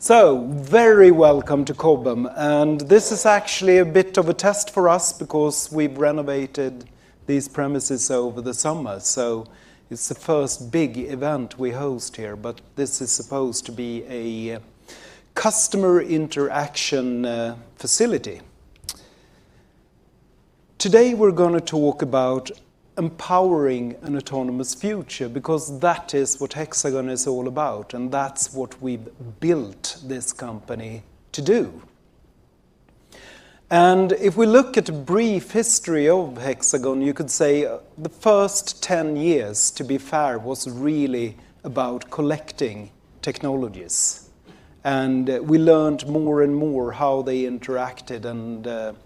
Very welcome to Cobham. This is actually a bit of a test for us because we've renovated these premises over the summer. It's the first big event we host here, but this is supposed to be a customer interaction facility. Today, we're going to talk about empowering an autonomous future, because that is what Hexagon is all about, and that's what we've built this company to do. If we look at a brief history of Hexagon, you could say the first 10 years, to be fair, was really about collecting technologies. We learned more and more how they interacted and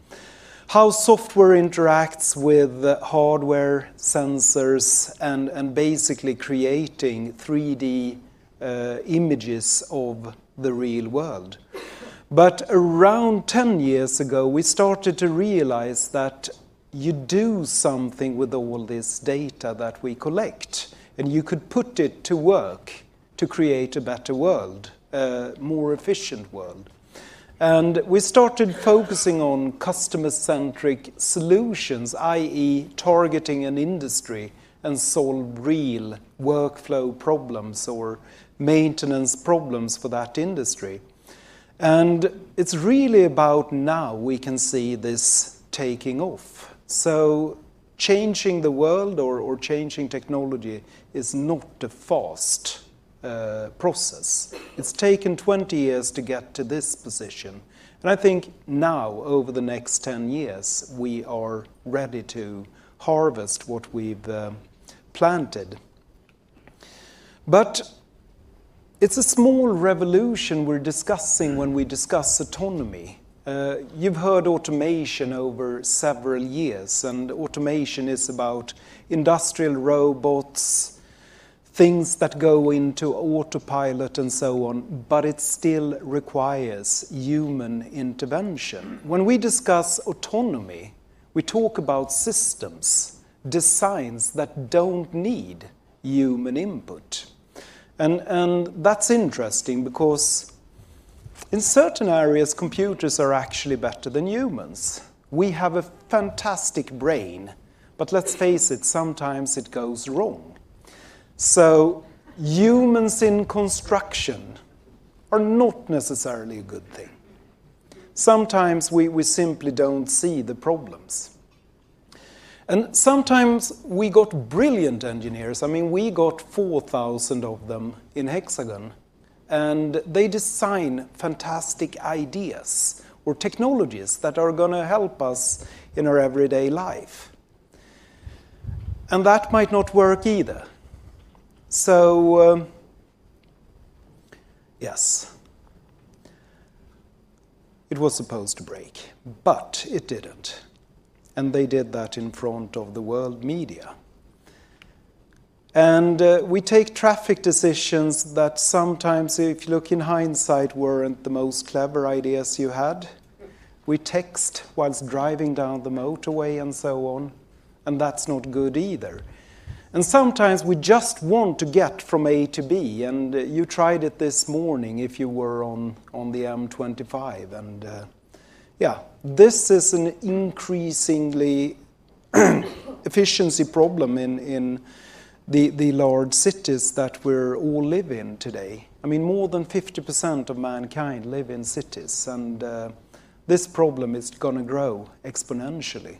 how software interacts with hardware sensors and basically creating 3D images of the real world. Around 10 years ago, we started to realize that you do something with all this data that we collect, and you could put it to work to create a better world, a more efficient world. We started focusing on customer-centric solutions, i.e., targeting an industry and solve real workflow problems or maintenance problems for that industry. It's really about now we can see this taking off. Changing the world or changing technology is not a fast process. It's taken 20 years to get to this position, and I think now over the next 10 years, we are ready to harvest what we've planted. It's a small revolution we're discussing when we discuss autonomy. You've heard automation over several years, and automation is about industrial robots, things that go into autopilot and so on, but it still requires human intervention. When we discuss autonomy, we talk about systems, designs that don't need human input. That's interesting because in certain areas, computers are actually better than humans. We have a fantastic brain, but let's face it, sometimes it goes wrong. Humans in construction are not necessarily a good thing. Sometimes we simply don't see the problems. Sometimes we got brilliant engineers. We got 4,000 of them in Hexagon, and they design fantastic ideas or technologies that are going to help us in our everyday life. That might not work either. Yes, it was supposed to break, but it didn't. They did that in front of the world media. We take traffic decisions that sometimes, if you look in hindsight, weren't the most clever ideas you had. We text while driving down the motorway and so on, and that's not good either. Sometimes we just want to get from A to B, and you tried it this morning if you were on the M25. This is an increasing efficiency problem in the large cities that we all live in today. More than 50% of mankind live in cities, and this problem is going to grow exponentially.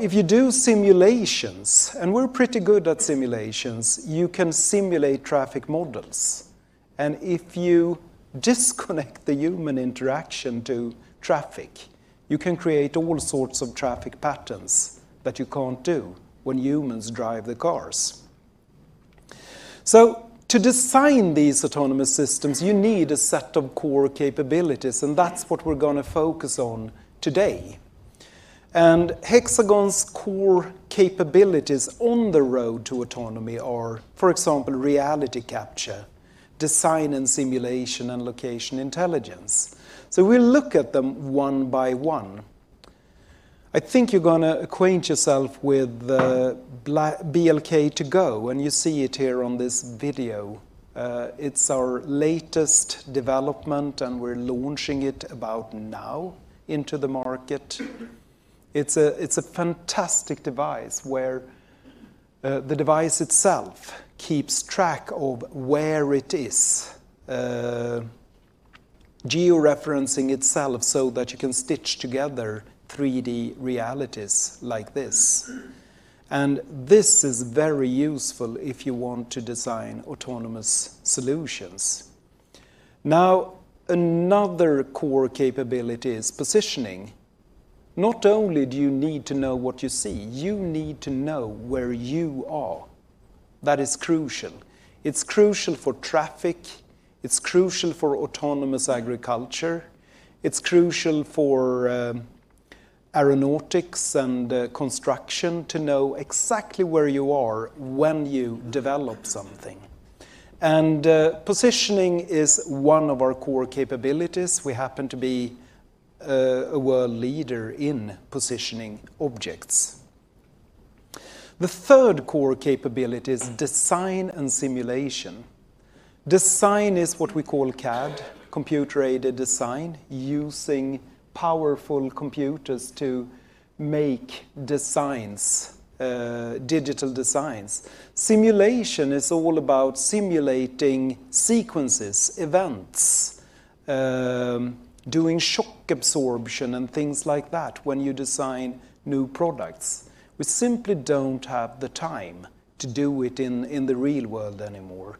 If you do simulations, and we're pretty good at simulations, you can simulate traffic models. If you disconnect the human interaction to traffic, you can create all sorts of traffic patterns that you can't do when humans drive the cars. To design these autonomous systems, you need a set of core capabilities, and that's what we're going to focus on today. Hexagon's core capabilities on the road to autonomy are, for example, reality capture, design and simulation, and location intelligence. We'll look at them one by one. I think you're going to acquaint yourself with the BLK2GO when you see it here on this video. It's our latest development, we're launching it about now into the market. It's a fantastic device where the device itself keeps track of where it is, geo-referencing itself so that you can stitch together 3D realities like this. This is very useful if you want to design autonomous solutions. Now, another core capability is positioning. Not only do you need to know what you see, you need to know where you are. That is crucial. It's crucial for traffic, it's crucial for autonomous agriculture, it's crucial for aeronautics and construction to know exactly where you are when you develop something. Positioning is one of our core capabilities. We happen to be a world leader in positioning objects. The third core capability is design and simulation. Design is what we call CAD, computer-aided design, using powerful computers to make digital designs. Simulation is all about simulating sequences, events, doing shock absorption and things like that when you design new products. We simply don't have the time to do it in the real world anymore.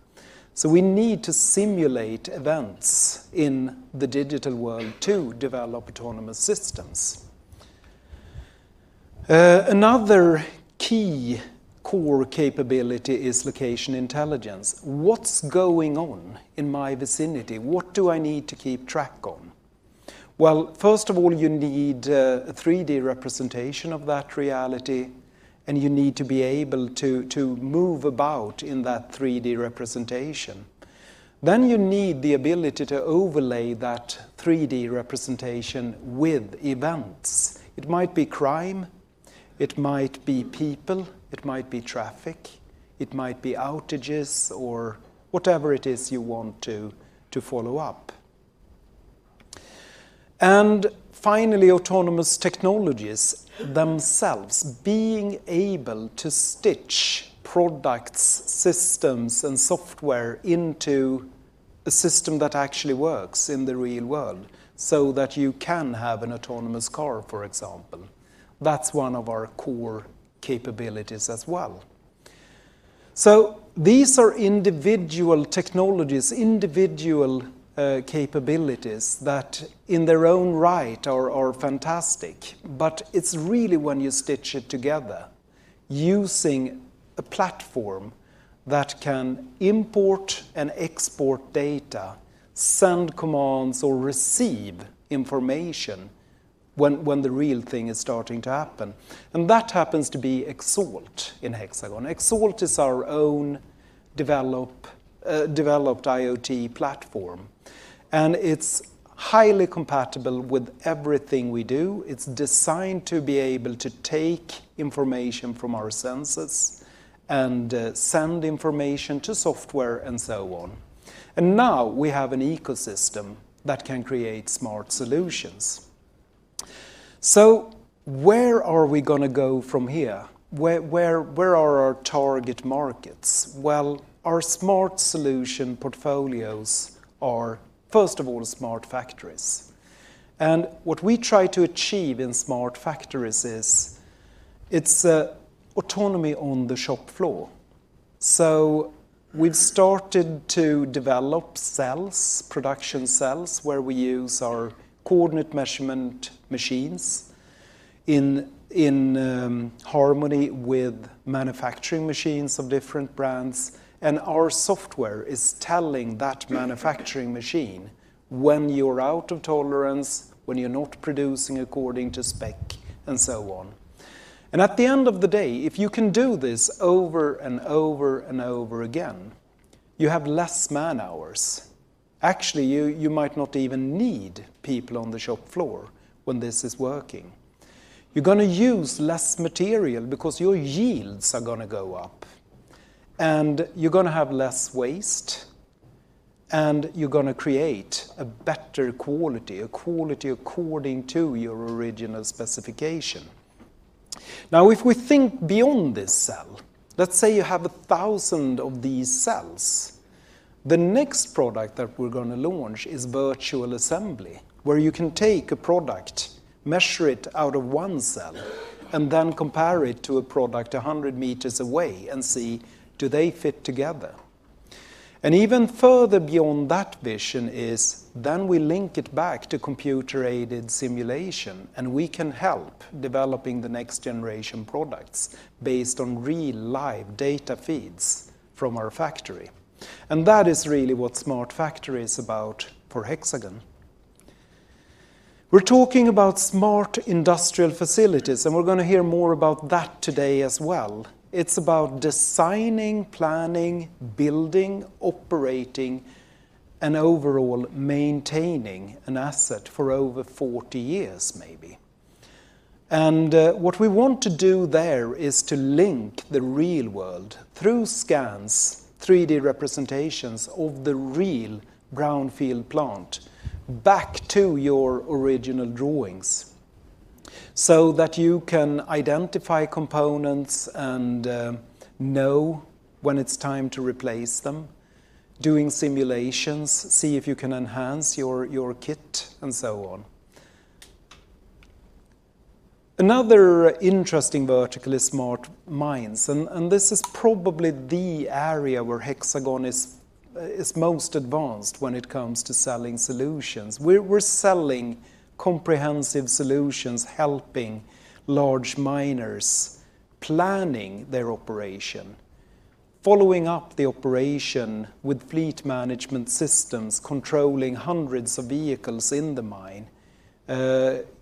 We need to simulate events in the digital world to develop autonomous systems. Another key core capability is location intelligence. What's going on in my vicinity? What do I need to keep track of? Well, first of all, you need a 3D representation of that reality, and you need to be able to move about in that 3D representation. You need the ability to overlay that 3D representation with events. It might be crime, it might be people, it might be traffic, it might be outages or whatever it is you want to follow up. Finally, autonomous technologies themselves, being able to stitch products, systems, and software into a system that actually works in the real world so that you can have an autonomous car, for example. That's one of our core capabilities as well. These are individual technologies, individual capabilities that in their own right are fantastic. It's really when you stitch it together using a platform that can import and export data, send commands, or receive information when the real thing is starting to happen. That happens to be Xalt in Hexagon. Xalt is our own developed IoT platform, and it's highly compatible with everything we do. It's designed to be able to take information from our sensors and send information to software and so on. Now we have an ecosystem that can create smart solutions. Where are we going to go from here? Where are our target markets? Well, our Smart Solution portfolios are, first of all, Smart Factories. What we try to achieve in Smart Factories is autonomy on the shop floor. We've started to develop production cells where we use our coordinate measuring machines in harmony with manufacturing machines of different brands. Our software is telling that manufacturing machine when you're out of tolerance, when you're not producing according to spec, and so on. At the end of the day, if you can do this over and over again, you have less man-hours. Actually, you might not even need people on the shop floor when this is working. You're going to use less material because your yields are going to go up, and you're going to have less waste, and you're going to create a better quality, a quality according to your original specification. If we think beyond this cell, let's say you have 1,000 of these cells. The next product that we're going to launch is virtual assembly, where you can take a product, measure it out of one cell, and then compare it to a product 100 meters away and see, do they fit together. Even further beyond that vision is we link it back to computer-aided simulation, and we can help developing the next generation products based on real live data feeds from our factory. That is really what Smart Factory is about for Hexagon. We're talking about Smart Industrial Facilities, and we're going to hear more about that today as well. It's about designing, planning, building, operating, and overall maintaining an asset for over 40 years, maybe. What we want to do there is to link the real world through scans, 3D representations of the real brownfield plant back to your original drawings so that you can identify components and know when it's time to replace them, doing simulations, see if you can enhance your kit, and so on. Another interesting vertical is smart mines, and this is probably the area where Hexagon is most advanced when it comes to selling solutions. We're selling comprehensive solutions, helping large miners planning their operation, following up the operation with fleet management systems, controlling hundreds of vehicles in the mine,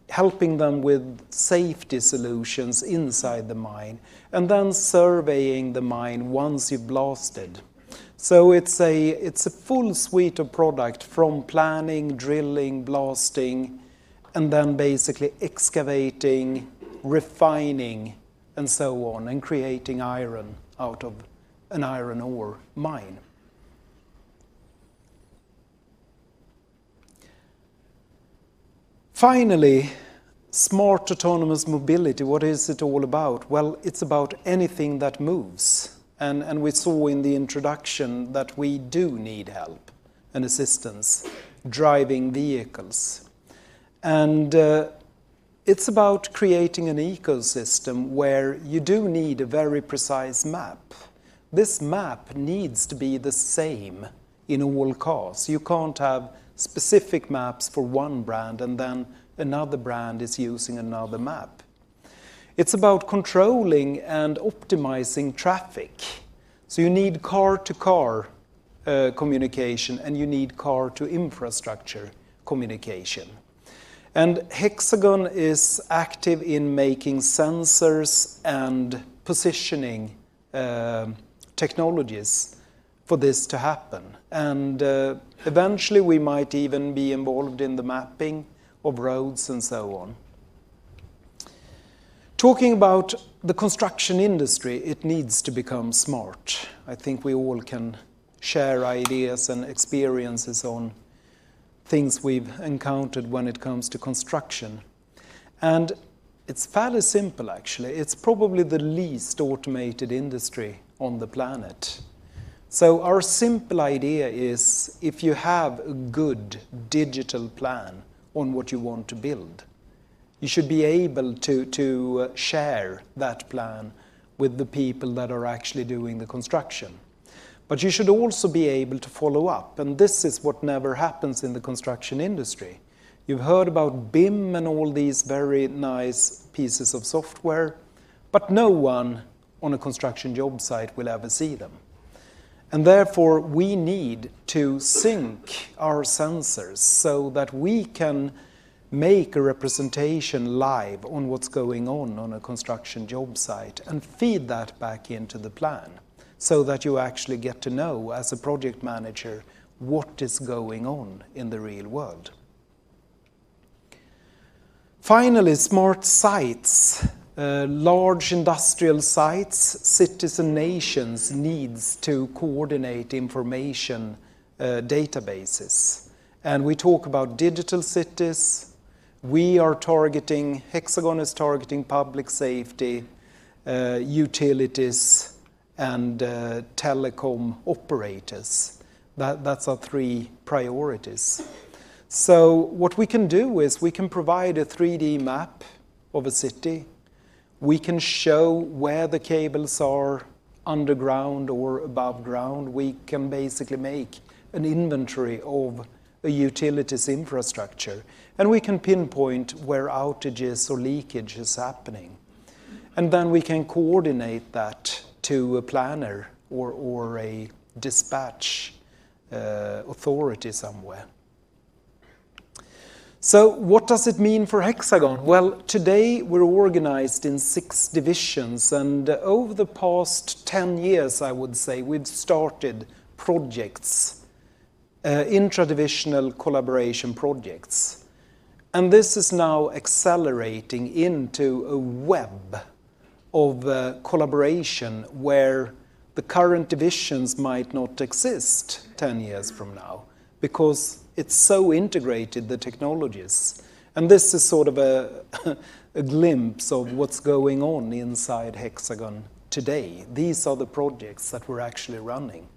helping them with safety solutions inside the mine, and then surveying the mine once you've blasted. It's a full suite of product from planning, drilling, blasting and then basically excavating, refining, and so on, and creating iron out of an iron ore mine. Smart autonomous mobility, what is it all about? Well, it's about anything that moves. We saw in the introduction that we do need help and assistance driving vehicles. It's about creating an ecosystem where you do need a very precise map. This map needs to be the same in all cars. You can't have specific maps for one brand and then another brand is using another map. It's about controlling and optimizing traffic. You need car-to-car communication, and you need car-to-infrastructure communication. Hexagon is active in making sensors and positioning technologies for this to happen. Eventually, we might even be involved in the mapping of roads and so on. Talking about the construction industry, it needs to become smart. I think we all can share ideas and experiences on things we've encountered when it comes to construction. It's fairly simple, actually. It's probably the least automated industry on the planet. Our simple idea is if you have a good digital plan on what you want to build, you should be able to share that plan with the people that are actually doing the construction. You should also be able to follow up, and this is what never happens in the construction industry. You've heard about BIM and all these very nice pieces of software, but no one on a construction job site will ever see them. Therefore, we need to sync our sensors so that we can make a representation live on what's going on on a construction job site and feed that back into the plan, so that you actually get to know, as a project manager, what is going on in the real world. Finally, Smart Sites. Large industrial sites, cities, and nations need to coordinate information databases. We talk about digital cities. Hexagon is targeting public safety, utilities, and telecom operators. That's our three priorities. What we can do is we can provide a 3D map of a city. We can show where the cables are underground or above ground. We can basically make an inventory of a utility's infrastructure, and we can pinpoint where outages or leakage is happening. We can coordinate that to a planner or a dispatch authority somewhere. What does it mean for Hexagon? Well, today we're organized in six divisions, and over the past 10 years, I would say, we've started projects, intradivisional collaboration projects. This is now accelerating into a web of collaboration where the current divisions might not exist 10 years from now because it's so integrated, the technologies. This is sort of a glimpse of what's going on inside Hexagon today. These are the projects that we're actually running.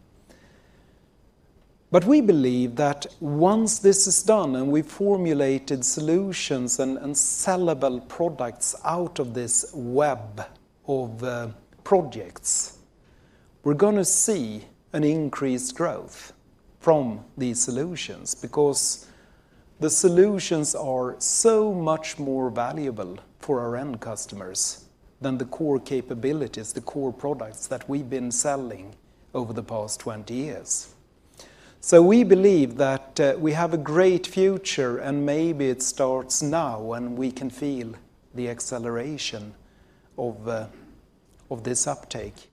We believe that once this is done, and we've formulated solutions and sellable products out of this web of projects, we're going to see an increased growth from these solutions because the solutions are so much more valuable for our end customers than the core capabilities, the core products that we've been selling over the past 20 years. We believe that we have a great future, and maybe it starts now, and we can feel the acceleration of this uptake.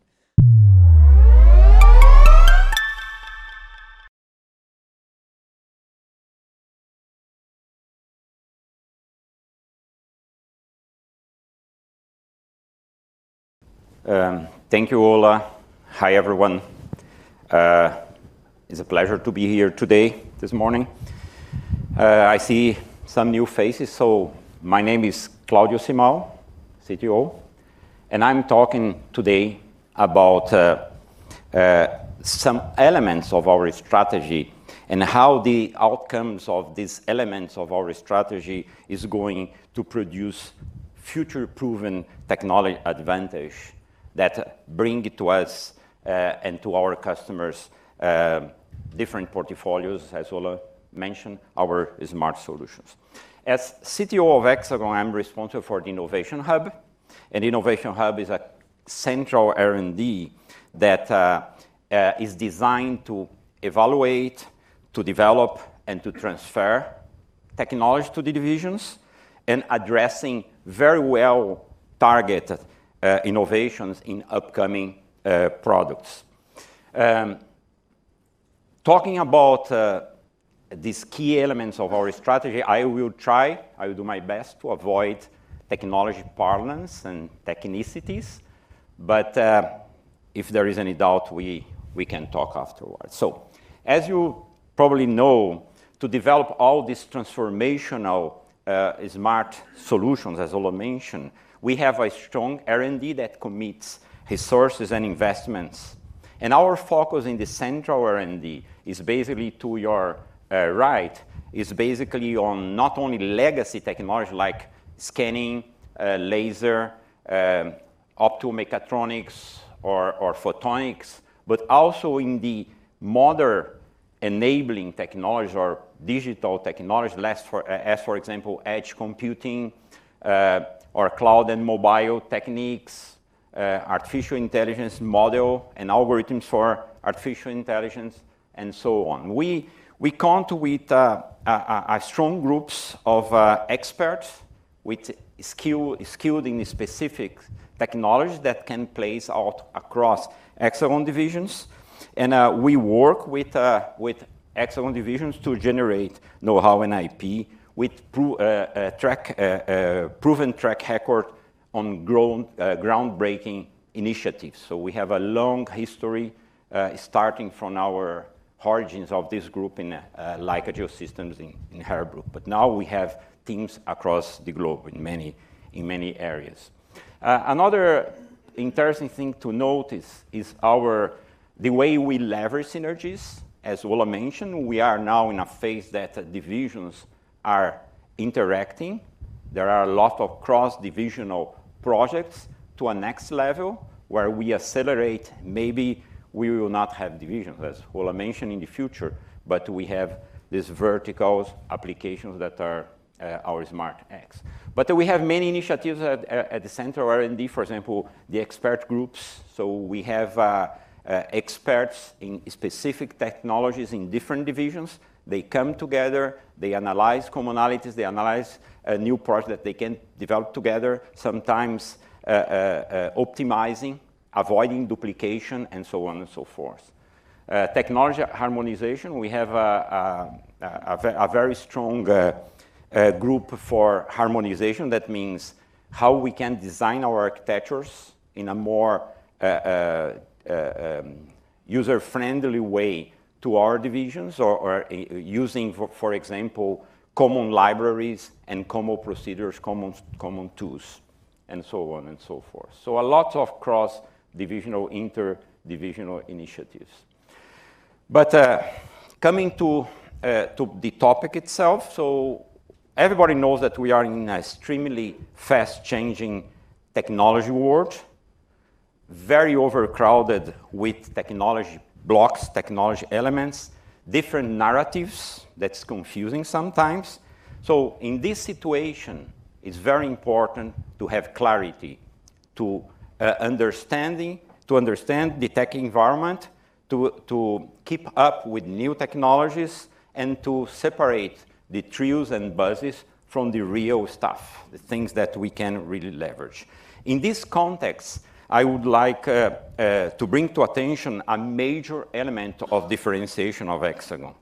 Thank you, Ola. Hi, everyone. It's a pleasure to be here today, this morning. I see some new faces. My name is Claudio Simão, CTO, and I'm talking today about some elements of our strategy and how the outcomes of these elements of our strategy is going to produce future-proven technology advantage that bring to us, and to our customers, different portfolios, as Ola mentioned, our smart solutions. As CTO of Hexagon, I'm responsible for the Innovation Hub. Innovation Hub is a central R&D that is designed to evaluate, to develop, and to transfer technology to the divisions, and addressing very well targeted innovations in upcoming products. Talking about these key elements of our strategy, I will try, I will do my best to avoid technology parlance and technicities, but if there is any doubt, we can talk afterwards. As you probably know, to develop all these transformational smart solutions, as Ola mentioned, we have a strong R&D that commits resources and investments. Our focus in the central R&D to your right, is basically on not only legacy technology like scanning, laser, optomechatronics or photonics, but also in the modern enabling technologies or digital technologies. As for example, edge computing, or cloud and mobile techniques, artificial intelligence model, and algorithms for artificial intelligence and so on. We count with strong groups of experts skilled in the specific technology that can place out across Hexagon divisions. We work with Hexagon divisions to generate knowhow and IP with proven track record on groundbreaking initiatives. We have a long history, starting from our origins of this group in Leica Geosystems in Heerbrugg. Now we have teams across the globe in many areas. Another interesting thing to notice is the way we leverage synergies. As Ola mentioned, we are now in a phase that divisions are interacting. There are a lot of cross-divisional projects to a next level where we accelerate. Maybe we will not have divisions, as Ola mentioned, in the future, but we have these vertical applications that are our Smart X. We have many initiatives at the central R&D. For example, the expert groups. We have experts in specific technologies in different divisions. They come together, they analyze commonalities, they analyze new products that they can develop together, sometimes optimizing, avoiding duplication, and so on and so forth. Technology harmonization. We have a very strong group for harmonization. That means how we can design our architectures in a more user-friendly way to our divisions or using, for example, common libraries and common procedures, common tools and so on and so forth. A lot of cross-divisional, interdivisional initiatives. Coming to the topic itself. Everybody knows that we are in an extremely fast-changing technology world, very overcrowded with technology blocks, technology elements, different narratives, that's confusing sometimes. In this situation, it's very important to have clarity, to understand the tech environment, to keep up with new technologies, and to separate the truths and buzzes from the real stuff, the things that we can really leverage. In this context, I would like to bring to attention a major element of differentiation of Hexagon.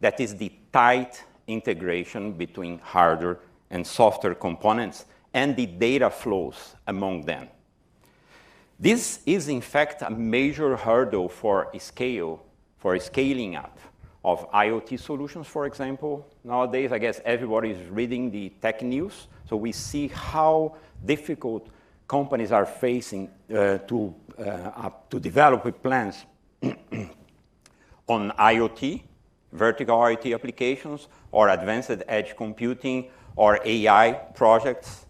That is the tight integration between hardware and software components and the data flows among them. This is in fact a major hurdle for scaling up of IoT solutions, for example. Nowadays, I guess everybody's reading the tech news, so we see how difficult companies are facing to develop plans on IoT, vertical IT applications or advanced edge computing or AI projects.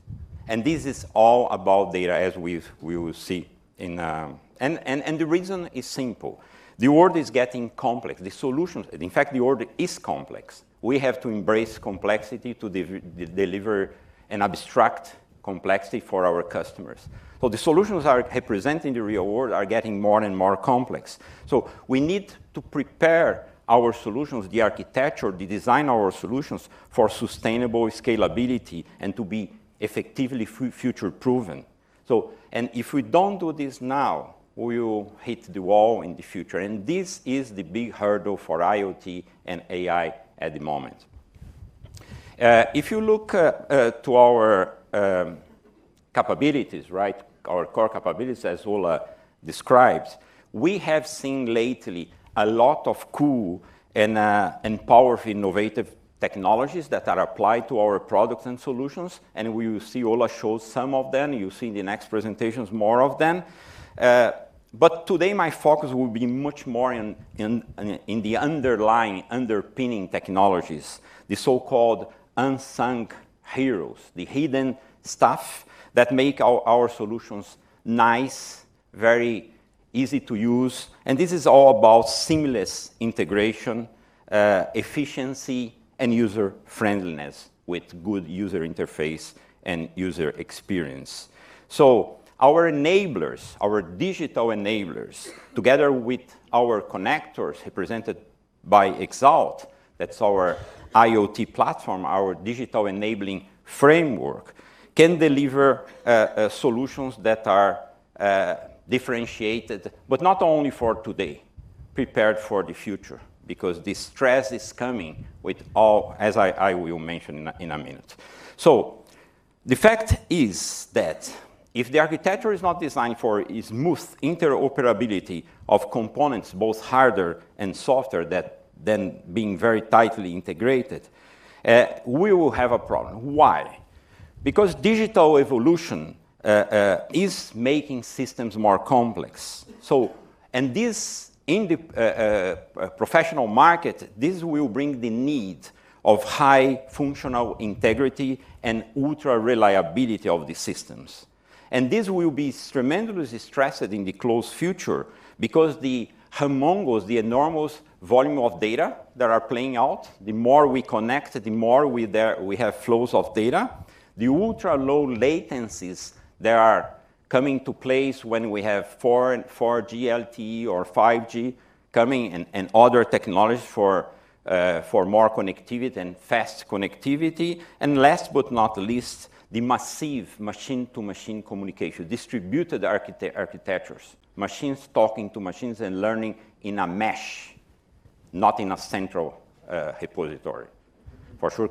This is all about data as we will see. The reason is simple. The world is getting complex. In fact, the world is complex. We have to embrace complexity to deliver and abstract complexity for our customers. The solutions that represent the real world are getting more and more complex. We need to prepare our solutions, the architecture, the design of our solutions for sustainable scalability and to be effectively future-proven. If we don't do this now, we will hit the wall in the future. This is the big hurdle for IoT and AI at the moment. If you look to our capabilities, our core capabilities, as Ola describes, we have seen lately a lot of cool and powerful innovative technologies that are applied to our products and solutions, and we will see Ola show some of them. You'll see in the next presentations more of them. Today, my focus will be much more in the underlying, underpinning technologies, the so-called unsung heroes, the hidden stuff that make our solutions nice, very easy to use. This is all about seamless integration, efficiency, and user-friendliness with good user interface and user experience. Our enablers, our digital enablers, together with our connectors represented by Xalt, that's our IoT platform, our digital enabling framework, can deliver solutions that are differentiated, but not only for today. Prepared for the future, because the stress is coming with all, as I will mention in a minute. The fact is that if the architecture is not designed for smooth interoperability of components, both hardware and software than being very tightly integrated, we will have a problem. Why? Digital evolution is making systems more complex. In the professional market, this will bring the need of high functional integrity and ultra-reliability of the systems. This will be tremendously stressed in the close future because the enormous volume of data that are playing out, the more we connect it, the more we have flows of data. The ultra-low latencies that are coming into place when we have 4G, LTE or 5G coming, and other technology for more connectivity and fast connectivity. Last but not least, the massive machine-to-machine communication. Distributed architectures. Machines talking to machines and learning in a mesh, not in a central repository.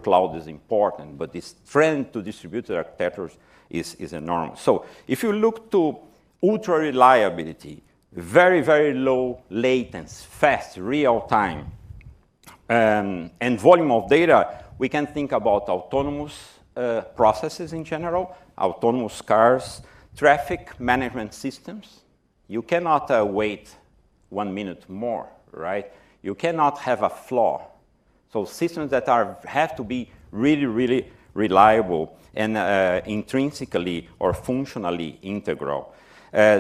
Cloud is important, this trend to distributed architectures is enormous. If you look to ultra-reliability, very low latency, fast real time, and volume of data, we can think about autonomous processes in general, autonomous cars, traffic management systems. You cannot wait one minute more, right? You cannot have a flaw. Systems that have to be really reliable and intrinsically or functionally integral.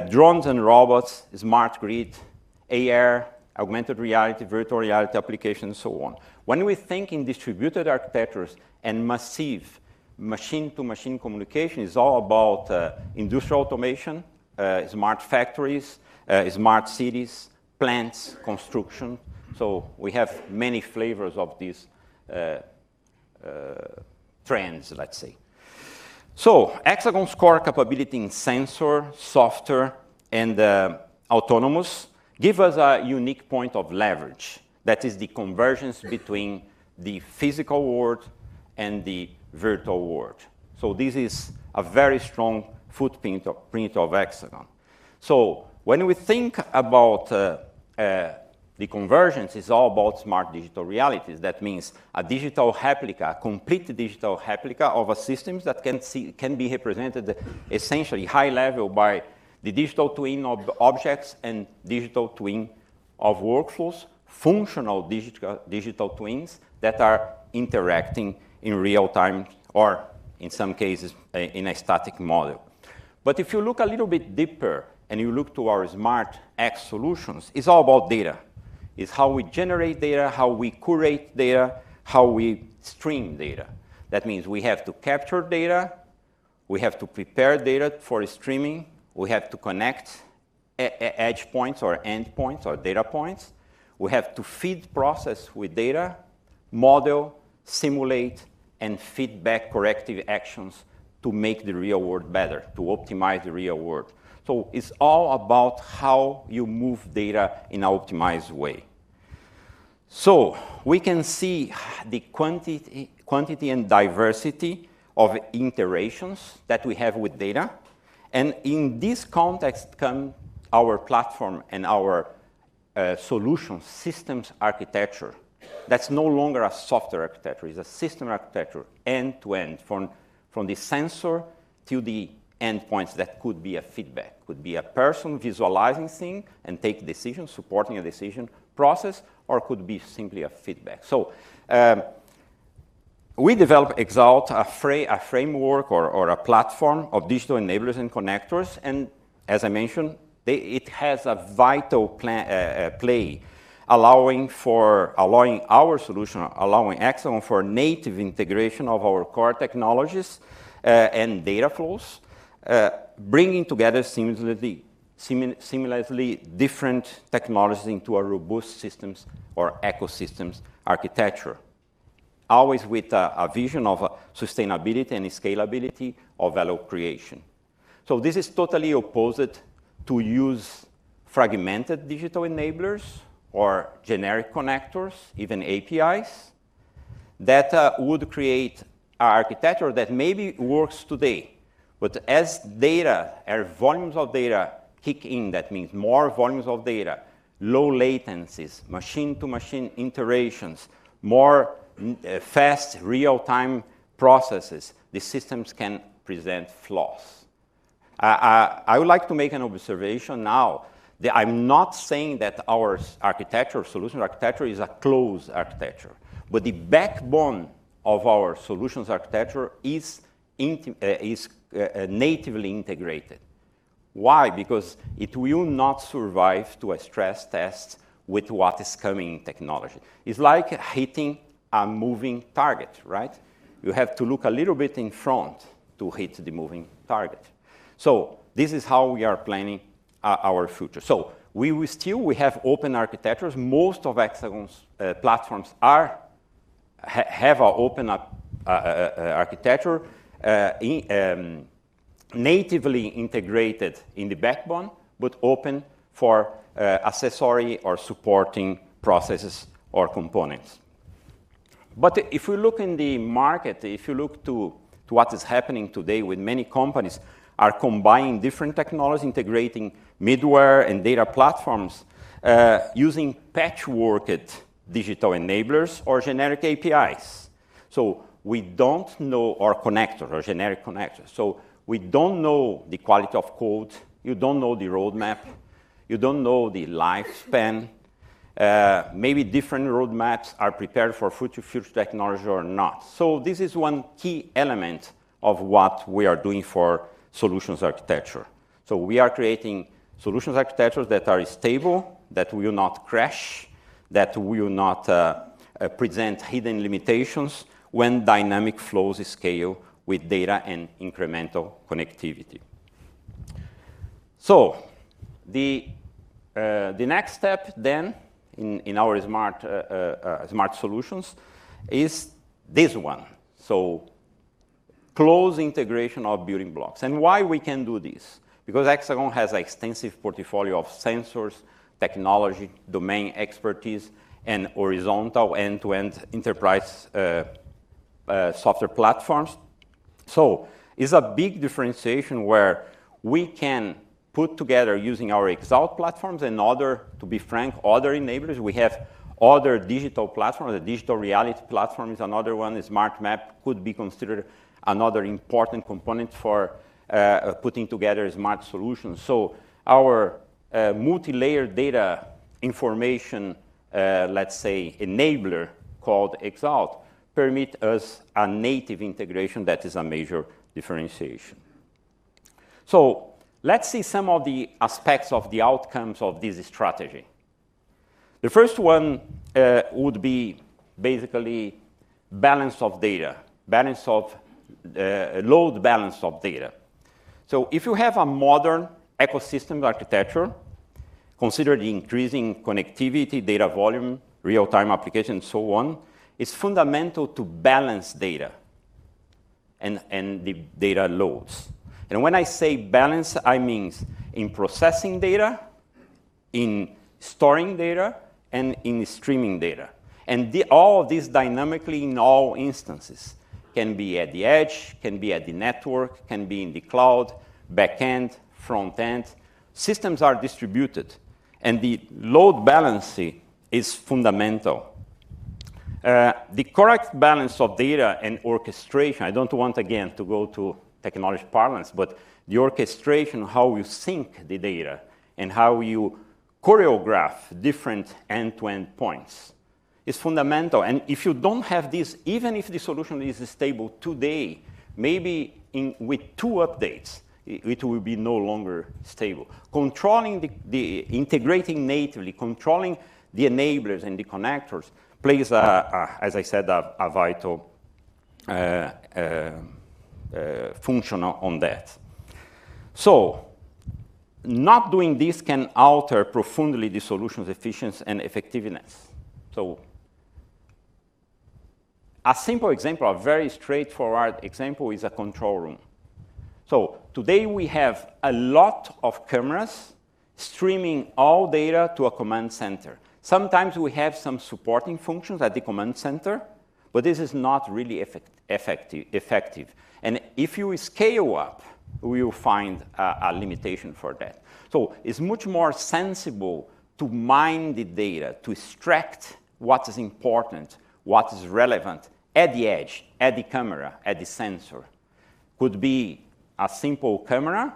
Drones and robots, smart grid, AR, augmented reality, virtual reality applications, so on. When we think in distributed architectures and massive machine-to-machine communication, it's all about industrial automation, smart factories, smart cities, plants, construction. We have many flavors of these trends, let's say. Hexagon's core capability in sensor, software, and autonomous give us a unique point of leverage. That is the convergence between the physical world and the virtual world. This is a very strong footprint of Hexagon. When we think about the convergence, it's all about smart digital realities. That means a digital replica, a complete digital replica of a system that can be represented essentially high level by the digital twin of objects and digital twin of workflows. Functional digital twins that are interacting in real time or in some cases, in a static model. If you look a little bit deeper and you look to our Smart X solutions, it's all about data. It's how we generate data, how we curate data, how we stream data. That means we have to capture data, we have to prepare data for streaming, we have to connect edge points or end points or data points. We have to feed process with data, model, simulate, and feed back corrective actions to make the real world better, to optimize the real world. It's all about how you move data in an optimized way. We can see the quantity and diversity of iterations that we have with data. In this context comes our platform and our solution systems architecture. That's no longer a software architecture. It's a system architecture, end-to-end, from the sensor to the end points. That could be a feedback, could be a person visualizing things and take decisions, supporting a decision process, or could be simply a feedback. We developed Xalt, a framework or a platform of digital enablers and connectors, and as I mentioned, it has a vital play allowing our solution, allowing Hexagon for native integration of our core technologies, and data flows. Bringing together seamlessly different technologies into a robust systems or ecosystems architecture, always with a vision of sustainability and scalability of value creation. This is totally opposed to use fragmented digital enablers or generic connectors, even APIs, that would create architecture that maybe works today, but as data, our volumes of data kick in. That means more volumes of data, low latencies, machine-to-machine iterations, more fast real-time processes, the systems can present flaws. I would like to make an observation now. I'm not saying that our architecture is a closed architecture, but the backbone of our solutions architecture is natively integrated. Why? It will not survive to a stress test with what is coming in technology. It's like hitting a moving target, right? You have to look a little bit in front to hit the moving target. This is how we are planning our future. We still have open architectures. Most of Hexagon's platforms have an open architecture, natively integrated in the backbone, but open for accessory or supporting processes or components. If we look in the market, if you look to what is happening today with many companies are combining different technology, integrating middleware and data platforms, using patchworked digital enablers or generic APIs. We don't know or generic connectors. We don't know the quality of code, you don't know the roadmap, you don't know the lifespan. Maybe different roadmaps are prepared for future technology or not. This is one key element of what we are doing for solutions architecture. We are creating solutions architectures that are stable, that will not crash, that will not present hidden limitations when dynamic flows scale with data and incremental connectivity. The next step then in our smart solutions is this one. Close integration of building blocks. Why we can do this? Because Hexagon has extensive portfolio of sensors, technology, domain expertise, and horizontal end-to-end enterprise software platforms. It's a big differentiation where we can put together using our Xalt platforms and other, to be frank, other enablers. We have other digital platforms. The digital reality platform is another one. The Smart M.App could be considered another important component for putting together smart solutions. Our multilayer data information, let's say enabler, called Xalt, permit us a native integration that is a major differentiation. Let's see some of the aspects of the outcomes of this strategy. The first one would be basically balance of data. Load balance of data. If you have a modern ecosystem architecture, consider the increasing connectivity, data volume, real-time application, so on, it's fundamental to balance data and the data loads. When I say balance, I mean in processing data, in storing data, and in streaming data. All of these dynamically in all instances can be at the edge, can be at the network, can be in the cloud, back end, front end. Systems are distributed and the load balancing is fundamental. The correct balance of data and orchestration, I don't want again to go to technology parlance, but the orchestration, how you sync the data and how you choreograph different end-to-end points is fundamental. If you don't have this, even if the solution is stable today, maybe with two updates, it will be no longer stable. Integrating natively, controlling the enablers and the connectors plays a, as I said, a vital function on that. Not doing this can alter profoundly the solution's efficiency and effectiveness. A simple example, a very straightforward example is a control room. Today we have a lot of cameras streaming all data to a command center. Sometimes we have some supporting functions at the command center, but this is not really effective. If you scale up, we will find a limitation for that. It's much more sensible to mine the data, to extract what is important, what is relevant at the edge, at the camera, at the sensor. Could be a simple camera,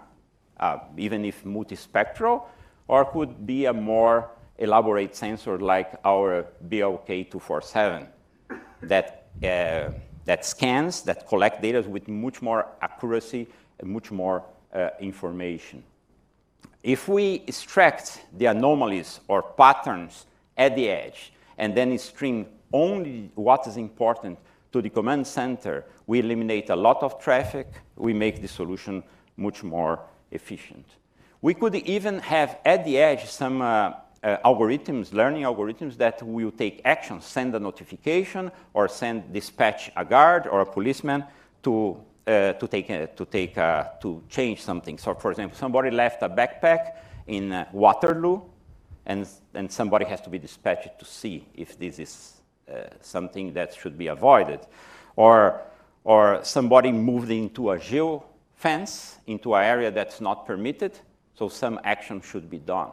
even if multispectral, or could be a more elaborate sensor like our BLK247 that scans, that collect data with much more accuracy and much more information. If we extract the anomalies or patterns at the edge and then string only what is important to the command center, we eliminate a lot of traffic, we make the solution much more efficient. We could even have, at the edge, some algorithms, learning algorithms that will take action, send a notification, or send, dispatch a guard or a policeman to change something. For example, somebody left a backpack in Waterloo and somebody has to be dispatched to see if this is something that should be avoided. Somebody moved into a geo-fence into an area that's not permitted, some action should be done.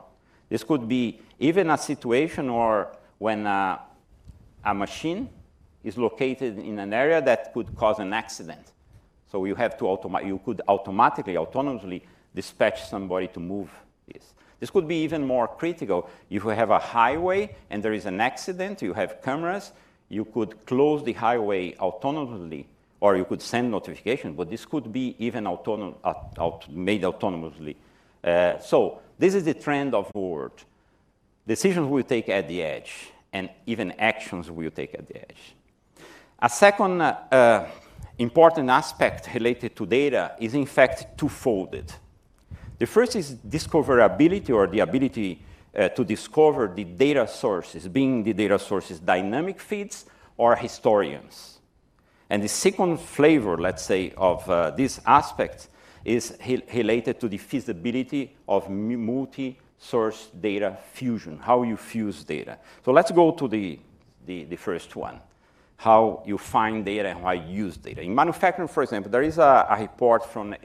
This could be even a situation or when a machine is located in an area that could cause an accident. You could automatically, autonomously dispatch somebody to move this. This could be even more critical. If you have a highway and there is an accident, you have cameras, you could close the highway autonomously, or you could send notification. This could be even made autonomously. This is the trend of world. Decisions we take at the edge, and even actions we take at the edge. A second important aspect related to data is in fact twofolded. The first is discoverability or the ability to discover the data sources, being the data sources, dynamic feeds or historians. The second flavor, let's say, of this aspect is related to the feasibility of multi-source data fusion, how you fuse data. Let's go to the first one. How you find data and how you use data. In manufacturing, for example, there is a report from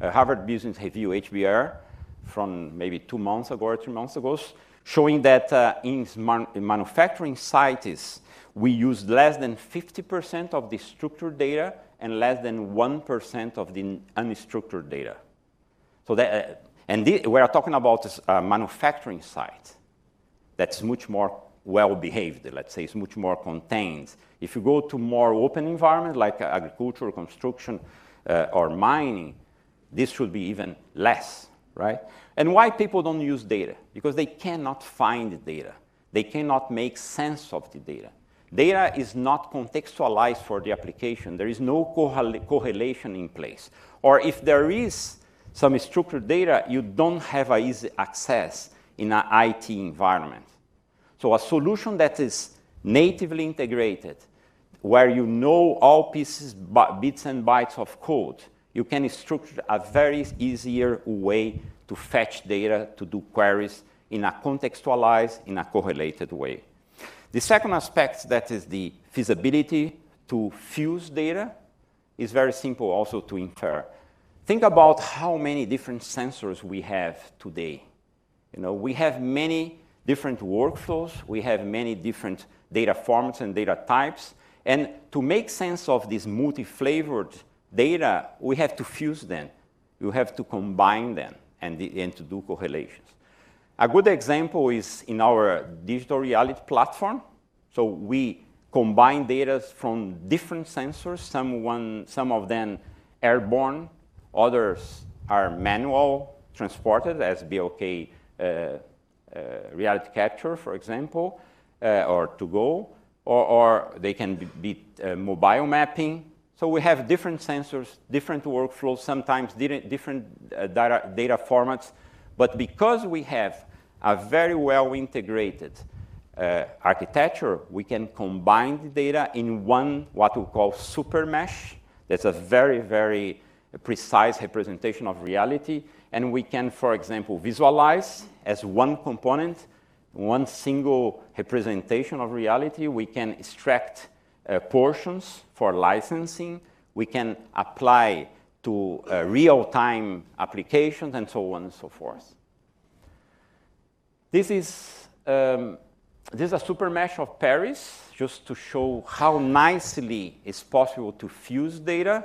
Harvard Business Review, HBR, from maybe two months ago or three months ago, showing that in manufacturing sites, we use less than 50% of the structured data and less than 1% of the unstructured data. We are talking about manufacturing sites. That's much more well-behaved, let's say, it's much more contained. If you go to a more open environment like agriculture, construction, or mining, this would be even less, right? Why people don't use data? Because they cannot find data. They cannot make sense of the data. Data is not contextualized for the application. There is no correlation in place. If there is some structured data, you don't have easy access in an IT environment. A solution that is natively integrated, where you know all pieces, bits, and bytes of code, you can structure a much easier way to fetch data, to do queries in a contextualized, in a correlated way. The second aspect, that is the feasibility to fuse data, is very simple also to infer. Think about how many different sensors we have today. We have many different workflows. We have many different data formats and data types. To make sense of this multi-flavored data, we have to fuse them. You have to combine them and to do correlations. A good example is in our digital reality platform. We combine data from different sensors. Some of them airborne, others are manual transported as BLK reality capture, for example, or BLK2GO. They can be mobile mapping. We have different sensors, different workflows, sometimes different data formats. Because we have a very well-integrated architecture, we can combine the data in one, what we call super mesh. That's a very, very precise representation of reality. We can, for example, visualize as one component, one single representation of reality. We can extract portions for licensing. We can apply to real-time applications and so on and so forth. This is a super mesh of Paris, just to show how nicely it's possible to fuse data.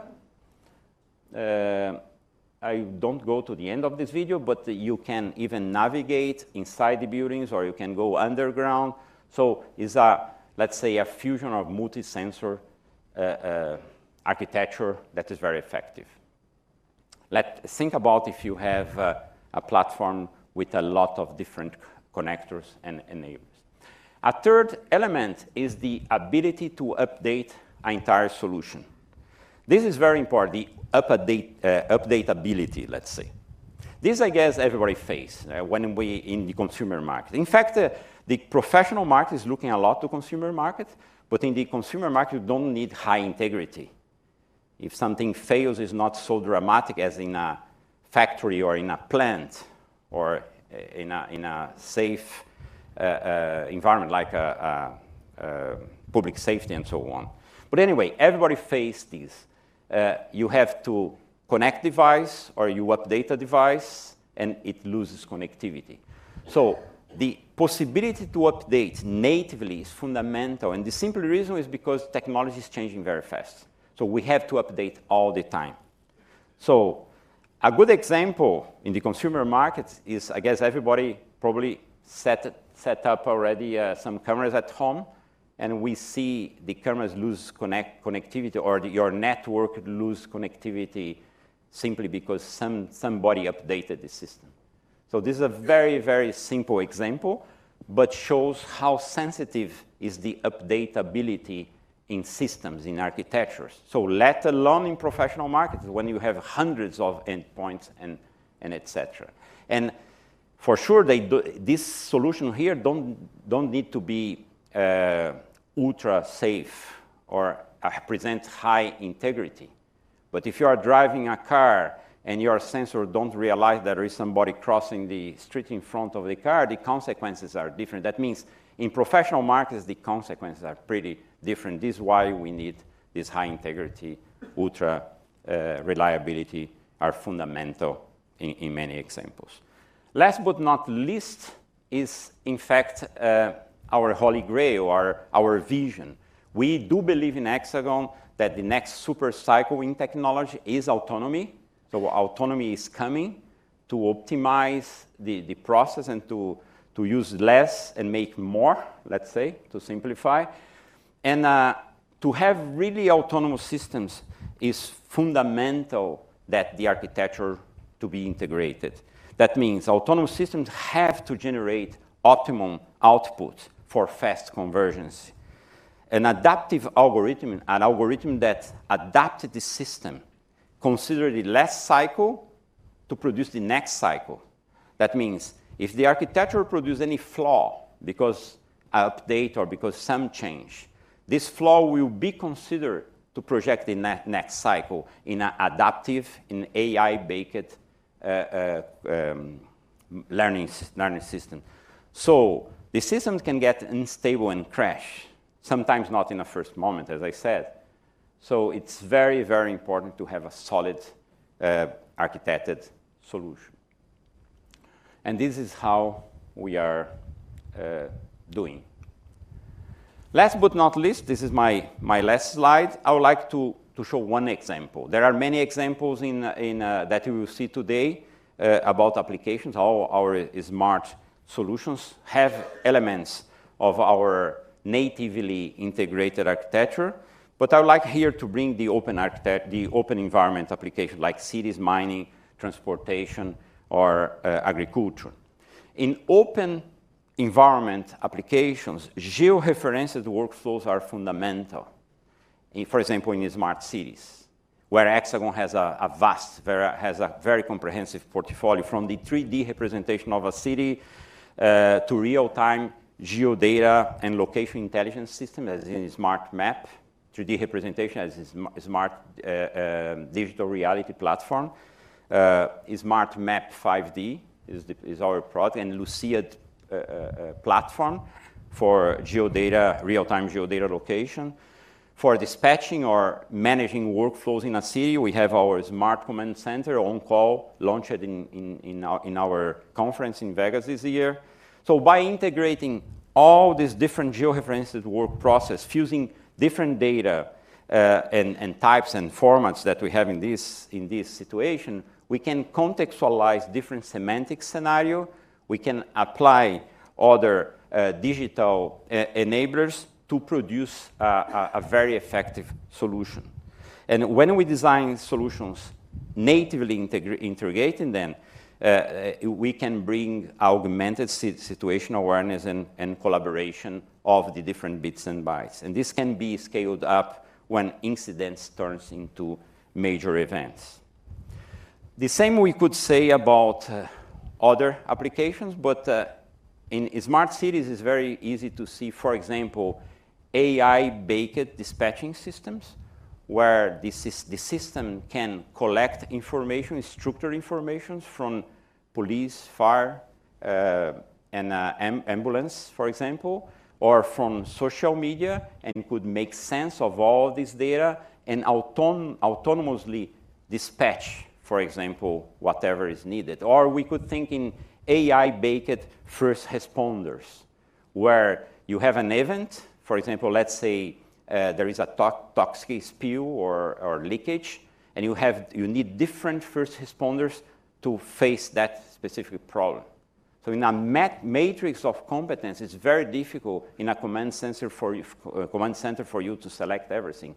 I don't go to the end of this video, but you can even navigate inside the buildings, or you can go underground. It's, let's say, a fusion of multi-sensor architecture that is very effective. Think about if you have a platform with a lot of different connectors and enablers. A third element is the ability to update an entire solution. This is very important. The updatability, let's say. This, I guess, everybody faces when we're in the consumer market. In fact, the professional market is looking a lot to consumer market, but in the consumer market, you don't need high integrity. If something fails, it's not so dramatic as in a factory or in a plant or in a safe environment like public safety and so on. Anyway, everybody faces this. You have to connect device or you update a device and it loses connectivity. The possibility to update natively is fundamental, and the simple reason is because technology is changing very fast. We have to update all the time. A good example in the consumer market is, I guess everybody probably set up already some cameras at home, and we see the cameras lose connectivity, or your network lose connectivity simply because somebody updated the system. This is a very, very simple example, but shows how sensitive is the updatability in systems, in architectures. Let alone in professional markets when you have hundreds of endpoints and etcetera. For sure, this solution here doesn't need to be ultra-safe or present high integrity. If you are driving a car and your sensor doesn't realize there is somebody crossing the street in front of the car, the consequences are different. In professional markets, the consequences are pretty different. This is why we need this high integrity, ultra-reliability are fundamental in many examples. Last but not least is, in fact, our Holy Grail or our vision. We do believe in Hexagon that the next super cycle in technology is autonomy. Autonomy is coming to optimize the process and to use less and make more, let's say, to simplify. To have really autonomous systems, it's fundamental that the architecture to be integrated. That means autonomous systems have to generate optimum output for fast conversions. An adaptive algorithm, an algorithm that adapted the system, considered the last cycle to produce the next cycle. That means if the architecture produce any flaw because of update or because some change, this flaw will be considered to project the next cycle in adaptive, in AI-based learning system. The systems can get unstable and crash, sometimes not in the first moment, as I said. It's very important to have a solid architected solution. This is how we are doing. Last but not least, this is my last slide. I would like to show one example. There are many examples that you will see today about applications. All our Smart Solutions have elements of our natively integrated architecture. I would like here to bring the open environment application like cities, mining, transportation, or agriculture. In open environment applications, geo-referenced workflows are fundamental. For example, in Smart Cities, where Hexagon has a very comprehensive portfolio, from the 3D representation of a city, to real-time geo-data and Location Intelligence system, as in Smart M.App, 3D representation as a Smart Digital Reality Platform. Smart M.App 5D is our product, and Luciad platform for real-time geo-data location. For dispatching or managing workflows in a city, we have our Smart Command Center on call, launched in our conference in Vegas this year. By integrating all these different geo-referenced work process, fusing different data, and types, and formats that we have in this situation, we can contextualize different semantic scenario. We can apply other digital enablers to produce a very effective solution. When we design solutions, natively integrating them, we can bring augmented situation awareness and collaboration of the different bits and bytes. This can be scaled up when incidents turns into major events. The same we could say about other applications, but in smart cities, it's very easy to see, for example, AI-based dispatching systems, where the system can collect structured information from police, fire, and ambulance, for example, or from social media, could make sense of all this data and autonomously dispatch, for example, whatever is needed. Or we could think in AI-based first responders, where you have an event. For example, let's say there is a toxic spill or leakage, and you need different first responders to face that specific problem. In a matrix of competence, it's very difficult in a Smart Command Center for you to select everything.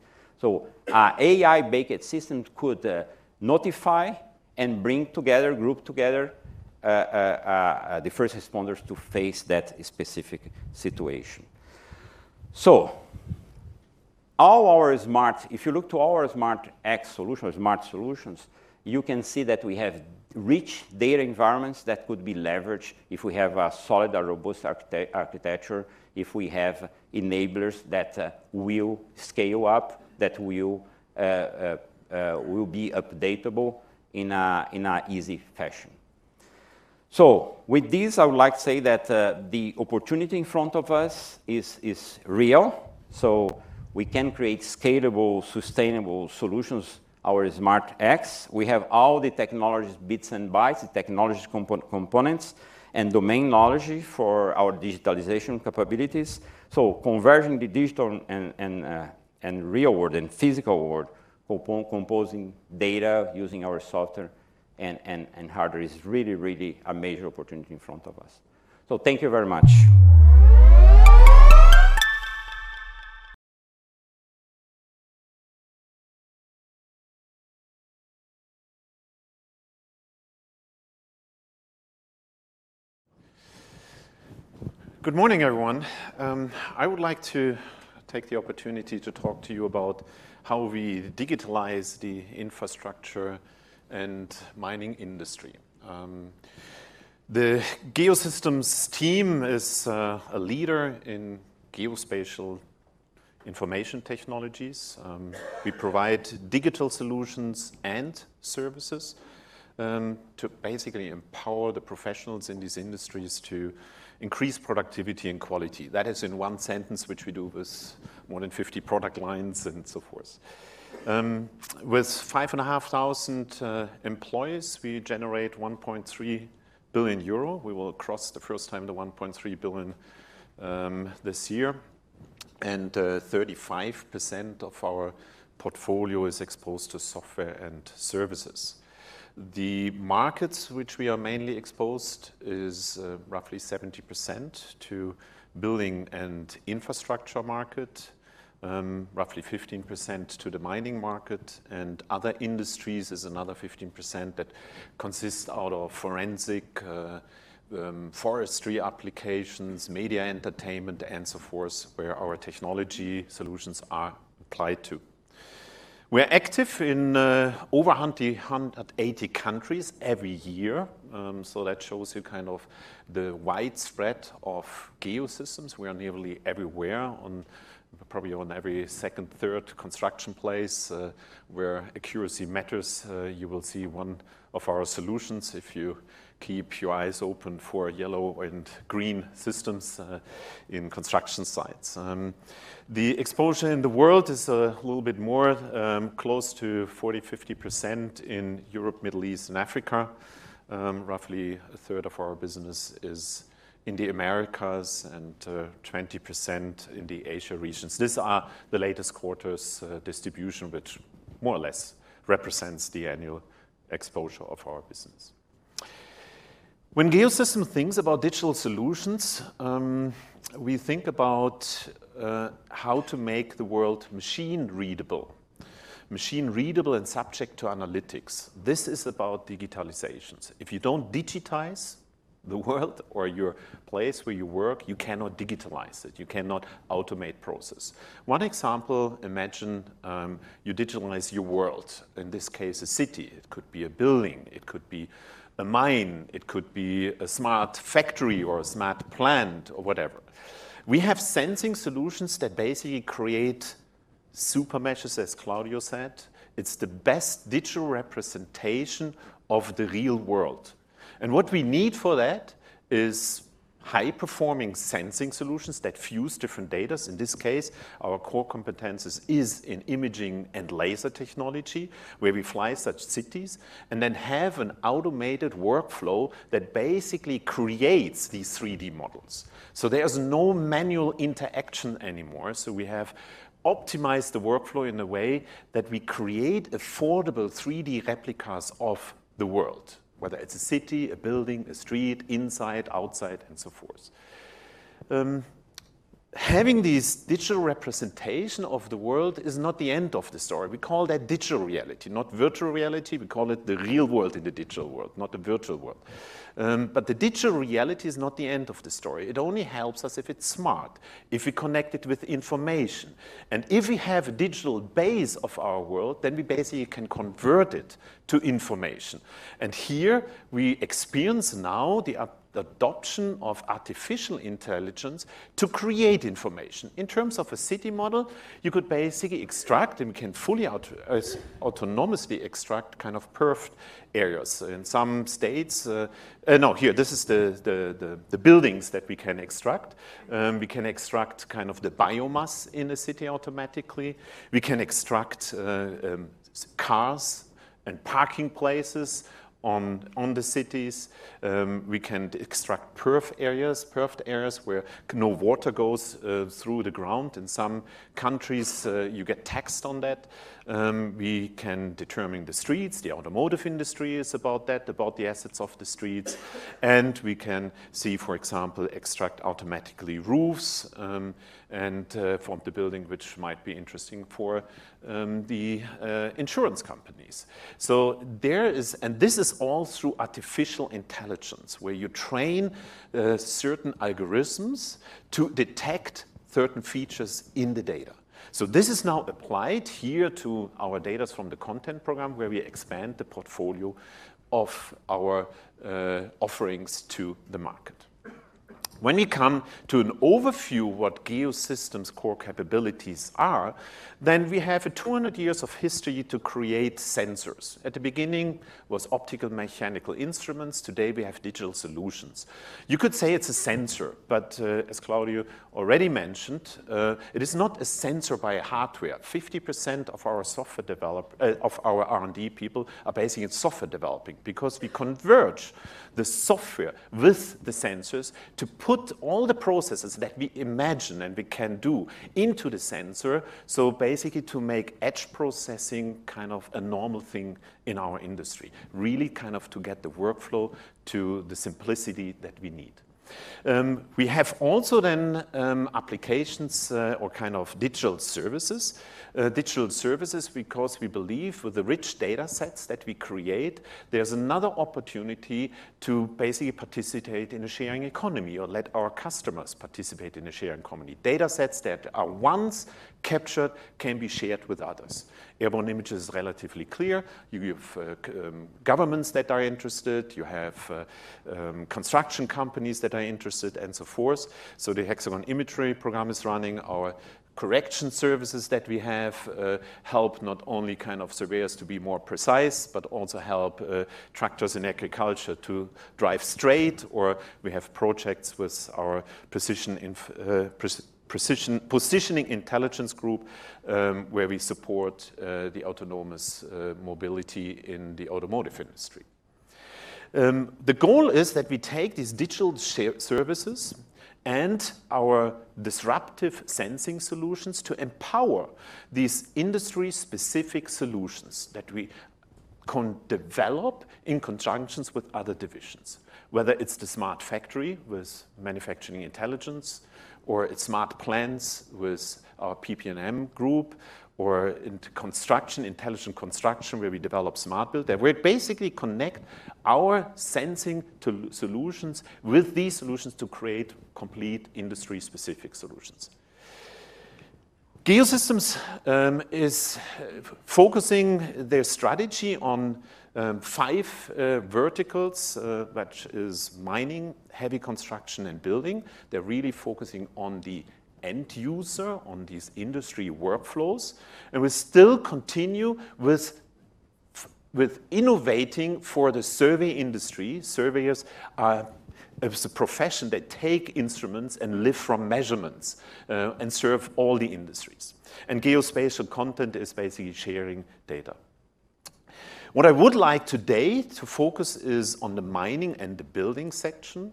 AI-based system could notify and bring group together the first responders to face that specific situation. If you look to our Smart X solution, Smart solutions, you can see that we have rich data environments that could be leveraged if we have a solid or robust architecture, if we have enablers that will scale up, that will be updatable in a easy fashion. With this, I would like to say that the opportunity in front of us is real. We can create scalable, sustainable solutions, our Smart X. We have all the technologies, bits and bytes, the technologies components, and domain knowledge for our digitalization capabilities. Converging the digital and real world and physical world, composing data using our software and hardware is really a major opportunity in front of us. Thank you very much. Good morning, everyone. I would like to take the opportunity to talk to you about how we digitalize the infrastructure and mining industry. The Geosystems team is a leader in geospatial information technologies. We provide digital solutions and services to basically empower the professionals in these industries to increase productivity and quality. That is in one sentence, which we do with more than 50 product lines and so forth. With 5,500 employees, we generate 1.3 billion euro. We will cross the first time the 1.3 billion this year, and 35% of our portfolio is exposed to software and services. The markets which we are mainly exposed is roughly 70% to building and infrastructure market, roughly 15% to the mining market, and other industries is another 15% that consists out of forensic, forestry applications, media entertainment and so forth, where our technology solutions are applied to. We're active in over 180 countries every year. That shows you kind of the wide spread of Geosystems. We are nearly everywhere, on probably every second, third construction place where accuracy matters, you will see one of our solutions if you keep your eyes open for yellow and green systems in construction sites. The exposure in the world is a little bit more, close to 40, 50% in Europe, Middle East and Africa. Roughly a third of our business is in the Americas and 20% in the Asia regions. These are the latest quarter's distribution, which more or less represents the annual exposure of our business. When Geosystems thinks about digital solutions, we think about how to make the world machine-readable. Machine-readable and subject to analytics. This is about digitalizations. If you don't digitize the world or your place where you work, you cannot digitalize it. You cannot automate process. One example, imagine you digitalize your world, in this case, a city. It could be a building, it could be a mine, it could be a smart factory or a smart plant or whatever. We have sensing solutions that basically create super measures, as Claudio said. It's the best digital representation of the real world. What we need for that is high-performing sensing solutions that fuse different datas. In this case, our core competences is in imaging and laser technology, where we fly such cities, and then have an automated workflow that basically creates these 3D models. There's no manual interaction anymore. We have optimized the workflow in a way that we create affordable 3D replicas of the world, whether it's a city, a building, a street, inside, outside, and so forth. Having this digital representation of the world is not the end of the story. We call that digital reality, not virtual reality. We call it the real world in the digital world, not the virtual world. The digital reality is not the end of the story. It only helps us if it's smart, if we connect it with information. If we have a digital base of our world, then we basically can convert it to information. Here we experience now the adoption of artificial intelligence to create information. In terms of a city model, you could basically extract, and we can fully autonomously extract kind of impervious areas. In some states. No, here. This is the buildings that we can extract. We can extract kind of the biomass in a city automatically. We can extract cars and parking places on the cities. We can extract impervious areas, where no water goes through the ground. In some countries, you get taxed on that. We can determine the streets. The automotive industry is about that, about the assets of the streets. We can see, for example, extract automatically roofs, and from the building, which might be interesting for the insurance companies. This is all through artificial intelligence, where you train certain algorithms to detect certain features in the data. This is now applied here to our data from the content program, where we expand the portfolio of our offerings to the market. When we come to an overview of what Geosystems' core capabilities are, we have 200 years of history to create sensors. At the beginning was optical mechanical instruments. Today, we have digital solutions. You could say it's a sensor, but as Claudio already mentioned, it is not a sensor by hardware. 50% of our R&D people are basically in software developing, because we converge the software with the sensors to put all the processes that we imagine and we can do into the sensor. Basically to make edge processing kind of a normal thing in our industry, really kind of to get the workflow to the simplicity that we need. We have also applications or kind of digital services. Digital services because we believe with the rich data sets that we create, there's another opportunity to basically participate in a sharing economy or let our customers participate in a sharing economy. Data sets that are once captured can be shared with others. Airborne image is relatively clear. You have governments that are interested, you have construction companies that are interested, and so forth. The Hexagon Imagery Program is running our correction services that we have helped not only kind of surveyors to be more precise, but also help tractors in agriculture to drive straight, or we have projects with our Positioning Intelligence Group, where we support the autonomous mobility in the automotive industry. The goal is that we take these digital services and our disruptive sensing solutions to empower these industry-specific solutions that we can develop in conjunctions with other divisions, whether it's the smart factory with Manufacturing Intelligence, or it's smart plants with our PP&M group, or into construction, intelligent construction, where we develop Smart Build. We basically connect our sensing solutions with these solutions to create complete industry-specific solutions. Geosystems is focusing their strategy on five verticals, which is mining, heavy construction, and building. They're really focusing on the end user, on these industry workflows. We still continue with innovating for the survey industry. Surveyors are a profession that take instruments and live from measurements, and serve all the industries. Geospatial content is basically sharing data. What I would like today to focus is on the mining and the building section.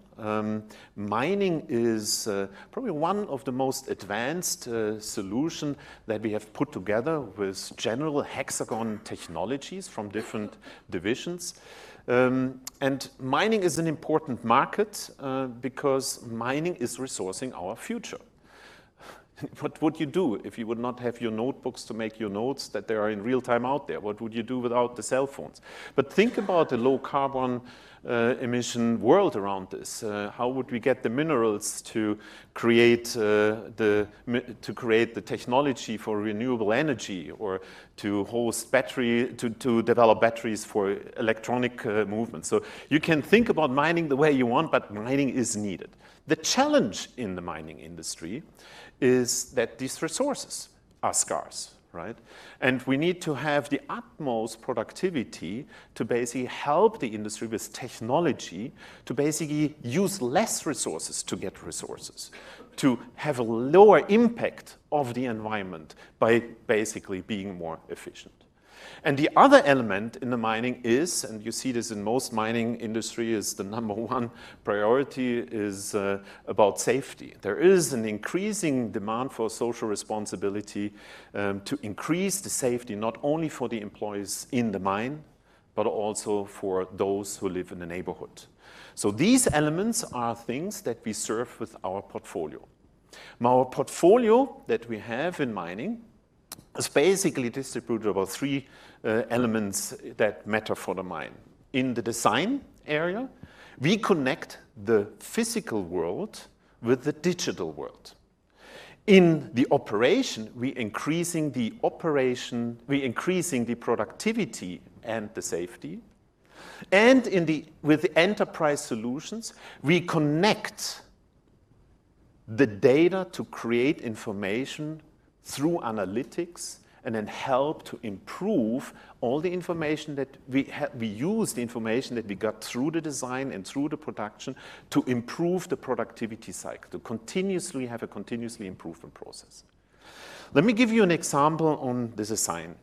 Mining is probably one of the most advanced solution that we have put together with general Hexagon technologies from different divisions. Mining is an important market, because mining is resourcing our future. What would you do if you would not have your notebooks to make your notes that they are in real time out there? What would you do without the cell phones? Think about a low carbon emission world around this. How would we get the minerals to create the technology for renewable energy or to develop batteries for electronic movement? You can think about mining the way you want, but mining is needed. The challenge in the mining industry is that these resources are scarce, right? We need to have the utmost productivity to basically help the industry with technology to basically use less resources to get resources, to have a lower impact of the environment by basically being more efficient. The other element in the mining is, and you see this in most mining industry as the number one priority, is about safety. There is an increasing demand for social responsibility to increase the safety, not only for the employees in the mine, but also for those who live in the neighborhood. These elements are things that we serve with our portfolio. Our portfolio that we have in mining is basically distributed over three elements that matter for the mine. In the design area, we connect the physical world with the digital world. In the operation, we increasing the productivity and the safety. With enterprise solutions, we connect the data to create information through analytics and then help to improve all the information that we use, the information that we got through the design and through the production to improve the productivity cycle, to continuously have a continuously improvement process. Let me give you an example on this design.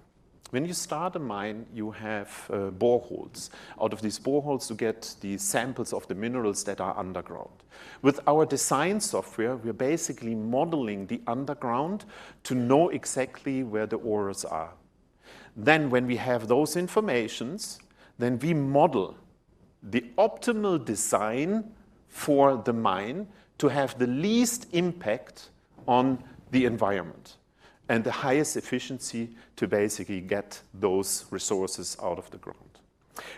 When you start a mine, you have boreholes. Out of these boreholes, you get the samples of the minerals that are underground. With our design software, we are basically modeling the underground to know exactly where the ores are. When we have those informations, then we model the optimal design for the mine to have the least impact on the environment and the highest efficiency to basically get those resources out of the ground.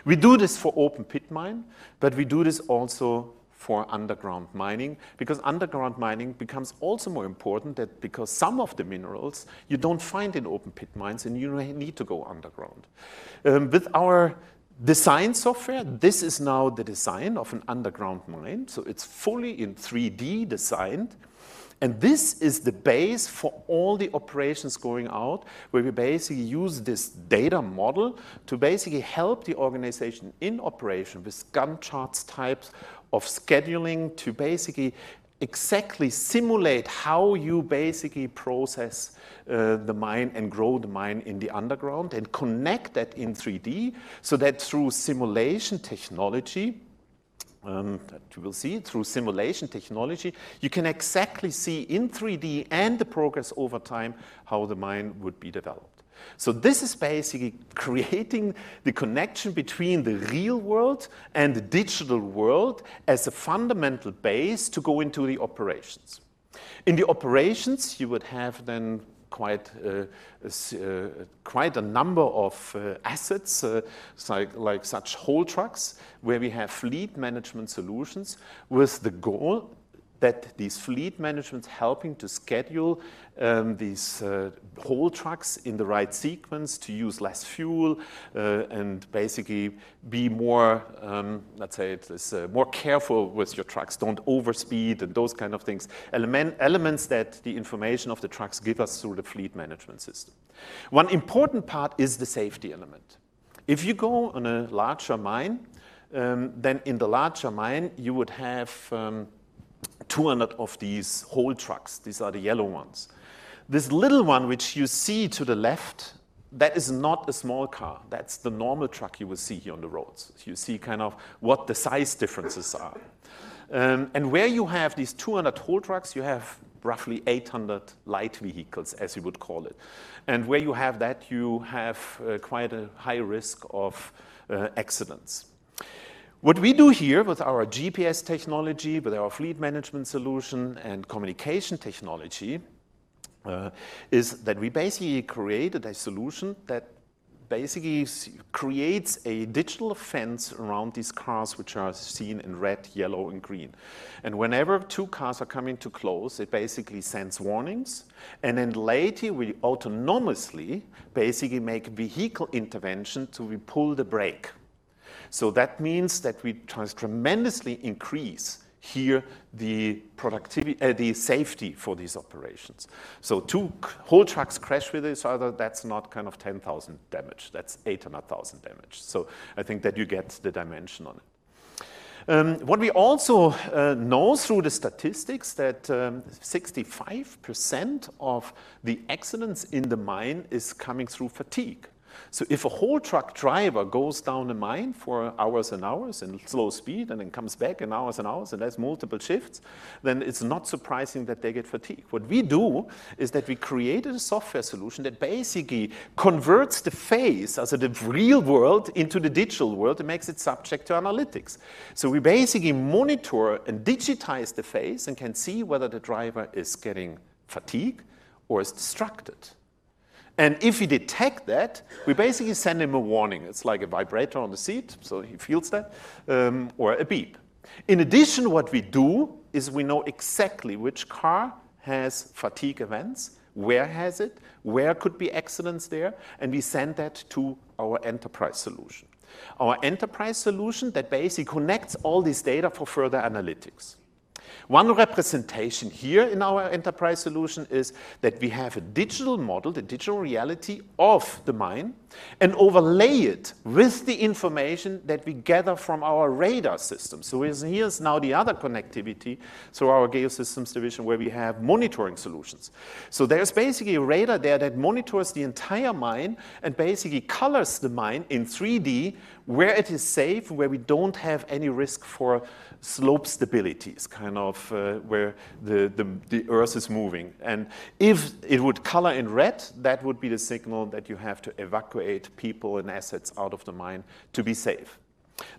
We do this for open pit mine, but we do this also for underground mining, because underground mining becomes also more important because some of the minerals you don't find in open pit mines and you need to go underground. With our design software, this is now the design of an underground mine, so it's fully in 3D designed. This is the base for all the operations going out, where we basically use this data model to basically help the organization in operation with Gantt charts types of scheduling to basically exactly simulate how you basically process the mine and grow the mine in the underground and connect that in 3D, so that through simulation technology, you can exactly see in 3D and the progress over time how the mine would be developed. This is basically creating the connection between the real world and the digital world as a fundamental base to go into the operations. In the operations, you would have then quite a number of assets, like such haul trucks where we have fleet management solutions with the goal that these fleet managements helping to schedule these haul trucks in the right sequence to use less fuel, and basically be more, let's say, more careful with your trucks, don't overspeed and those kind of things. Elements that the information of the trucks give us through the fleet management system. One important part is the safety element. If you go on a larger mine, then in the larger mine, you would have 200 of these haul trucks. These are the yellow ones. This little one which you see to the left, that is not a small car. That's the normal truck you will see here on the roads. You see kind of what the size differences are. Where you have these 200 haul trucks, you have roughly 800 light vehicles, as you would call it. Where you have that, you have quite a high risk of accidents. What we do here with our GPS technology, with our fleet management solution and communication technology, is that we basically created a solution that basically creates a digital fence around these cars which are seen in red, yellow and green. Whenever two cars are coming too close, it basically sends warnings and then later we autonomously make vehicle intervention to pull the brake. That means that we tremendously increase here the safety for these operations. Two haul trucks crash with each other, that's not 10,000 damage, that's 800,000 damage. I think that you get the dimension on it. What we also know through the statistics that 65% of the accidents in the mine is coming through fatigue. If a haul truck driver goes down a mine for hours and hours in slow speed and then comes back in hours and hours and has multiple shifts, then it's not surprising that they get fatigue. What we do is that we created a software solution that basically converts the face as the real world into the digital world and makes it subject to analytics. We basically monitor and digitize the face and can see whether the driver is getting fatigue or is distracted. If we detect that, we basically send him a warning. It's like a vibrator on the seat, so he feels that, or a beep. In addition, what we do is we know exactly which car has fatigue events, where has it, where could be accidents there, and we send that to our enterprise solution. Our enterprise solution that basically connects all this data for further analytics. One representation here in our enterprise solution is that we have a digital model, the digital reality of the mine, and overlay it with the information that we gather from our radar system. Here's now the other connectivity through our Geosystems division, where we have monitoring solutions. There's basically a radar there that monitors the entire mine and basically colors the mine in 3D, where it is safe, where we don't have any risk for slope stability, is kind of where the earth is moving. If it would color in red, that would be the signal that you have to evacuate people and assets out of the mine to be safe.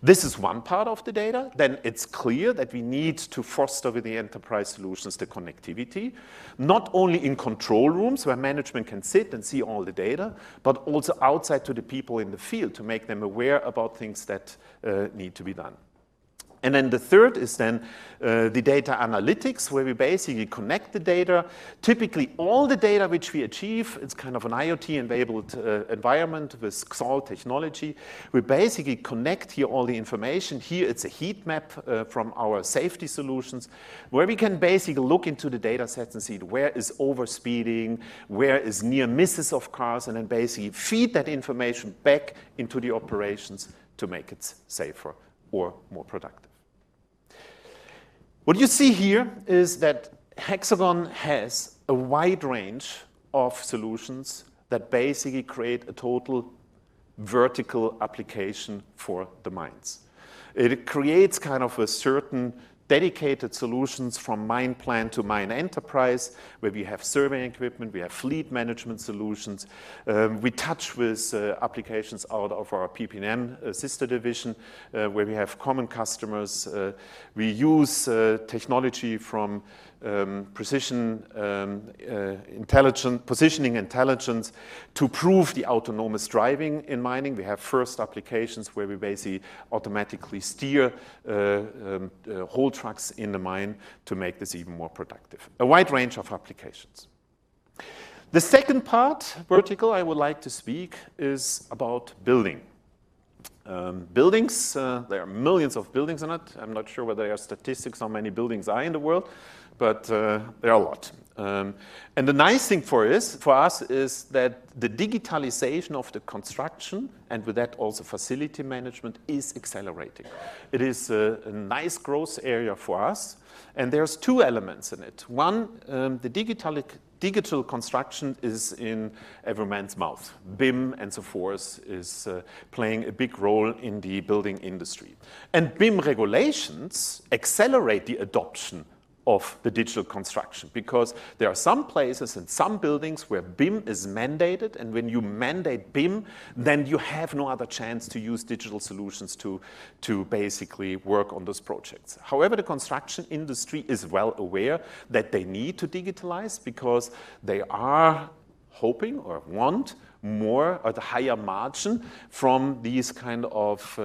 This is one part of the data. It's clear that we need to foster the enterprise solutions to connectivity, not only in control rooms where management can sit and see all the data, but also outside to the people in the field to make them aware about things that need to be done. The third is then the data analytics, where we basically connect the data. Typically, all the data which we achieve, it's kind of an IoT-enabled environment with Xalt technology. We basically connect here all the information. Here it's a heat map from our safety solutions where we can basically look into the data sets and see where is overspeeding, where is near misses of cars, and then basically feed that information back into the operations to make it safer or more productive. What you see here is that Hexagon has a wide range of solutions that basically create a total vertical application for the mines. It creates kind of a certain dedicated solutions from mine plan to mine enterprise, where we have surveying equipment, we have fleet management solutions. We touch with applications out of our PPM sister division, where we have common customers. We use technology from Positioning Intelligence to prove the autonomous driving in mining. We have first applications where we basically automatically steer haul trucks in the mine to make this even more productive. A wide range of applications. The second part vertical I would like to speak is about building. Buildings, there are millions of buildings in it. I'm not sure whether there are statistics how many buildings are in the world, but there are a lot. The nice thing for us is that the digitalization of the construction and with that also facility management is accelerating. It is a nice growth area for us and there's two elements in it. One, the digital construction is in every man's mouth. BIM and so forth is playing a big role in the building industry. BIM regulations accelerate the adoption of the digital construction because there are some places in some buildings where BIM is mandated, and when you mandate BIM, then you have no other chance to use digital solutions to basically work on those projects. The construction industry is well aware that they need to digitalize because they are hoping or want more at the higher margin from these kind of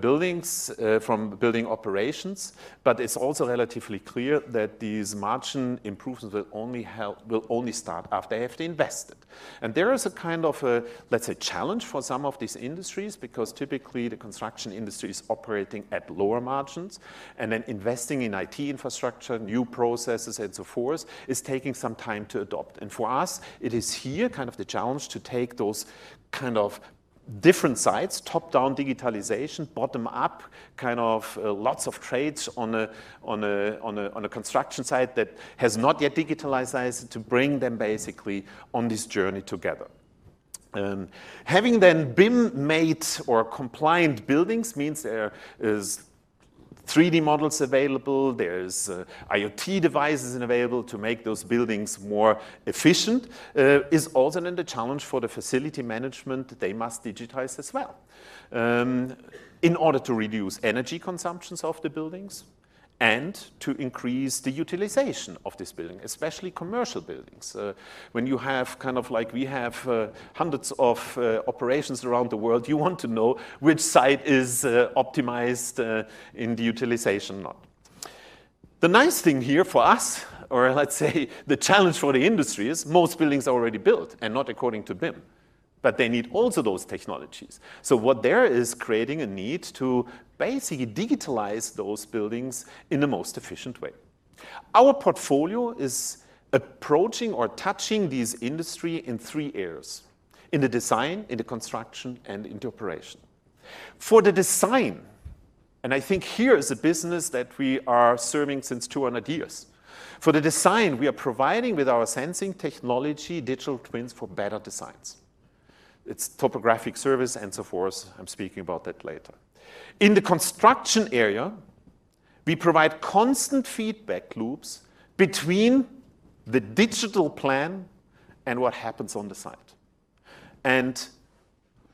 buildings, from building operations. It's also relatively clear that these margin improvements will only start after they have invested. There is a kind of a, let's say, challenge for some of these industries because typically the construction industry is operating at lower margins and investing in IT infrastructure, new processes and so forth is taking some time to adopt. For us it is here kind of the challenge to take those kind of different sides, top-down digitalization, bottom-up, kind of lots of trades on a construction site that has not yet digitalized to bring them basically on this journey together. Having BIM-mate or compliant buildings means there is 3D models available. There's IoT devices available to make those buildings more efficient, is also then the challenge for the facility management. They must digitize as well, in order to reduce energy consumptions of the buildings and to increase the utilization of this building, especially commercial buildings. When you have like we have hundreds of operations around the world, you want to know which site is optimized in the utilization not. The nice thing here for us, or let's say, the challenge for the industry is most buildings are already built and not according to BIM. They need also those technologies. What there is creating a need to basically digitalize those buildings in the most efficient way. Our portfolio is approaching or touching this industry in three areas: in the design, in the construction, and into operation. For the design, I think here is a business that we are serving since 200 years. For the design, we are providing with our sensing technology, digital twins for better designs. It's topographic service and so forth. I'm speaking about that later. In the construction area, we provide constant feedback loops between the digital plan and what happens on the site.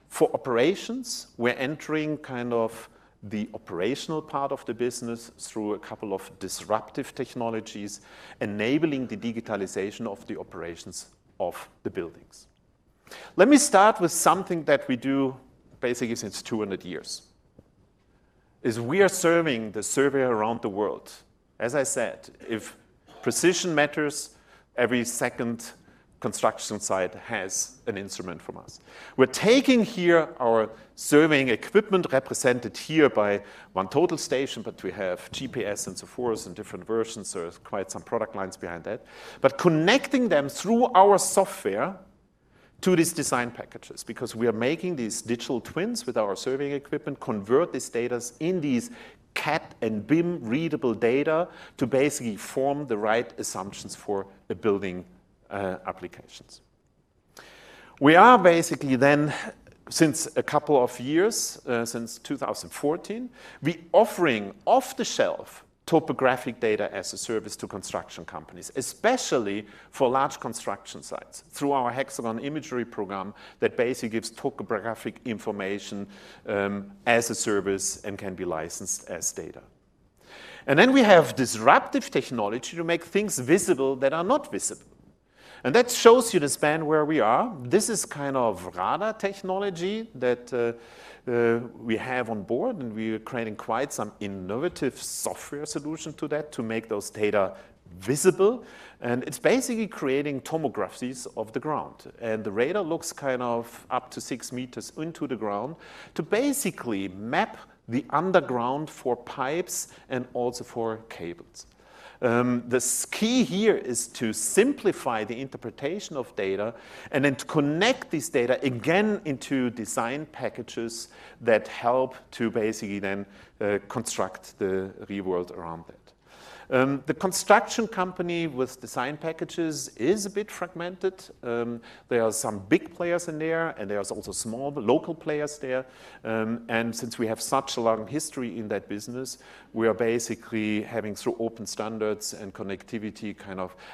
For operations, we're entering the operational part of the business through a couple of disruptive technologies, enabling the digitalization of the operations of the buildings. Let me start with something that we do basically since 200 years, is we are serving the survey around the world. As I said, if precision matters, every second construction site has an instrument from us. We're taking here our surveying equipment, represented here by one total station, but we have GPS and so forth and different versions. There's quite some product lines behind that. Connecting them through our software to these design packages because we are making these digital twins with our surveying equipment, convert this data in these CAD and BIM-readable data to basically form the right assumptions for the building applications. We are basically then, since a couple of years, since 2014, we offering off-the-shelf topographic data as a service to construction companies, especially for large construction sites, through our Hexagon Imagery Program that basically gives topographic information, as a service and can be licensed as data. We have disruptive technology to make things visible that are not visible. That shows you the span where we are. This is radar technology that we have on board, and we are creating quite some innovative software solution to that to make those data visible. It's basically creating tomographies of the ground. The radar looks up to six meters into the ground to basically map the underground for pipes and also for cables. The key here is to simplify the interpretation of data and then to connect this data again into design packages that help to basically then construct the real world around it. The construction company with design packages is a bit fragmented. There are some big players in there, and there is also small local players there. Since we have such a long history in that business, we are basically having, through open standards and connectivity,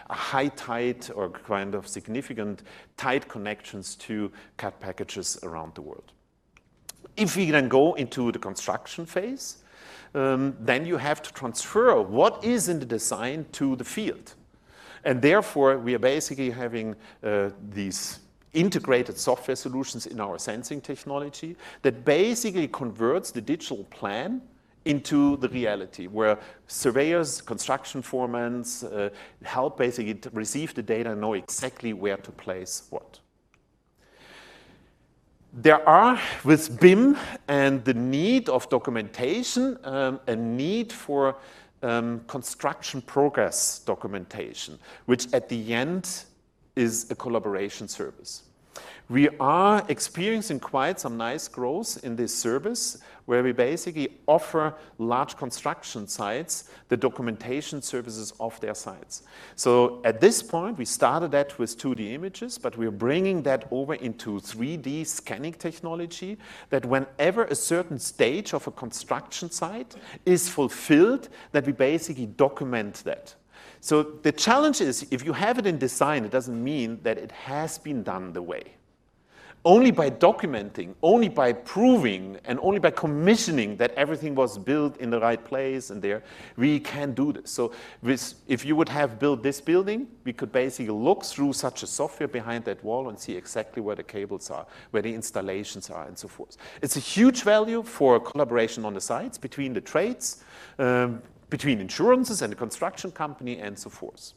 a high tight or significant tight connections to CAD packages around the world. If we then go into the construction phase, then you have to transfer what is in the design to the field. Therefore, we are basically having these integrated software solutions in our sensing technology that basically converts the digital plan into the reality, where surveyors, construction foremen help basically to receive the data and know exactly where to place what. There are, with BIM and the need of documentation, a need for construction progress documentation, which at the end is a collaboration service. We are experiencing quite some nice growth in this service, where we basically offer large construction sites, the documentation services of their sites. At this point, we started that with 2D images, but we're bringing that over into 3D scanning technology that whenever a certain stage of a construction site is fulfilled, that we basically document that. The challenge is, if you have it in design, it doesn't mean that it has been done the way. Only by documenting, only by proving, and only by commissioning that everything was built in the right place and there, we can do this. If you would have built this building, we could basically look through such a software behind that wall and see exactly where the cables are, where the installations are, and so forth. It's a huge value for collaboration on the sites between the trades, between insurances and the construction company and so forth.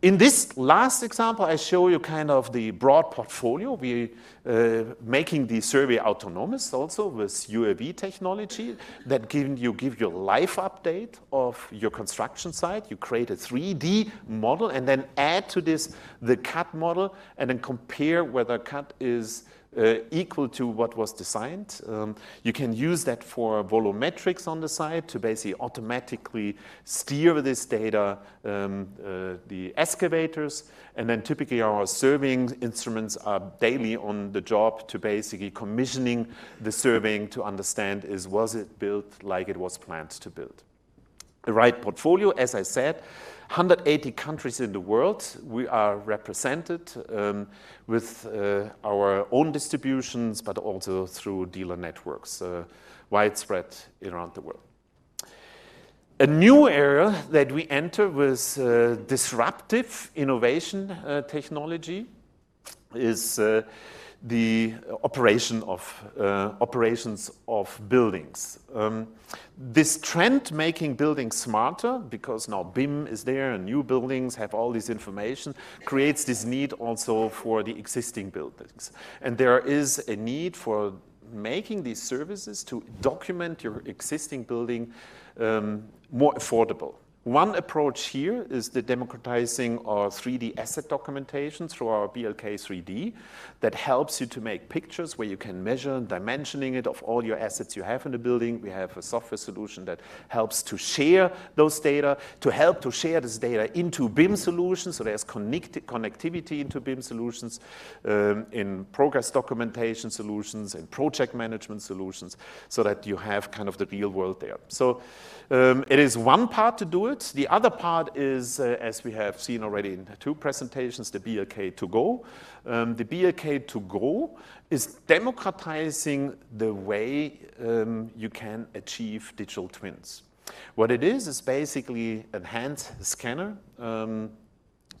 In this last example, I show you the broad portfolio. We making the survey autonomous also with UAV technology that give you life update of your construction site. You create a 3D model and then add to this the CAD model, and then compare whether CAD is equal to what was designed. You can use that for volumetrics on the site to basically automatically steer this data, the excavators, and then typically our surveying instruments are daily on the job to basically commissioning the surveying to understand if it was built like it was planned to build. The right portfolio, as I said, 180 countries in the world, we are represented with our own distributions, but also through dealer networks widespread around the world. A new era that we enter with disruptive innovation technology is the operations of buildings. This trend making buildings smarter because now BIM is there and new buildings have all this information, creates this need also for the existing buildings. There is a need for making these services to document your existing building more affordable. One approach here is the democratizing of 3D asset documentation through our BLK3D that helps you to make pictures where you can measure and dimension it of all your assets you have in the building. We have a software solution that helps to share those data, to help to share this data into BIM solutions, so there's connectivity into BIM solutions, in progress documentation solutions, in project management solutions, so that you have the real world there. It is one part to do it. The other part is, as we have seen already in the two presentations, the BLK2GO. The BLK2GO is democratizing the way you can achieve digital twins. What it is basically a hand scanner,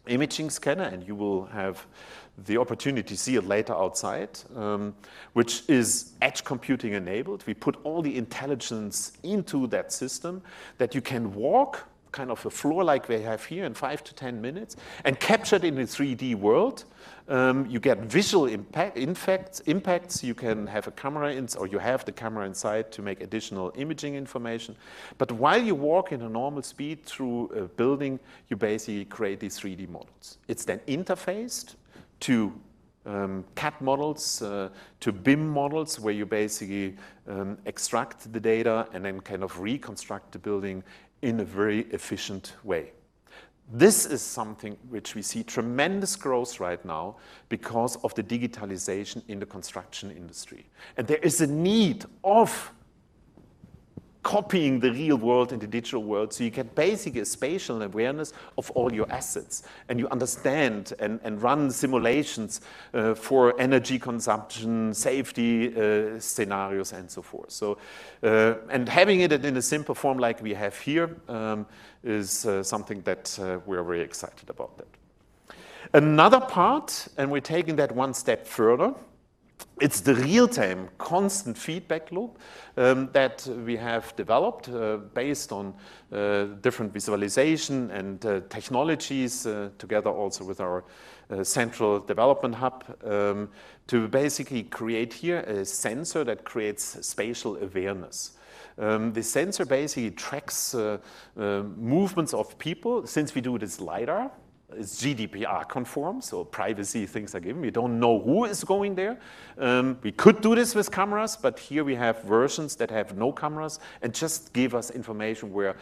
imaging scanner, and you will have the opportunity to see it later outside, which is edge computing enabled. We put all the intelligence into that system that you can walk a floor like we have here in 5 to 10 minutes and capture it in a 3D world. You get visual impacts. You can have a camera inside or you have the camera inside to make additional imaging information. While you walk in a normal speed through a building, you basically create these 3D models. It's then interfaced to CAD models, to BIM models, where you basically extract the data and then reconstruct the building in a very efficient way. This is something which we see tremendous growth right now because of the digitalization in the construction industry. There is a need of copying the real world in the digital world so you get basically a spatial awareness of all your assets, and you understand and run simulations for energy consumption, safety scenarios, and so forth. Having it in a simple form like we have here, is something that we're very excited about that. Another part, and we're taking that one step further, it's the real-time constant feedback loop that we have developed based on different visualization and technologies together also with our central development hub, to basically create here a sensor that creates Situational Awareness. The sensor basically tracks movements of people since we do this LIDAR, it's GDPR conformed, so privacy things are given. We don't know who is going there. We could do this with cameras, but here we have versions that have no cameras and just give us information where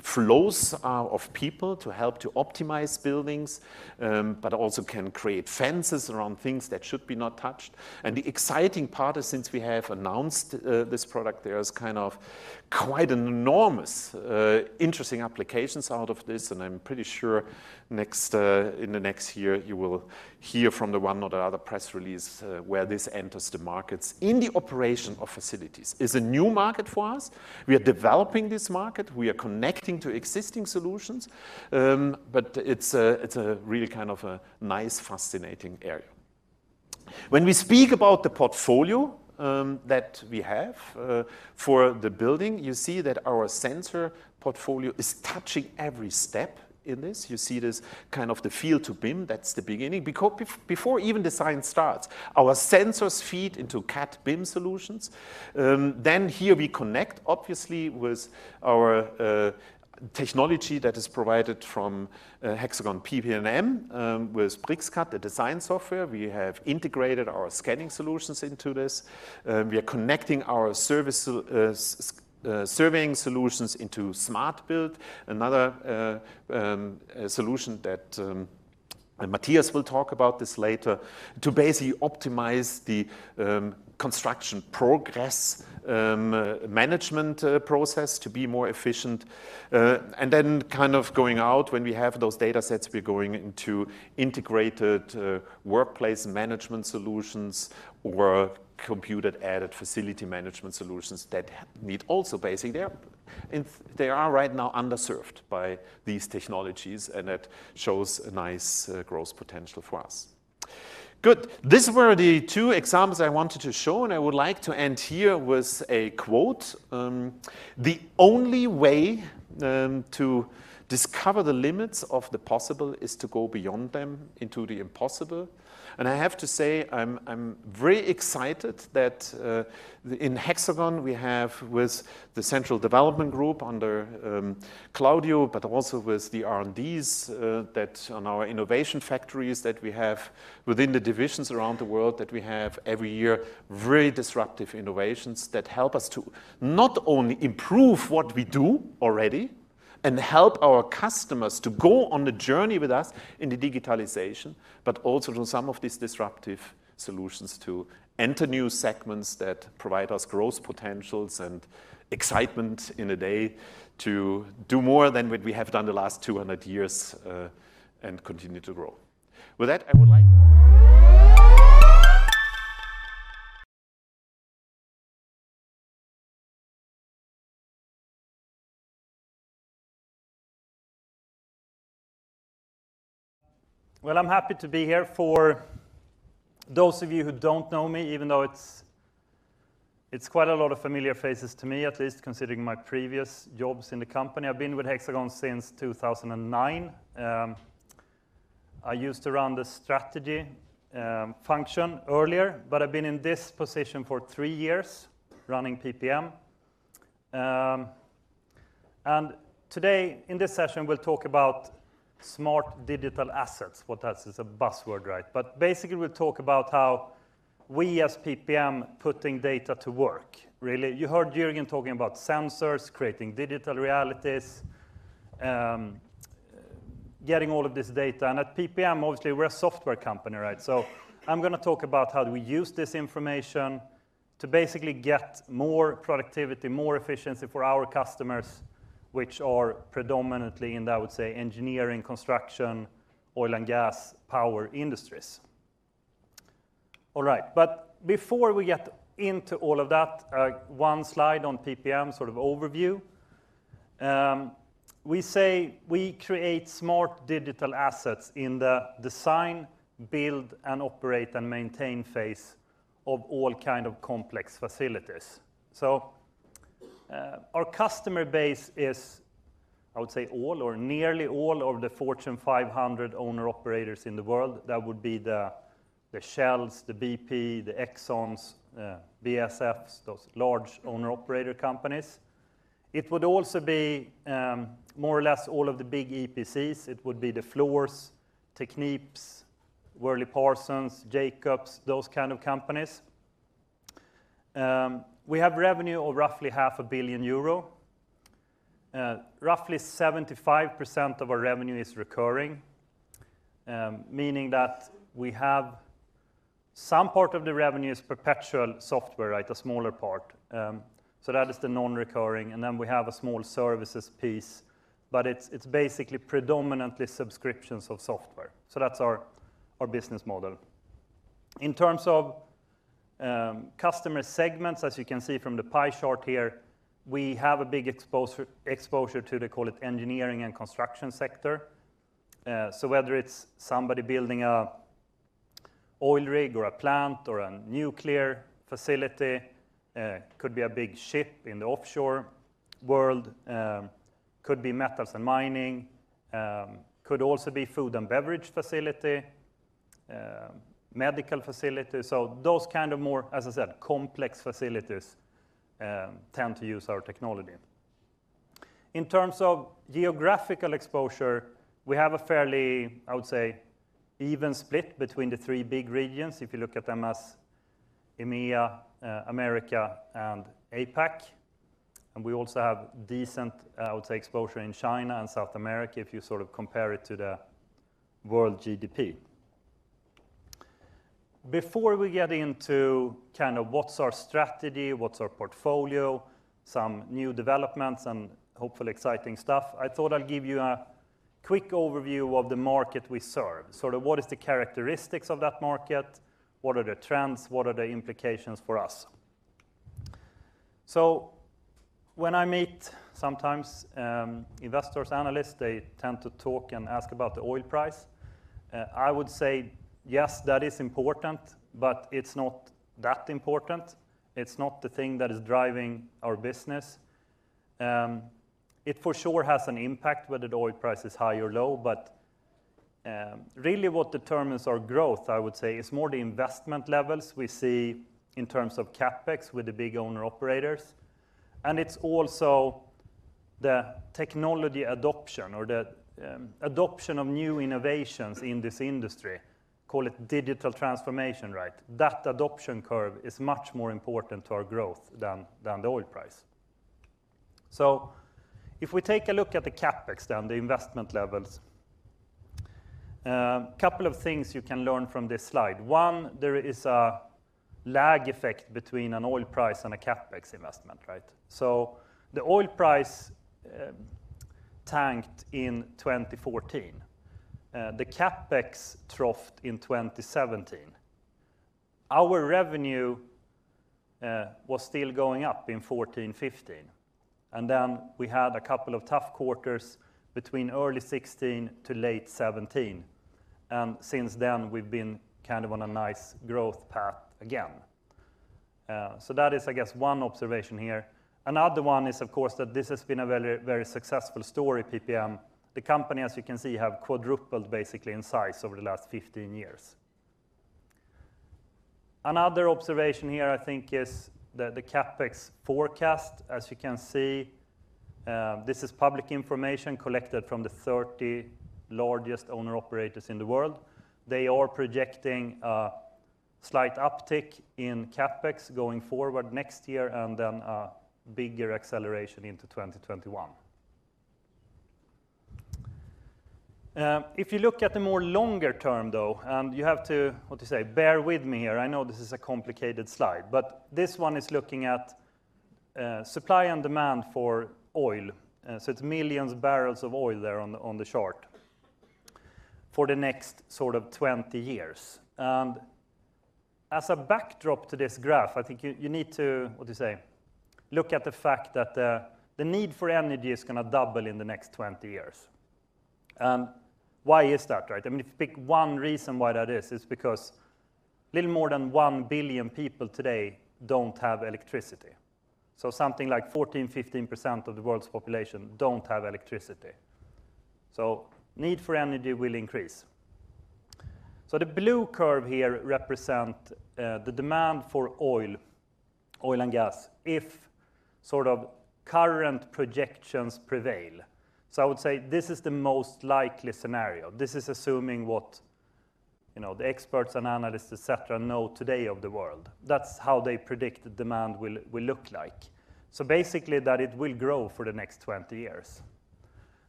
flows are of people to help to optimize buildings, but also can create fences around things that should be not touched. The exciting part is, since we have announced this product, there is quite an enormous interesting applications out of this, and I am pretty sure in the next year, you will hear from the one or the other press release, where this enters the markets in the operation of facilities. It's a new market for us. We are developing this market. We are connecting to existing solutions. It's a really kind of a nice, fascinating area. When we speak about the portfolio that we have for the building, you see that our sensor portfolio is touching every step in this. You see this kind of the field to BIM. That's the beginning. Before even design starts, our sensors feed into CAD BIM solutions. Here we connect, obviously, with our technology that is provided from Hexagon PPM with BricsCAD, the design software. We have integrated our scanning solutions into this. We are connecting our surveying solutions into HxGN SMART Build, another solution that Mattias will talk about this later, to basically optimize the construction progress management process to be more efficient. Going out when we have those datasets, we're going into integrated workplace management solutions or computer-aided facility management solutions that need also, basically, they are right now underserved by these technologies, and that shows a nice growth potential for us. Good. These were the two examples I wanted to show, and I would like to end here with a quote. The only way to discover the limits of the possible is to go beyond them into the impossible." I have to say, I'm very excited that in Hexagon we have with the central development group under Claudio, but also with the R&Ds that on our innovation factories that we have within the divisions around the world that we have every year very disruptive innovations that help us to not only improve what we do already and help our customers to go on the journey with us in the digitalization, but also through some of these disruptive solutions to enter new segments that provide us growth potentials and excitement in a day to do more than what we have done the last 200 years, and continue to grow. With that, I would like Well, I'm happy to be here. For those of you who don't know me, even though it's quite a lot of familiar faces to me, at least considering my previous jobs in the company. I've been with Hexagon since 2009. I used to run the strategy function earlier, but I've been in this position for three years running PPM. Today, in this session, we'll talk about smart digital assets. That is a buzzword, right? Basically, we'll talk about how we as PPM put data to work, really. You heard Juergen talking about sensors, creating digital realities, getting all of this data. At PPM, obviously, we're a software company, right? I'm going to talk about how do we use this information to basically get more productivity, more efficiency for our customers, which are predominantly in, I would say, engineering, construction, oil and gas, power industries. All right. Before we get into all of that, one slide on PPM, sort of overview. We say we create smart digital assets in the design, build, and operate and maintain phase of all kind of complex facilities. Our customer base is, I would say, all or nearly all of the Fortune 500 owner-operators in the world. That would be the Shells, the BP, the Exxons, BASFs, those large owner-operator companies. It would also be more or less all of the big EPCs. It would be the Fluors, Technips, WorleyParsons, Jacobs, those kind of companies. We have revenue of roughly half a billion EUR. Roughly 75% of our revenue is recurring, meaning that we have some part of the revenue is perpetual software, right, a smaller part. That is the non-recurring. We have a small services piece, but it's basically predominantly subscriptions of software. That's our business model. In terms of customer segments, as you can see from the pie chart here, we have a big exposure to, they call it, engineering and construction sector. Whether it's somebody building an oil rig or a plant or a nuclear facility, could be a big ship in the offshore world, could be metals and mining, could also be food and beverage facility, medical facilities. Those kind of more, as I said, complex facilities tend to use our technology. In terms of geographical exposure, we have a fairly, I would say, even split between the three big regions, if you look at them as EMEA, America, and APAC. We also have decent, I would say, exposure in China and South America if you compare it to the world GDP. Before we get into what's our strategy, what's our portfolio, some new developments and hopefully exciting stuff, I thought I'd give you a quick overview of the market we serve. Sort of what is the characteristics of that market? What are the trends? What are the implications for us? When I meet sometimes, investors, analysts, they tend to talk and ask about the oil price. I would say yes, that is important, but it's not that important. It's not the thing that is driving our business. It for sure has an impact whether the oil price is high or low, but really what determines our growth, I would say, is more the investment levels we see in terms of CapEx with the big owner-operators. It's also the technology adoption or the adoption of new innovations in this industry. Call it digital transformation, right? That adoption curve is much more important to our growth than the oil price. If we take a look at the CapEx then, the investment levels, couple of things you can learn from this slide. One, there is a lag effect between an oil price and a CapEx investment, right? The oil price tanked in 2014. The CapEx troughed in 2017. Our revenue was still going up in 2014, 2015. Then we had a couple of tough quarters between early 2016 to late 2017. Since then, we've been on a nice growth path again. That is, I guess, one observation here. Another one is, of course, that this has been a very successful story, PPM. The company, as you can see, have quadrupled basically in size over the last 15 years. Another observation here, I think, is the CapEx forecast. As you can see, this is public information collected from the 30 largest owner-operators in the world. They are projecting a slight uptick in CapEx going forward next year and then a bigger acceleration into 2021. If you look at the more longer term, though, and you have to, what to say, bear with me here. I know this is a complicated slide. This one is looking at supply and demand for oil. It's millions of barrels of oil there on the chart. For the next 20 years. As a backdrop to this graph, I think you need to, what to say, look at the fact that the need for energy is going to double in the next 20 years. Why is that, right? If you pick one reason why that is, it's because little more than one billion people today don't have electricity. Something like 14%-15% of the world's population don't have electricity. Need for energy will increase. The blue curve here represent the demand for oil and gas, if current projections prevail. I would say this is the most likely scenario. This is assuming what the experts and analysts, et cetera, know today of the world. That's how they predict the demand will look like. Basically that it will grow for the next 20 years.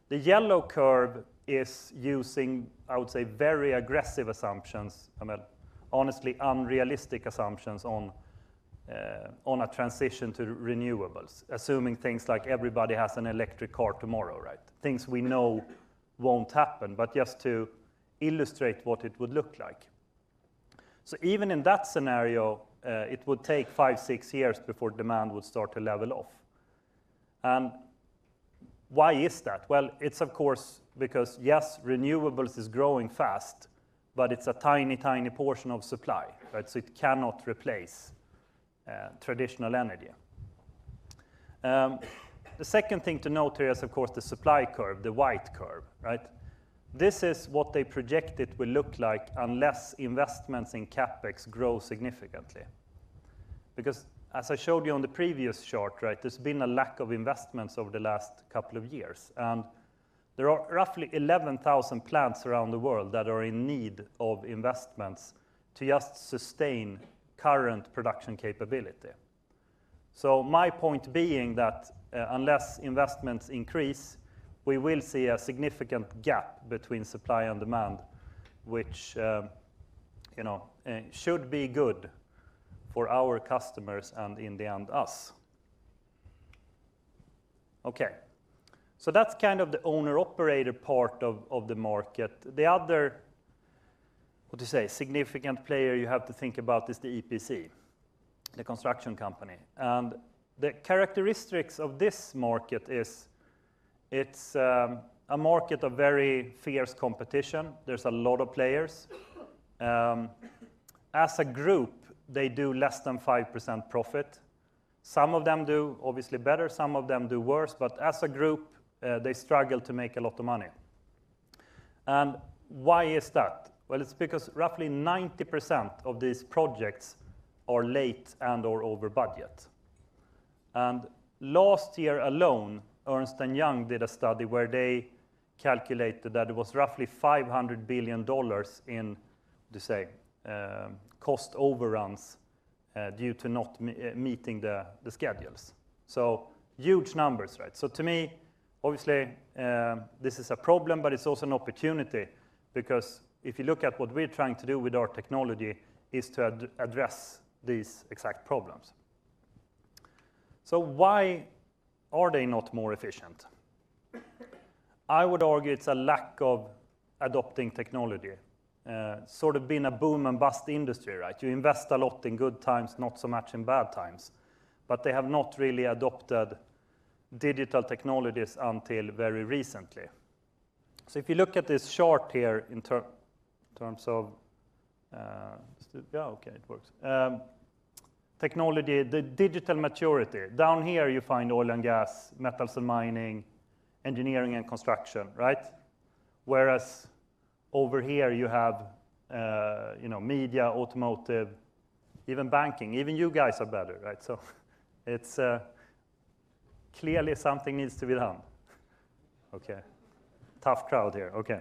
The yellow curve is using, I would say, very aggressive assumptions. I mean, honestly unrealistic assumptions on a transition to renewables, assuming things like everybody has an electric car tomorrow, right? Things we know won't happen, but just to illustrate what it would look like. Even in that scenario, it would take 5-6 years before demand would start to level off. Why is that? Well, it's of course because yes, renewables is growing fast, but it's a tiny portion of supply, right? It cannot replace traditional energy. The second thing to note here is, of course, the supply curve, the white curve, right? This is what they project it will look like unless investments in CapEx grow significantly. As I showed you on the previous chart, right? There's been a lack of investments over the last couple of years. There are roughly 11,000 plants around the world that are in need of investments to just sustain current production capability. My point being that, unless investments increase, we will see a significant gap between supply and demand, which should be good for our customers and in the end, us. Okay. That's kind of the owner/operator part of the market. The other, what to say, significant player you have to think about is the EPC, the construction company. The characteristics of this market is it's a market of very fierce competition. There's a lot of players. As a group, they do less than 5% profit. Some of them do obviously better, some of them do worse. As a group, they struggle to make a lot of money. Why is that? Well, it's because roughly 90% of these projects are late and/or over budget. Last year alone, Ernst & Young did a study where they calculated that it was roughly $500 billion in, what to say, cost overruns, due to not meeting the schedules. Huge numbers, right? To me, obviously, this is a problem, but it's also an opportunity because if you look at what we're trying to do with our technology is to address these exact problems. Why are they not more efficient? I would argue it's a lack of adopting technology. Sort of been a boom and bust industry, right? You invest a lot in good times, not so much in bad times. They have not really adopted digital technologies until very recently. If you look at this chart here in terms of Yeah, okay, it works. Technology, the digital maturity. Down here you find oil and gas, metals and mining, engineering and construction, right? Whereas over here you have media, automotive, even banking. Even you guys are better, right? Clearly something needs to be done. Okay. Tough crowd here. Okay.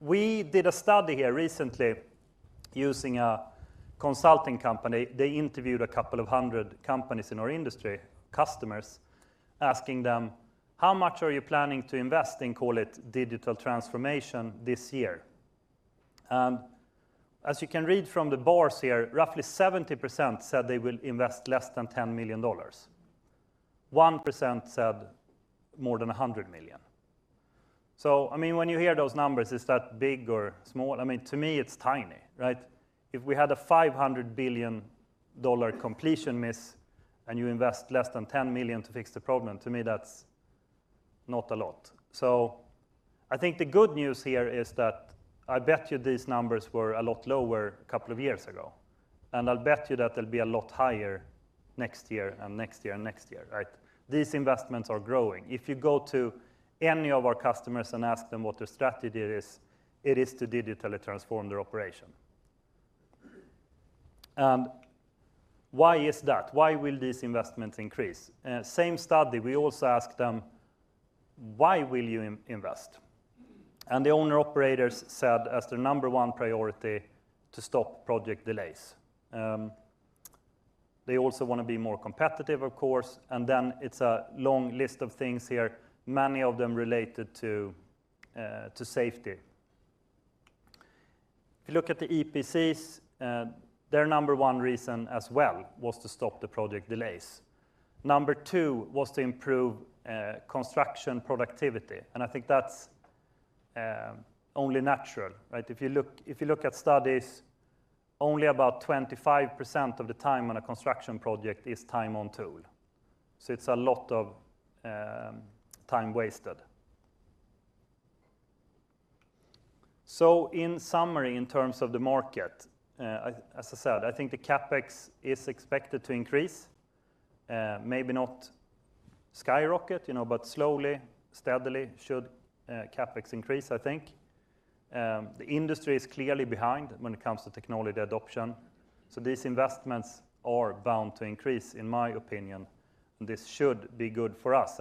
We did a study here recently using a consulting company. They interviewed 200 companies in our industry, customers, asking them, "How much are you planning to invest in, call it digital transformation this year?" As you can read from the bars here, roughly 70% said they will invest less than $10 million. 1% said more than $100 million. When you hear those numbers, is that big or small? To me it's tiny, right? If we had a $500 billion completion miss and you invest less than $10 million to fix the problem, to me, that's not a lot. I think the good news here is that I bet you these numbers were a lot lower a couple of years ago. I'll bet you that they'll be a lot higher next year, and next year, and next year, right? These investments are growing. If you go to any of our customers and ask them what their strategy is, it is to digitally transform their operation. Why is that? Why will these investments increase? Same study, we also asked them, "Why will you invest?" The owner/operators said as their number 1 priority, to stop project delays. They also want to be more competitive, of course. Then it's a long list of things here, many of them related to safety. If you look at the EPCs, their number 1 reason as well was to stop the project delays. Number 2 was to improve construction productivity, I think that's only natural, right? If you look at studies, only about 25% of the time on a construction project is time on tool. It's a lot of time wasted. In summary, in terms of the market, as I said, I think the CapEx is expected to increase. Maybe not skyrocket, but slowly, steadily should CapEx increase, I think. The industry is clearly behind when it comes to technology adoption. These investments are bound to increase, in my opinion. This should be good for us,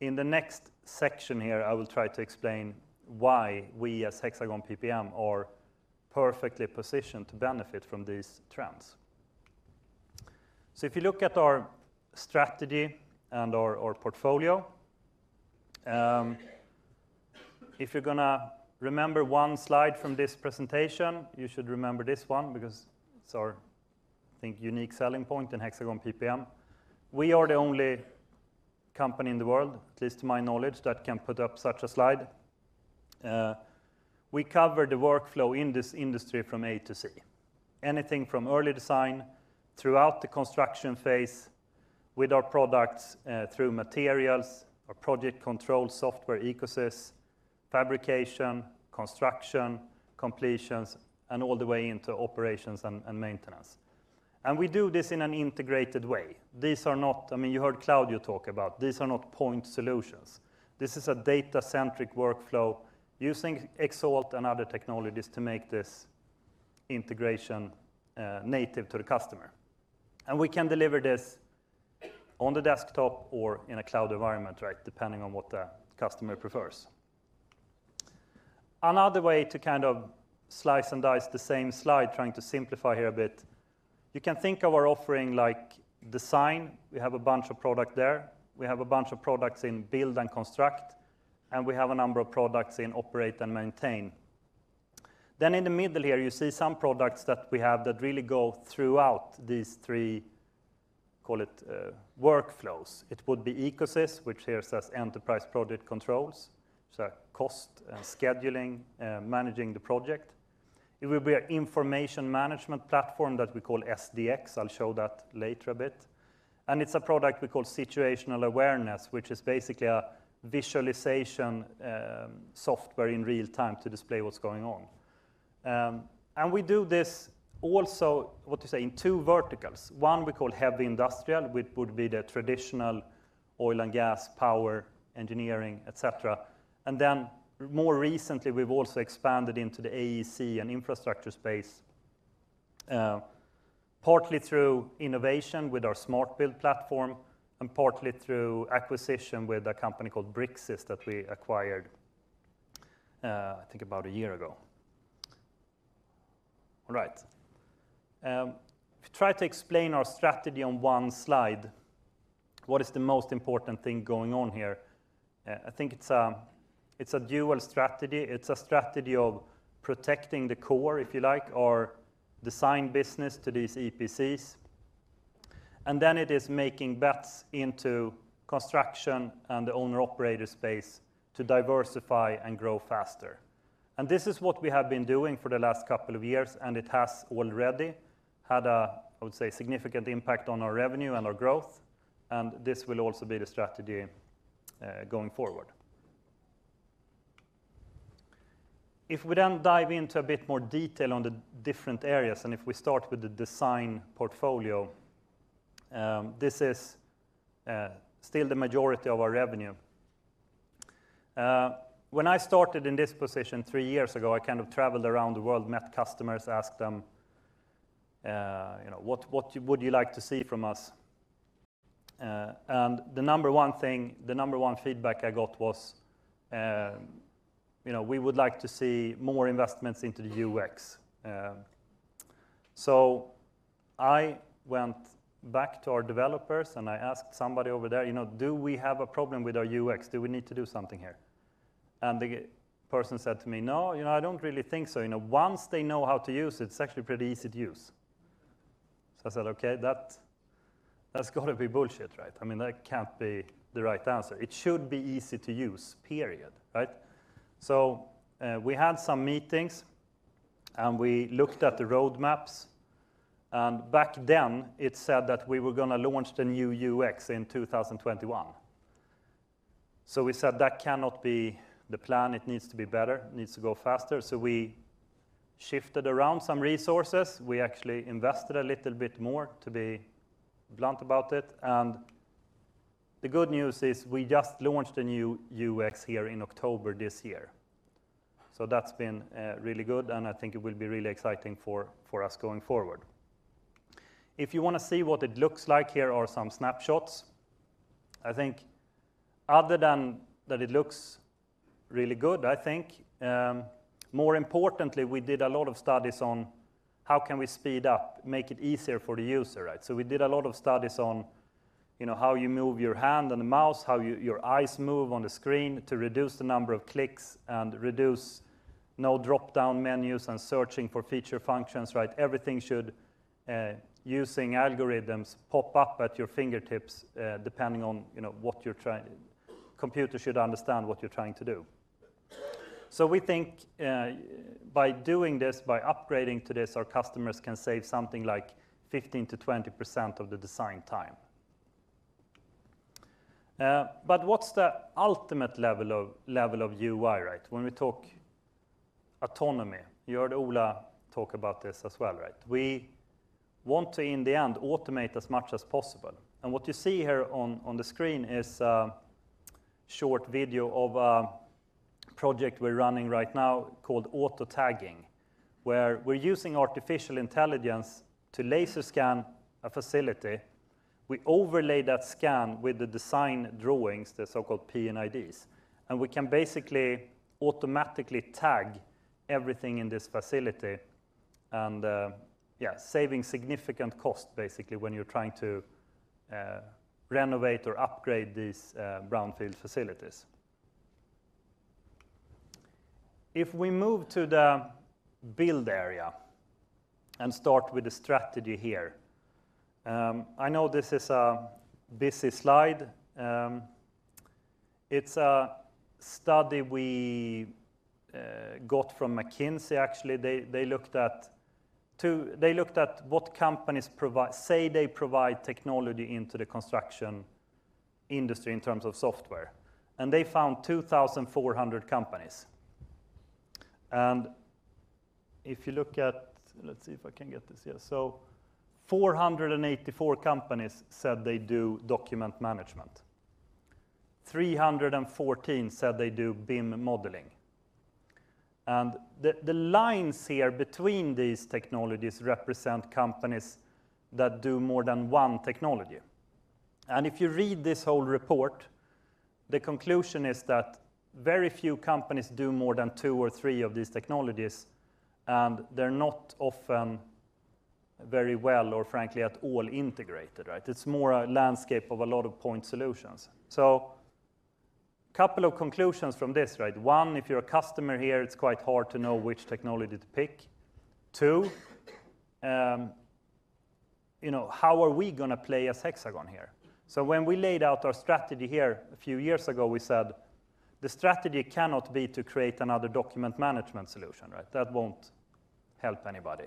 and in the next section here, I will try to explain why we, as Hexagon PPM, are perfectly positioned to benefit from these trends. If you look at our strategy and our portfolio, if you're going to remember one slide from this presentation, you should remember this one because it's our, I think, unique selling point in Hexagon PPM. We are the only company in the world, at least to my knowledge, that can put up such a slide. We cover the workflow in this industry from A to Z. Anything from early design throughout the construction phase with our products, through materials, our project control software EcoSys, fabrication, construction, completions, and all the way into operations and maintenance. We do this in an integrated way. You heard Claudio talk about this, these are not point solutions. This is a data-centric workflow using Xalt and other technologies to make this integration native to the customer. We can deliver this on the desktop or in a cloud environment, right, depending on what the customer prefers. Another way to kind of slice and dice the same slide, trying to simplify here a bit, you can think of our offering like design. We have a bunch of product there, we have a bunch of products in build and construct, and we have a number of products in operate and maintain. In the middle here, you see some products that we have that really go throughout these three, call it, workflows. It would be EcoSys, which here says enterprise project controls, so cost and scheduling, managing the project. It will be an information management platform that we call HxGN SDx. I'll show that later a bit. It's a product we call Situational Awareness, which is basically a visualization software in real-time to display what's going on. We do this also, what to say, in two verticals. One we call heavy industrial, which would be the traditional oil and gas, power, engineering, et cetera. More recently, we've also expanded into the AEC and infrastructure space, partly through innovation with our HxGN SMART Build platform, and partly through acquisition with a company called Bricsys that we acquired, I think, about one year ago. All right. If we try to explain our strategy on one slide, what is the most important thing going on here? I think it's a dual strategy. It's a strategy of protecting the core, if you like, or design business to these EPCs, and then it is making bets into construction and the owner/operator space to diversify and grow faster. This is what we have been doing for the last couple of years, and it has already had a, I would say, significant impact on our revenue and our growth, and this will also be the strategy going forward. If we then dive into a bit more detail on the different areas, and if we start with the design portfolio, this is still the majority of our revenue. When I started in this position three years ago, I kind of traveled around the world, met customers, asked them, "What would you like to see from us?" The number one feedback I got was, "We would like to see more investments into the UX." I went back to our developers, and I asked somebody over there, "Do we have a problem with our UX? Do we need to do something here?" The person said to me, "No, I don't really think so. Once they know how to use it's actually pretty easy to use." I said, "Okay, that's got to be bullshit, right? I mean, that can't be the right answer. It should be easy to use, period." Right? We had some meetings, and we looked at the roadmaps, and back then it said that we were going to launch the new UX in 2021. We said, "That cannot be the plan. It needs to be better, needs to go faster." We shifted around some resources. We actually invested a little bit more, to be blunt about it. The good news is we just launched a new UX here in October this year. That's been really good, and I think it will be really exciting for us going forward. If you want to see what it looks like, here are some snapshots. I think other than that it looks really good, I think, more importantly, we did a lot of studies on how can we speed up, make it easier for the user, right? We did a lot of studies on how you move your hand on the mouse, how your eyes move on the screen to reduce the number of clicks, and no drop-down menus and searching for feature functions. Everything should, using algorithms, pop up at your fingertips, computer should understand what you're trying to do. We think by doing this, by upgrading to this, our customers can save something like 15%-20% of the design time. What's the ultimate level of UI? When we talk autonomy, you heard Ola talk about this as well. We want to, in the end, automate as much as possible. What you see here on the screen is a short video of a project we're running right now called Auto-tagging, where we're using artificial intelligence to laser scan a facility. We overlay that scan with the design drawings, the so-called P&IDs, and we can basically automatically tag everything in this facility and, yeah, saving significant cost, basically, when you're trying to renovate or upgrade these brownfield facilities. If we move to the build area and start with the strategy here. I know this is a busy slide. It's a study we got from McKinsey, actually. They looked at what companies, say they provide technology into the construction industry in terms of software. They found 2,400 companies. If you look at. Let's see if I can get this. Yeah. 484 companies said they do document management. 314 said they do BIM modeling. The lines here between these technologies represent companies that do more than one technology. If you read this whole report, the conclusion is that very few companies do more than two or three of these technologies, and they're not often very well, or frankly, at all integrated. It's more a landscape of a lot of point solutions. A couple of conclusions from this. One, if you're a customer here, it's quite hard to know which technology to pick. Two, how are we going to play as Hexagon here? When we laid out our strategy here a few years ago, we said the strategy cannot be to create another document management solution. That won't help anybody.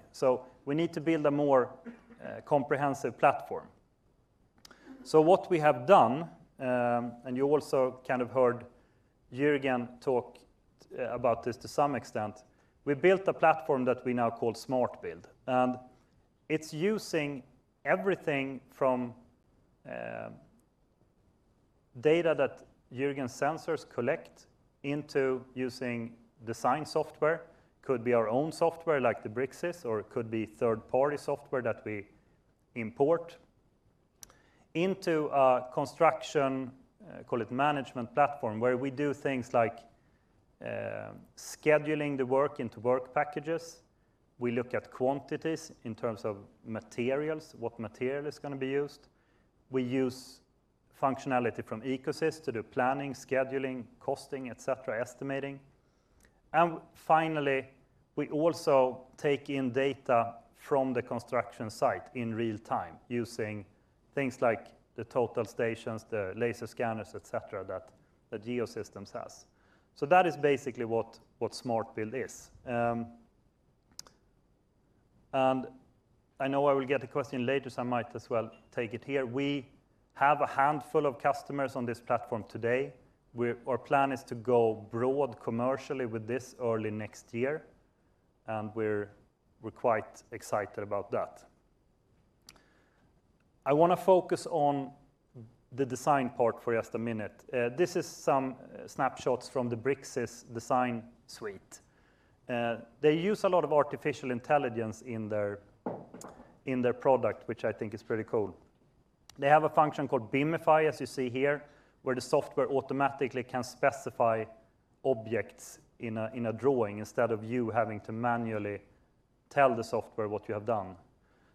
We need to build a more comprehensive platform. What we have done, and you also kind of heard Juergen talk about this to some extent, we built a platform that we now call Smart Build. It's using everything from data that Juergen's sensors collect into using design software, could be our own software like the Bricsys, or it could be third-party software that we import, into a construction, call it management platform, where we do things like scheduling the work into work packages. We look at quantities in terms of materials, what material is going to be used. We use functionality from EcoSys to do planning, scheduling, costing, et cetera, estimating. Finally, we also take in data from the construction site in real time using things like the total stations, the laser scanners, et cetera, that Geosystems has. So that is basically what Smart Build is. I know I will get a question later, so I might as well take it here. We have a handful of customers on this platform today. Our plan is to go broad commercially with this early next year, and we're quite excited about that. I want to focus on the design part for just a minute. This is some snapshots from the Bricsys design suite. They use a lot of artificial intelligence in their product, which I think is pretty cool. They have a function called BIMIFY, as you see here, where the software automatically can specify objects in a drawing instead of you having to manually tell the software what you have done.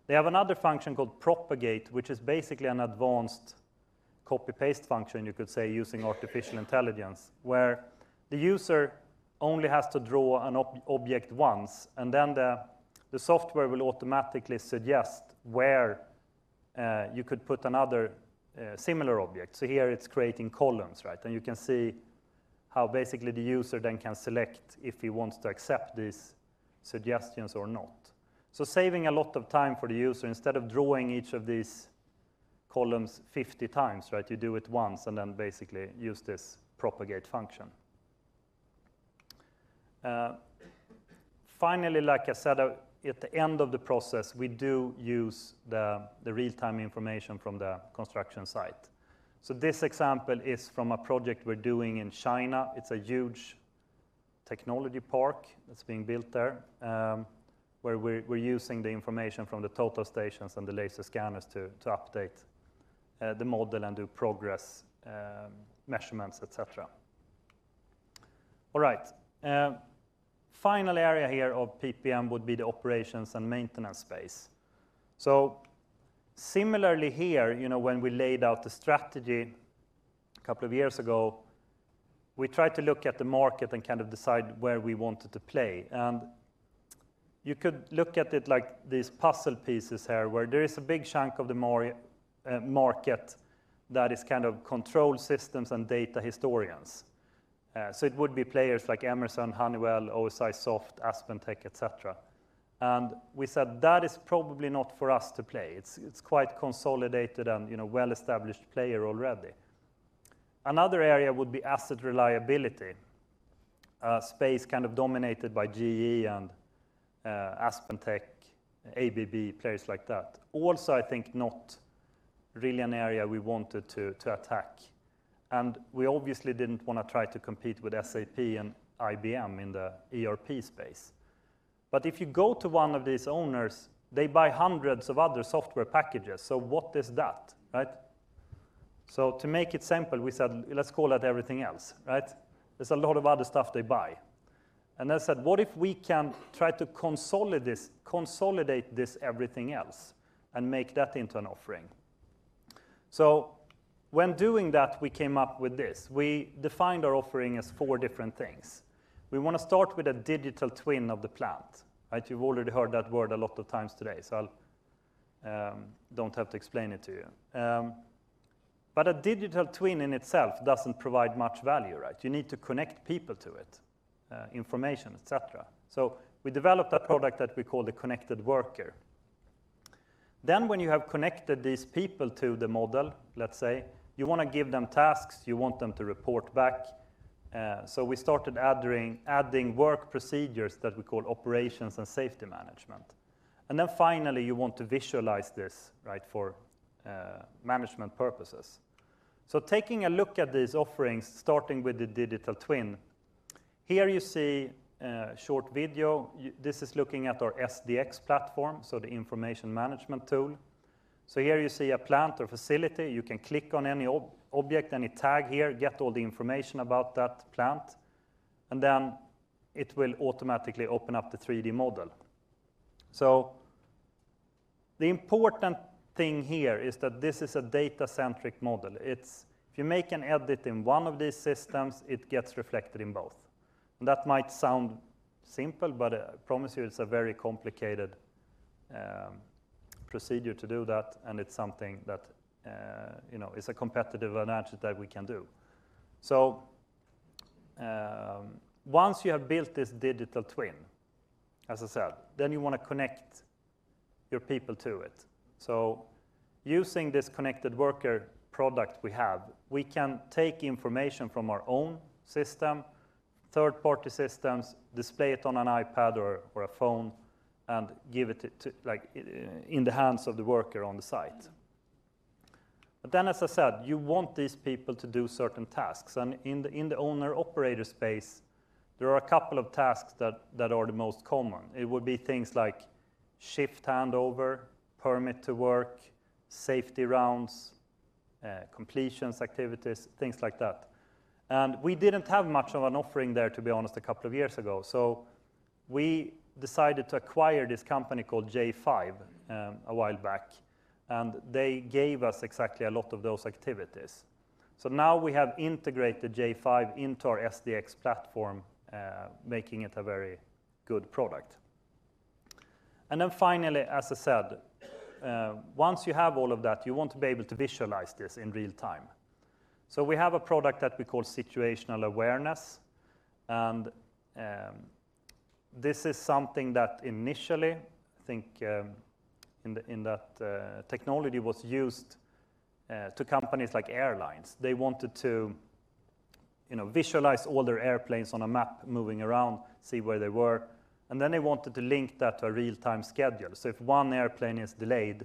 They have another function called Propagate, which is basically an advanced copy-paste function, you could say, using artificial intelligence, where the user only has to draw an object once, and then the software will automatically suggest where you could put another similar object. Here it's creating columns. You can see how basically the user then can select if he wants to accept these suggestions or not. Saving a lot of time for the user instead of drawing each of these columns 50 times. You do it once and then basically use this Propagate function. Finally, like I said, at the end of the process, we do use the real-time information from the construction site. This example is from a project we're doing in China. It's a huge technology park that's being built there, where we're using the information from the total stations and the laser scanners to update the model and do progress measurements, et cetera. All right. Final area here of PPM would be the operations and maintenance space. Similarly here, when we laid out the strategy 2 years ago, we tried to look at the market and decide where we wanted to play. You could look at it like these puzzle pieces here, where there is a big chunk of the market that is controlled systems and data historians. It would be players like Emerson, Honeywell, OSIsoft, AspenTech, et cetera. We said, "That is probably not for us to play." It's quite consolidated and well-established player already. Another area would be asset reliability. A space dominated by GE and AspenTech, ABB, players like that. Also, I think not really an area we wanted to attack. We obviously didn't want to try to compete with SAP and IBM in the ERP space. If you go to one of these owners, they buy hundreds of other software packages. What is that? Right? To make it simple, we said, "Let's call that everything else." Right? There's a lot of other stuff they buy. Said, what if we can try to consolidate this everything else and make that into an offering? When doing that, we came up with this. We defined our offering as four different things. We want to start with a digital twin of the plant. Right? You've already heard that word a lot of times today, I don't have to explain it to you. A digital twin in itself doesn't provide much value, right? You need to connect people to it, information, et cetera. We developed a product that we call the Connected Worker. When you have connected these people to the model, let's say, you want to give them tasks, you want them to report back. We started adding work procedures that we call operations and safety management. Finally, you want to visualize this for management purposes. Taking a look at these offerings, starting with the digital twin. Here you see a short video. This is looking at our SDx platform, so the information management tool. Here you see a plant or facility. You can click on any object, any tag here, get all the information about that plant, and then it will automatically open up the 3D model. The important thing here is that this is a data-centric model. If you make an edit in one of these systems, it gets reflected in both. That might sound simple, but I promise you it's a very complicated procedure to do that, and it's something that is a competitive advantage that we can do. Once you have built this digital twin, as I said, you want to connect your people to it. Using this Connected Worker product we have, we can take information from our own system, third-party systems, display it on an iPad or a phone and give it in the hands of the worker on the site. As I said, you want these people to do certain tasks, and in the owner/operator space, there are a couple of tasks that are the most common. It would be things like shift handover, permit to work, safety rounds, completions activities, things like that. We didn't have much of an offering there, to be honest, a couple of years ago. We decided to acquire this company called j5 a while back, and they gave us exactly a lot of those activities. Now we have integrated j5 into our SDx platform, making it a very good product. Finally, as I said, once you have all of that, you want to be able to visualize this in real-time. We have a product that we call Situational Awareness, and this is something that initially, I think, in that technology was used to companies like airlines. They wanted to visualize all their airplanes on a map moving around, see where they were, and then they wanted to link that to a real-time schedule. If one airplane is delayed,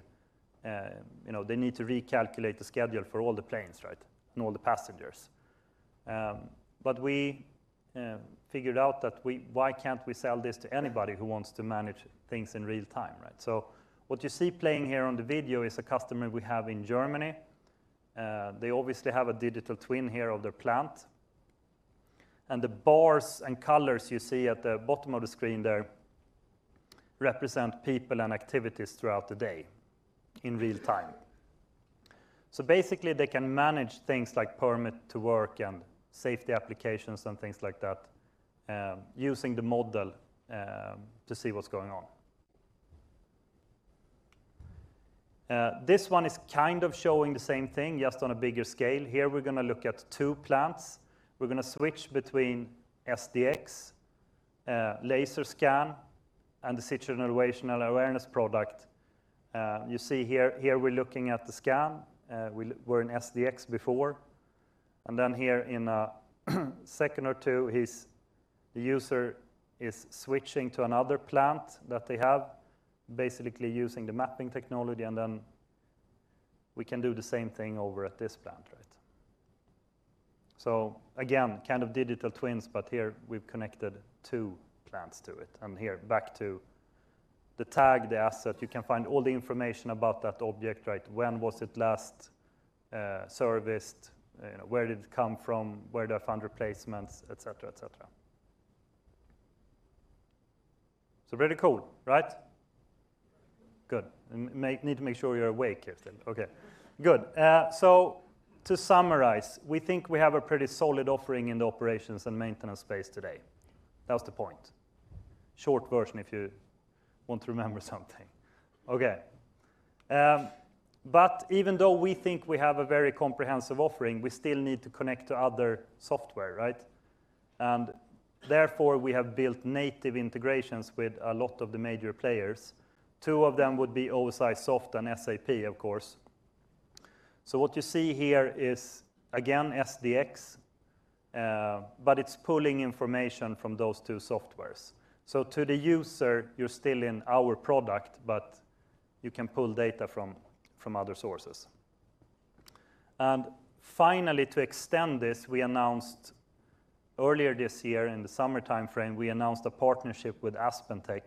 they need to recalculate the schedule for all the planes, right? All the passengers. We figured out that why can't we sell this to anybody who wants to manage things in real-time, right? What you see playing here on the video is a customer we have in Germany. They obviously have a digital twin here of their plant. The bars and colors you see at the bottom of the screen there represent people and activities throughout the day in real-time. Basically, they can manage things like permit to work and safety applications and things like that, using the model to see what's going on. This one is showing the same thing, just on a bigger scale. Here, we're going to look at two plants. We're going to switch between SDx, laser scan, and the Situational Awareness product. You see here we're looking at the scan. We were in SDx before, and then here in a second or two, the user is switching to another plant that they have, basically using the mapping technology, and then we can do the same thing over at this plant, right? Again, digital twins, but here we've connected two plants to it. Here, the tag, the asset, you can find all the information about that object. When was it last serviced? Where did it come from? Where do I find replacements? Et cetera. Very cool, right? Good. Need to make sure you're awake here then. Okay, good. To summarize, we think we have a pretty solid offering in the operations and maintenance space today. That was the point. Short version if you want to remember something. Okay. Even though we think we have a very comprehensive offering, we still need to connect to other software. Therefore, we have built native integrations with a lot of the major players. Two of them would be OSIsoft and SAP, of course. What you see here is again, SDx, but it's pulling information from those two softwares. To the user, you're still in our product, but you can pull data from other sources. Finally, to extend this, we announced earlier this year in the summer timeframe, we announced a partnership with AspenTech,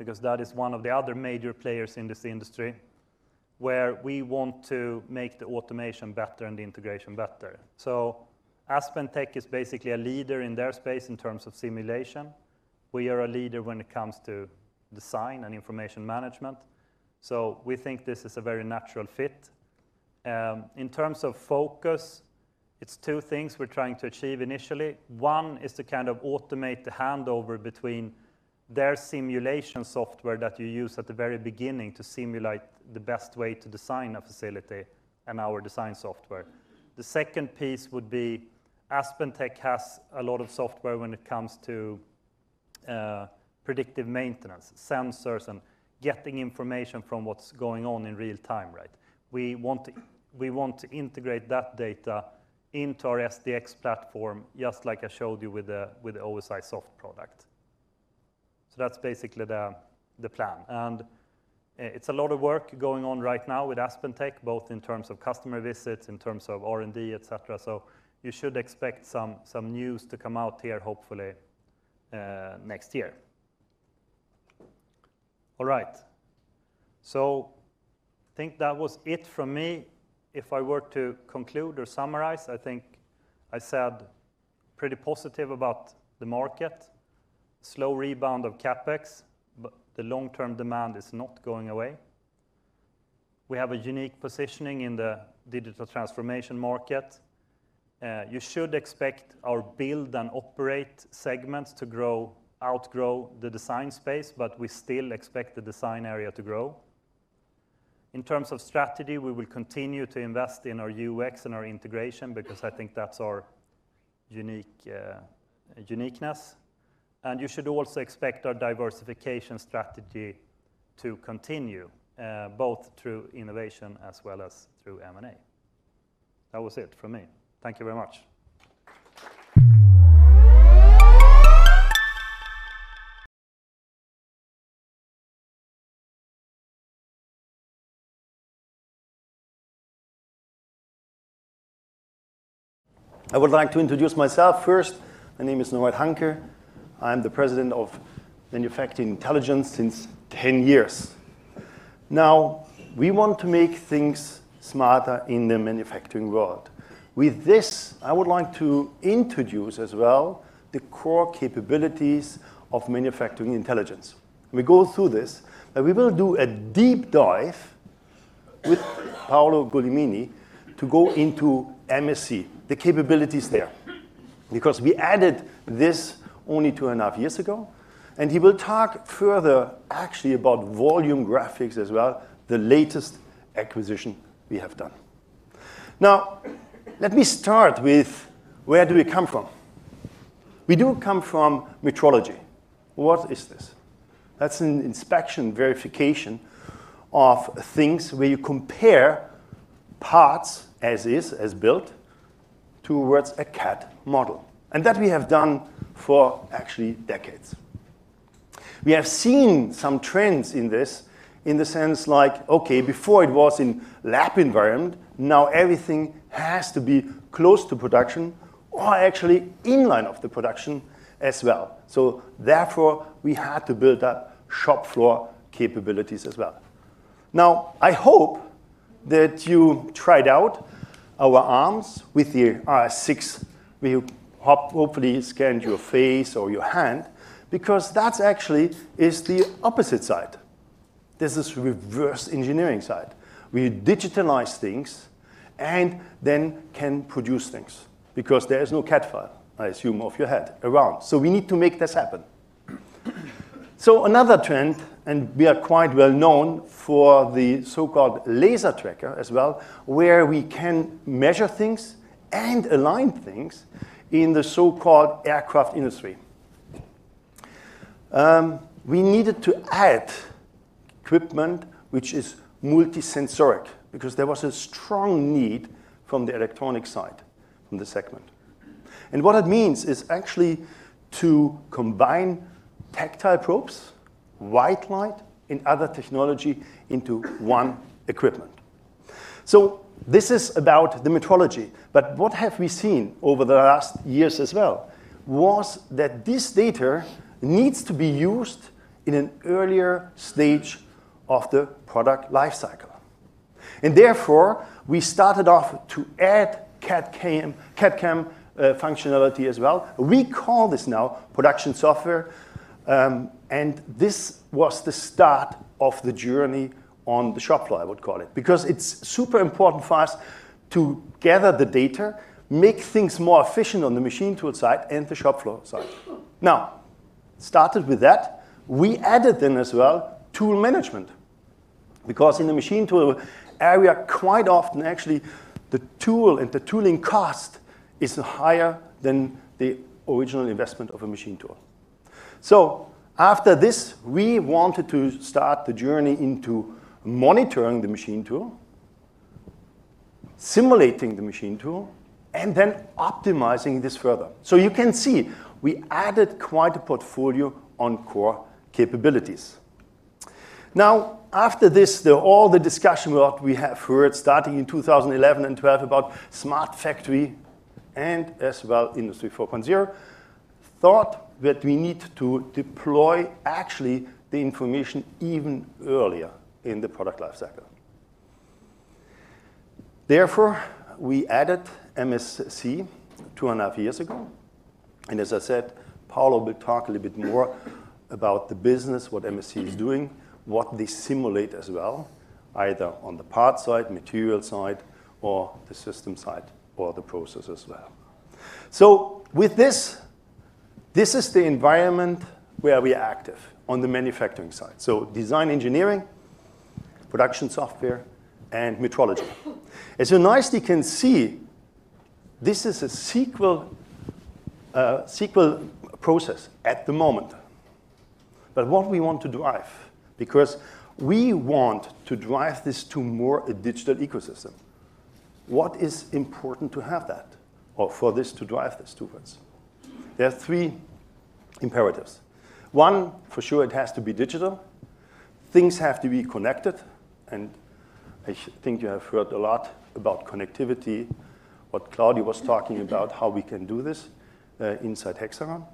because that is one of the other major players in this industry, where we want to make the automation better and the integration better. AspenTech is basically a leader in their space in terms of simulation. We are a leader when it comes to design and information management. We think this is a very natural fit. In terms of focus, it's two things we're trying to achieve initially. One is to kind of automate the handover between their simulation software that you use at the very beginning to simulate the best way to design a facility and our design software. The second piece would be AspenTech has a lot of software when it comes to predictive maintenance, sensors, and getting information from what's going on in real time. We want to integrate that data into our SDx platform, just like I showed you with the OSIsoft product. That's basically the plan, and it's a lot of work going on right now with AspenTech, both in terms of customer visits, in terms of R&D, et cetera. You should expect some news to come out here hopefully, next year. All right. I think that was it from me. If I were to conclude or summarize, I think I said pretty positive about the market, slow rebound of CapEx, but the long-term demand is not going away. We have a unique positioning in the digital transformation market. You should expect our build and operate segments to outgrow the design space, but we still expect the design area to grow. In terms of strategy, we will continue to invest in our UX and our integration because I think that's our uniqueness. You should also expect our diversification strategy to continue, both through innovation as well as through M&A. That was it from me. Thank you very much. I would like to introduce myself first. My name is Norbert Hanke. I'm the President of Manufacturing Intelligence since 10 years. We want to make things smarter in the manufacturing world. With this, I would like to introduce as well the core capabilities of Manufacturing Intelligence. We go through this, and we will do a deep dive with Paolo Guglielmini to go into MSC, the capabilities there. We added this only two and a half years ago, and he will talk further actually about Volume Graphics as well, the latest acquisition we have done. Let me start with where do we come from. We do come from metrology. What is this? That's an inspection verification of things where you compare parts as is, as built, towards a CAD model. That we have done for actually decades. We have seen some trends in this in the sense like, okay, before it was in lab environment, now everything has to be close to production or actually in line of the production as well. Therefore, we had to build up shop floor capabilities as well. Now, I hope that you tried out our arms with the RS6, where you hopefully scanned your face or your hand because that's actually is the opposite side. There's this reverse engineering side, where you digitalize things and then can produce things because there is no CAD file, I assume, of your head around. We need to make this happen. Another trend, we are quite well known for the so-called laser tracker as well, where we can measure things and align things in the so-called aircraft industry. We needed to add equipment which is multi-sensoric because there was a strong need from the electronic side, from the segment. What it means is actually to combine tactile probes, white light, and other technology into one equipment. This is about the metrology. What have we seen over the last years as well was that this data needs to be used in an earlier stage of the product lifecycle. Therefore, we started off to add CAD/CAM functionality as well. We call this now production software. This was the start of the journey on the shop floor, I would call it, because it's super important for us to gather the data, make things more efficient on the machine tool side and the shop floor side. Started with that, we added then as well tool management, because in the machine tool area, quite often actually, the tool and the tooling cost is higher than the original investment of a machine tool. After this, we wanted to start the journey into monitoring the machine tool, simulating the machine tool, and then optimizing this further. You can see, we added quite a portfolio on core capabilities. After this, all the discussion what we have heard starting in 2011 and 2012 about smart factory and as well Industry 4.0, thought that we need to deploy actually the information even earlier in the product life cycle. We added MSC 2 and a half years ago, and as I said, Paolo will talk a little bit more about the business, what MSC is doing, what they simulate as well, either on the parts side, materials side, or the system side, or the process as well. With this is the environment where we are active on the manufacturing side. Design engineering, production software, and metrology. Nicely you can see this is a sequential process at the moment. What we want to drive, because we want to drive this to more a digital ecosystem. What is important to have that or for this to drive this forwards? There are three imperatives. One, for sure it has to be digital. Things have to be connected, and I think you have heard a lot about connectivity, what Claudio was talking about how we can do this inside Hexagon.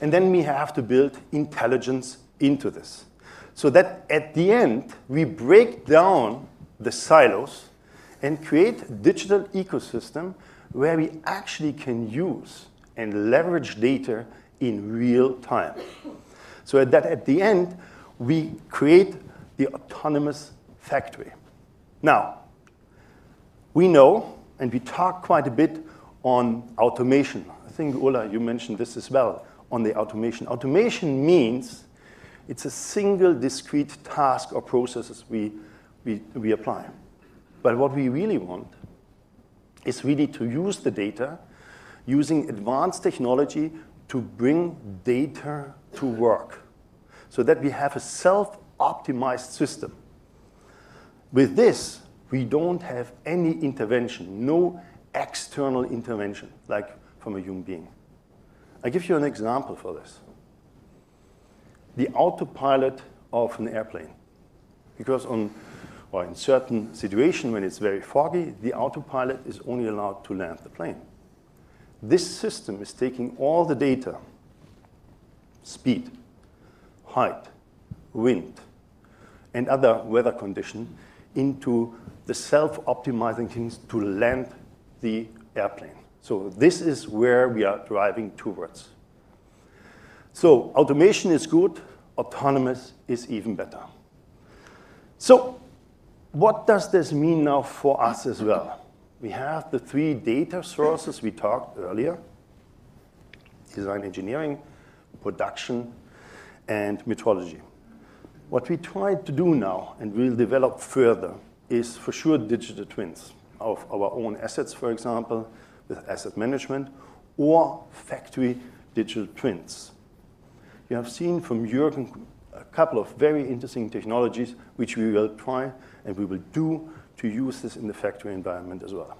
Then we have to build intelligence into this so that at the end, we break down the silos and create digital ecosystem where we actually can use and leverage data in real time, so that at the end, we create the autonomous factory. We know and we talk quite a bit on automation. I think, Ola, you mentioned this as well on the automation. Automation means it's a single discrete task or processes we apply. What we really want is really to use the data using advanced technology to bring data to work so that we have a self-optimized system. With this, we don't have any intervention, no external intervention, like from a human being. I give you an example for this. The autopilot of an airplane. In certain situation when it's very foggy, the autopilot is only allowed to land the plane. This system is taking all the data, speed, height, wind, and other weather condition into the self-optimizing things to land the airplane. This is where we are driving towards. Automation is good, autonomous is even better. What does this mean now for us as well? We have the three data sources we talked earlier, design engineering, production, and metrology. What we try to do now and will develop further is for sure digital twins of our own assets, for example, with asset management or factory digital twins. You have seen from Juergen a couple of very interesting technologies which we will try and we will do to use this in the factory environment as well.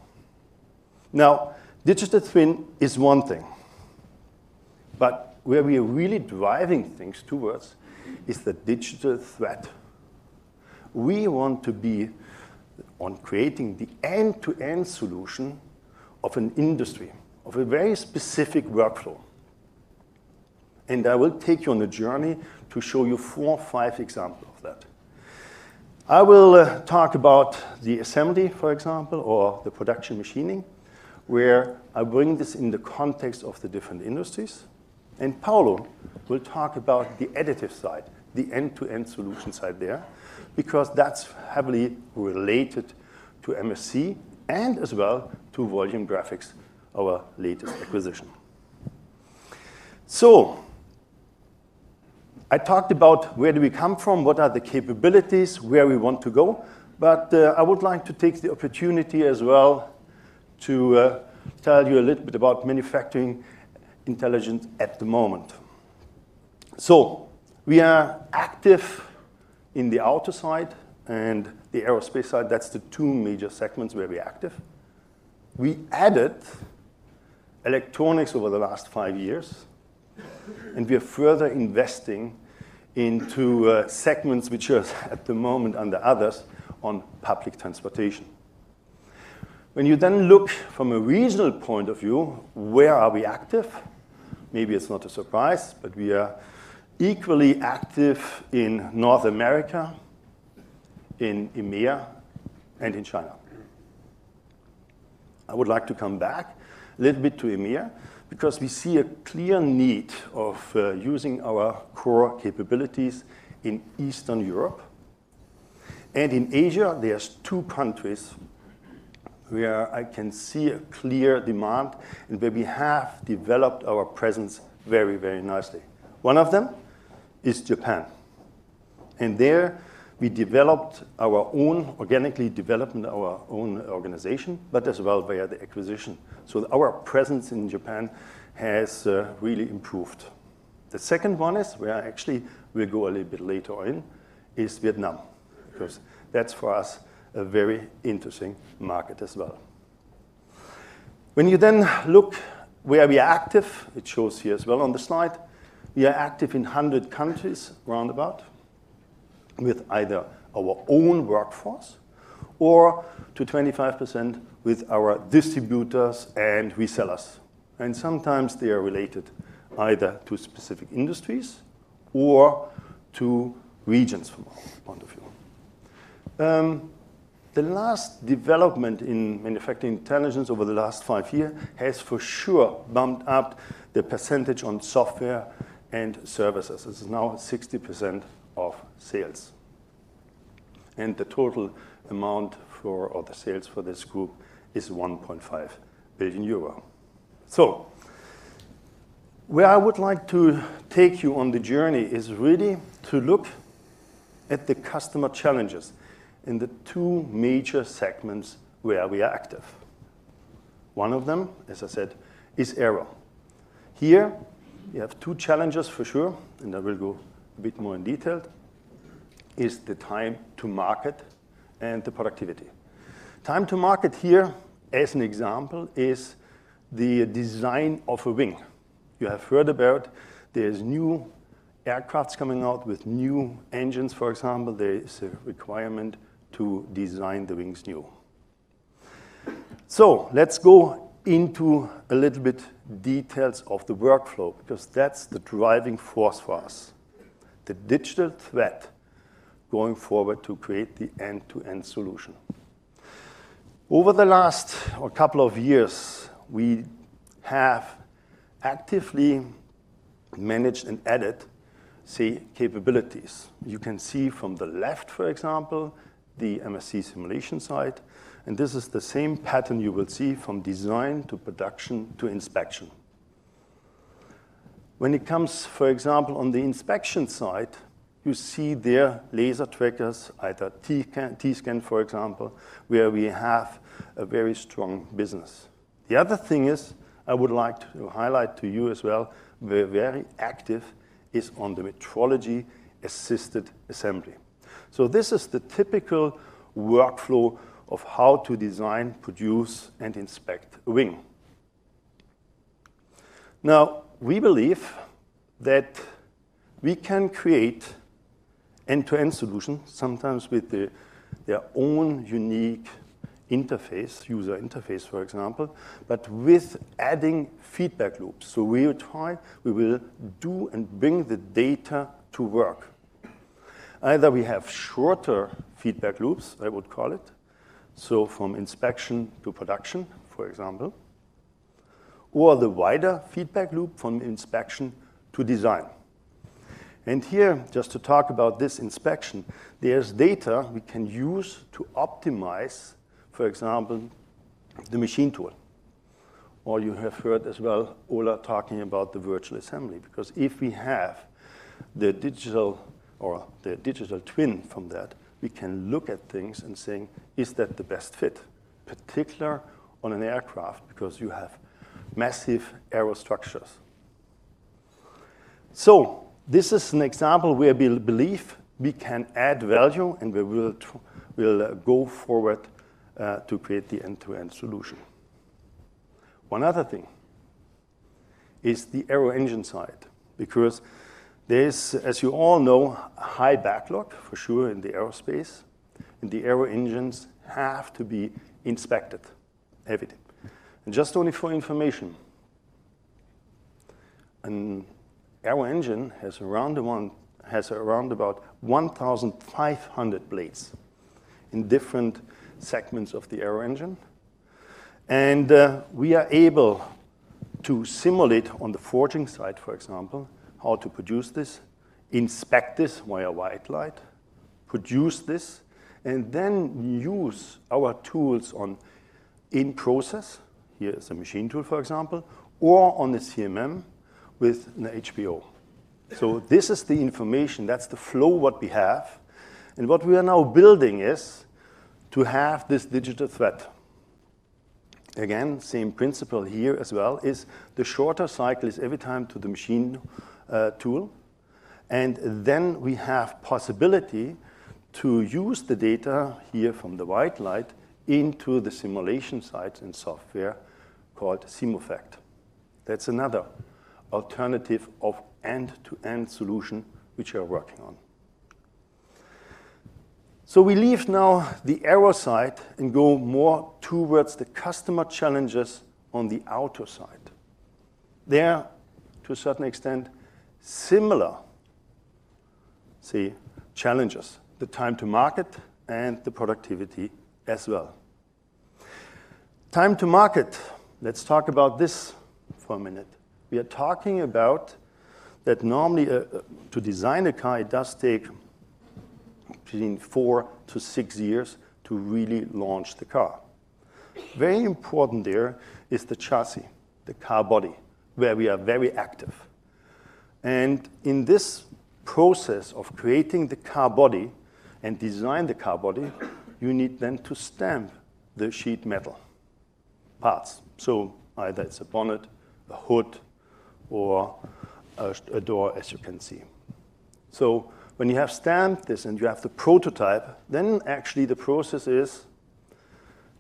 Digital twin is one thing, but where we are really driving things towards is the digital thread. We want to be on creating the end-to-end solution of an industry, of a very specific workflow. I will take you on a journey to show you four or five examples of that. I will talk about the assembly, for example, or the production machining, where I bring this in the context of the different industries. Paolo will talk about the additive side, the end-to-end solution side there, because that's heavily related to MSC and as well to Volume Graphics, our latest acquisition. I talked about where do we come from, what are the capabilities, where we want to go, but I would like to take the opportunity as well to tell you a little bit about Manufacturing Intelligence at the moment. We are active in the auto side and the aerospace side. That is the two major segments we are active. We added Electronics over the last five years, and we are further investing into segments which are, at the moment, under others, on public transportation. You look from a regional point of view, where are we active? Maybe it is not a surprise, we are equally active in North America, in EMEA, and in China. I would like to come back a little bit to EMEA because we see a clear need of using our core capabilities in Eastern Europe. In Asia there is two countries where I can see a clear demand and where we have developed our presence very nicely. One of them is Japan, there we developed our own, organically developed our own organization, as well via the acquisition. Our presence in Japan has really improved. The second one is where actually we'll go a little bit later on, is Vietnam. That's for us a very interesting market as well. When you then look where we are active, it shows here as well on the slide, we are active in 100 countries roundabout with either our own workforce or to 25% with our distributors and resellers. Sometimes they are related either to specific industries or to regions from our point of view. The last development in Manufacturing Intelligence over the last five year has for sure bumped up the percentage on software and services. This is now 60% of sales. The total amount for all the sales for this group is 1.5 billion euro. Where I would like to take you on the journey is really to look at the customer challenges in the 2 major segments where we are active. One of them, as I said, is aero. Here you have 2 challenges for sure, and I will go a bit more in detail, is the time to market and the productivity. Time to market here as an example is the design of a wing. You have heard about there's new aircraft coming out with new engines, for example. There is a requirement to design the wings new. Let's go into a little bit details of the workflow because that's the driving force for us, the digital thread going forward to create the end-to-end solution. Over the last couple of years, we have actively managed and added, say, capabilities. You can see from the left, for example, the MSC simulation side. This is the same pattern you will see from design to production to inspection. When it comes, for example, on the inspection side, you see there laser trackers, either T-Scan, for example, where we have a very strong business. The other thing is I would like to highlight to you as well, we're very active is on the metrology-assisted assembly. This is the typical workflow of how to design, produce, and inspect wing. We believe that we can create end-to-end solution sometimes with their own unique interface, user interface, for example, but with adding feedback loops. We will try, we will do and bring the data to work. Either we have shorter feedback loops, I would call it, so from inspection to production, for example, or the wider feedback loop from inspection to design. Here just to talk about this inspection, there's data we can use to optimize, for example, the machine tool. You have heard as well Ola talking about the virtual assembly because if we have the digital or the digital twin from that, we can look at things and saying, "Is that the best fit?" Particular on an aircraft because you have massive aero structures. This is an example where we believe we can add value and we will go forward, to create the end-to-end solution. One other thing is the aero engine side because there's, as you all know, a high backlog for sure in the aerospace and the aero engines have to be inspected every day. Just only for information, an aero engine has around about 1,500 blades in different segments of the aero engine and we are able to simulate on the forging side, for example, how to produce this, inspect this via white light, produce this, and then use our tools on in process, here is a machine tool for example, or on the CMM with an HP-O. This is the information, that's the flow what we have. What we are now building is to have this digital thread. Again, same principle here as well is the shorter cycle is every time to the machine tool. Then we have possibility to use the data here from the white light into the simulation side in software called Simufact. That's another alternative of end-to-end solution which we are working on. We leave now the error side and go more towards the customer challenges on the outer side. They are, to a certain extent, similar challenges. The time to market and the productivity as well. Time to market. Let's talk about this for a minute. We are talking about that normally, to design a car, it does take between four to six years to really launch the car. Very important there is the chassis, the car body, where we are very active. In this process of creating the car body and design the car body, you need then to stamp the sheet metal parts. Either it's a bonnet, a hood, or a door, as you can see. When you have stamped this and you have the prototype, then actually the process is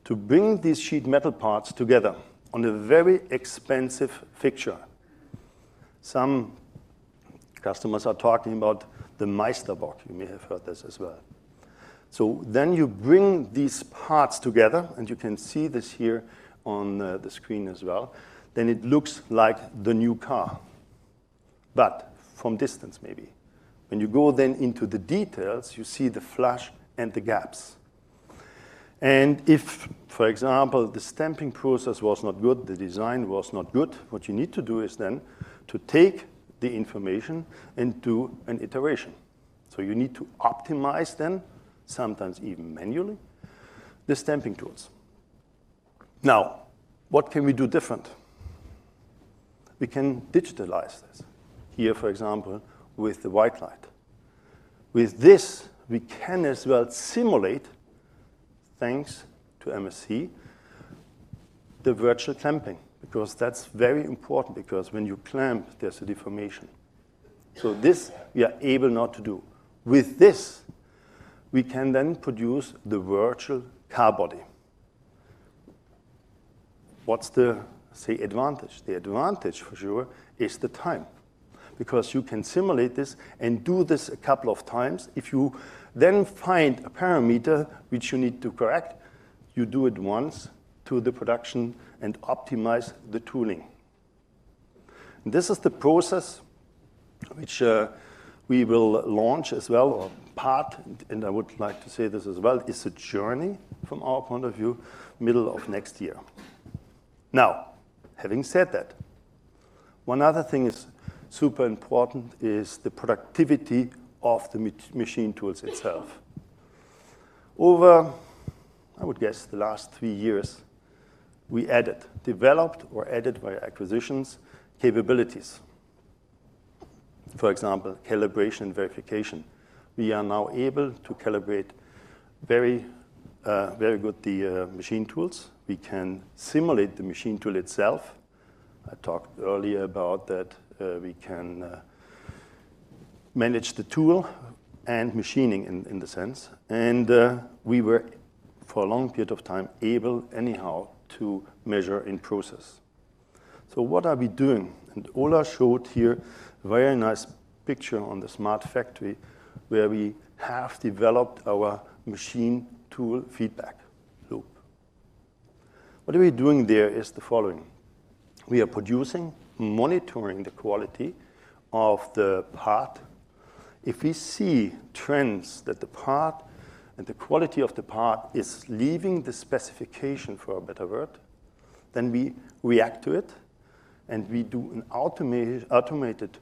to bring these sheet metal parts together on a very expensive fixture. Some customers are talking about the Meisterbock. You may have heard this as well. You bring these parts together, and you can see this here on the screen as well, then it looks like the new car, but from distance maybe. When you go then into the details, you see the flash and the gaps. If, for example, the stamping process was not good, the design was not good, what you need to do is then to take the information and do an iteration. You need to optimize then, sometimes even manually, the stamping tools. Now, what can we do different? We can digitalize this. Here, for example, with the white light. With this, we can as well simulate, thanks to MSC, the virtual clamping, because that's very important, because when you clamp, there's a deformation. This, we are able now to do. With this, we can then produce the virtual car body. What's the advantage? The advantage, for sure, is the time. You can simulate this and do this a couple of times. If you then find a parameter which you need to correct, you do it once to the production and optimize the tooling. This is the process which we will launch as well, or part, and I would like to say this as well, it's a journey from our point of view, middle of next year. Having said that, one other thing is super important is the productivity of the machine tools itself. Over, I would guess, the last three years, we added, developed or added via acquisitions, capabilities. For example, calibration verification. We are now able to calibrate very good the machine tools. We can simulate the machine tool itself. I talked earlier about that we can manage the tool and machining in the sense. We were, for a long period of time, able anyhow to measure in process. What are we doing? Ola showed here very nice picture on the smart factory where we have developed our machine tool feedback loop. What are we doing there is the following. We are producing, monitoring the quality of the part. If we see trends that the part and the quality of the part is leaving the specification, for a better word, then we react to it and we do an automated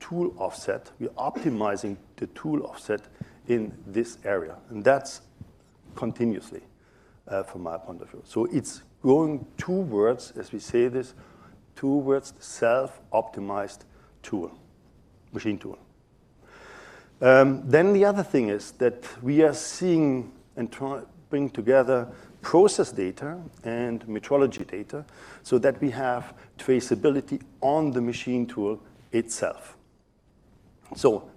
tool offset. We're optimizing the tool offset in this area, and that's continuously from my point of view. It's going towards, as we say this, towards self-optimized machine tool. The other thing is that we are seeing and trying to bring together process data and metrology data so that we have traceability on the machine tool itself.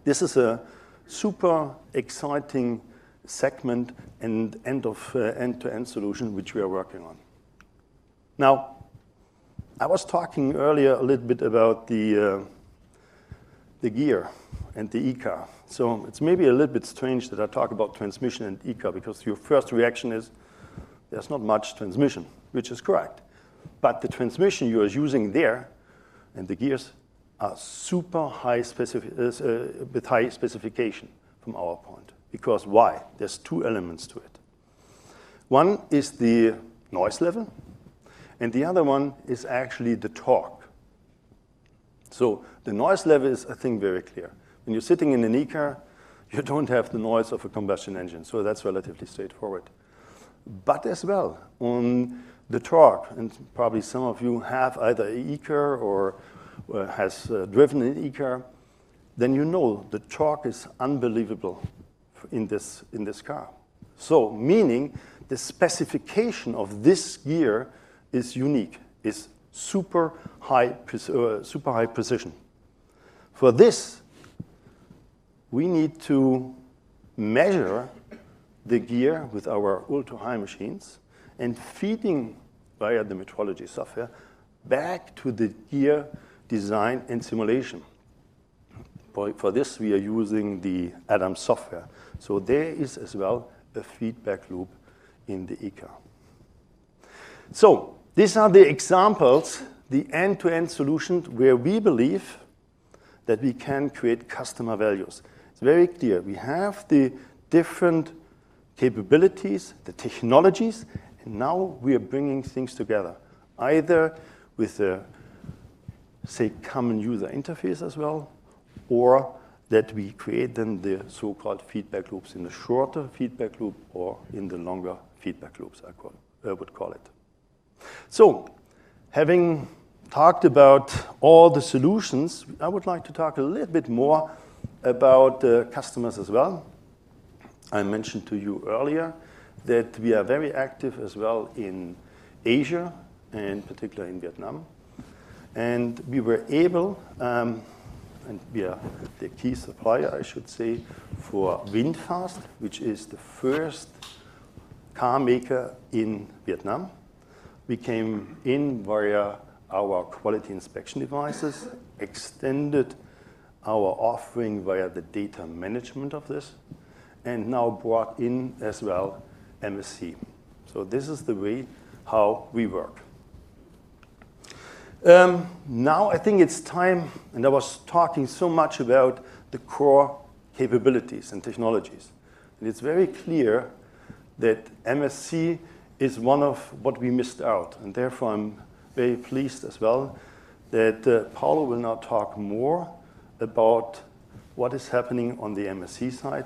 This is a super exciting segment and end-to-end solution which we are working on. I was talking earlier a little bit about the gear and the E-car. It's maybe a little bit strange that I talk about transmission and E-car because your first reaction is there's not much transmission, which is correct. The transmission you are using there and the gears are super high specification from our point. Why? There's two elements to it. One is the noise level, and the other one is actually the torque. The noise level is, I think, very clear. When you're sitting in an E-car, you don't have the noise of a combustion engine, so that's relatively straightforward. As well on the torque, and probably some of you have either a E-car or has driven an E-car, then you know the torque is unbelievable in this car. Meaning the specification of this gear is unique, is super high precision. For this, we need to measure the gear with our ultra-high machines and feed via the metrology software back to the gear design and simulation. For this, we are using the Adams software. There is as well a feedback loop in the eco. These are the examples, the end-to-end solutions where we believe that we can create customer values. It's very clear. We have the different capabilities, the technologies, and now we are bringing things together, either with a, say, common user interface as well, or that we create then the so-called feedback loops in the shorter feedback loop or in the longer feedback loops, I would call it. Having talked about all the solutions, I would like to talk a little bit more about the customers as well. I mentioned to you earlier that we are very active as well in Asia, and particularly in Vietnam. We were able, and we are the key supplier, I should say, for VinFast, which is the first car maker in Vietnam. We came in via our quality inspection devices, extended our offering via the data management of this, and now brought in as well MSC. This is the way how we work. Now I think it's time, and I was talking so much about the core capabilities and technologies, and it's very clear that MSC is one of what we missed out. Therefore, I'm very pleased as well that Paolo will now talk more about what is happening on the MSC side,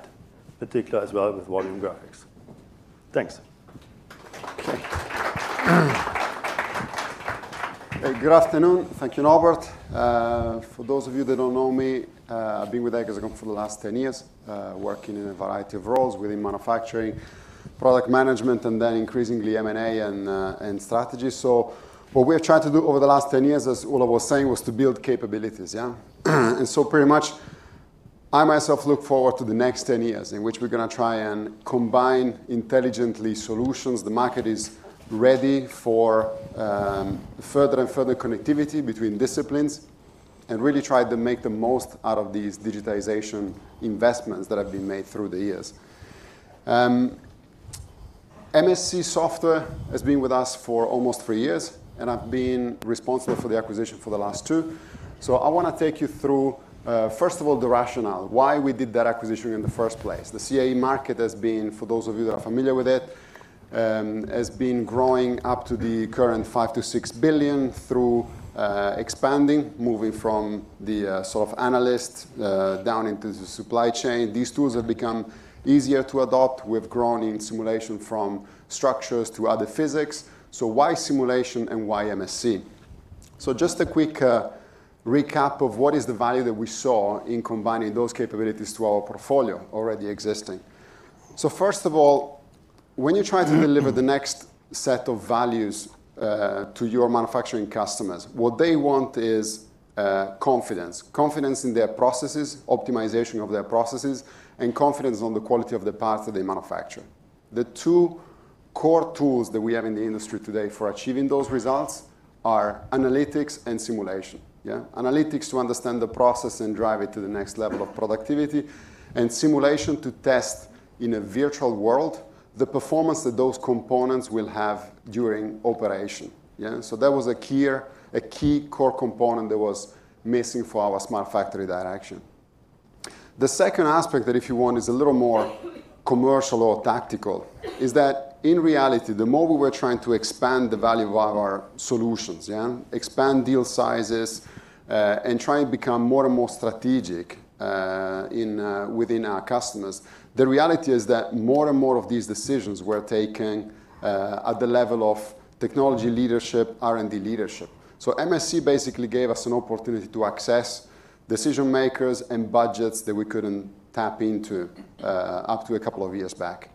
particular as well with Volume Graphics. Thanks. Okay. Good afternoon. Thank you, Norbert. For those of you that don't know me, I've been with Hexagon for the last 10 years, working in a variety of roles within manufacturing, product management, and then increasingly M&A and strategy. What we have tried to do over the last 10 years, as Ulrich was saying, was to build capabilities, yeah? Pretty much I, myself look forward to the next 10 years in which we're going to try and combine intelligently solutions. The market is ready for further and further connectivity between disciplines and really try to make the most out of these digitization investments that have been made through the years. MSC Software has been with us for almost three years, and I've been responsible for the acquisition for the last two. I want to take you through, first of all, the rationale, why we did that acquisition in the first place. The CAE market has been, for those of you that are familiar with it, has been growing up to the current 5 billion-6 billion through expanding, moving from the sort of analyst, down into the supply chain. These tools have become easier to adopt. We've grown in simulation from structures to other physics. Why simulation and why MSC? Just a quick recap of what is the value that we saw in combining those capabilities to our portfolio already existing. First of all, when you try to deliver the next set of values to your manufacturing customers, what they want is confidence. Confidence in their processes, optimization of their processes, and confidence on the quality of the parts that they manufacture. The two core tools that we have in the industry today for achieving those results are analytics and simulation: analytics to understand the process and drive it to the next level of productivity, and simulation to test in a virtual world the performance that those components will have during operation. That was a key core component that was missing for our smart factory direction. The second aspect that if you want is a little more commercial or tactical, is that in reality, the more we were trying to expand the value of our solutions, yeah, expand deal sizes, and try and become more and more strategic within our customers, the reality is that more and more of these decisions were taken at the level of technology leadership, R&D leadership. MSC basically gave us an opportunity to access decision makers and budgets that we couldn't tap into up to a couple of years back.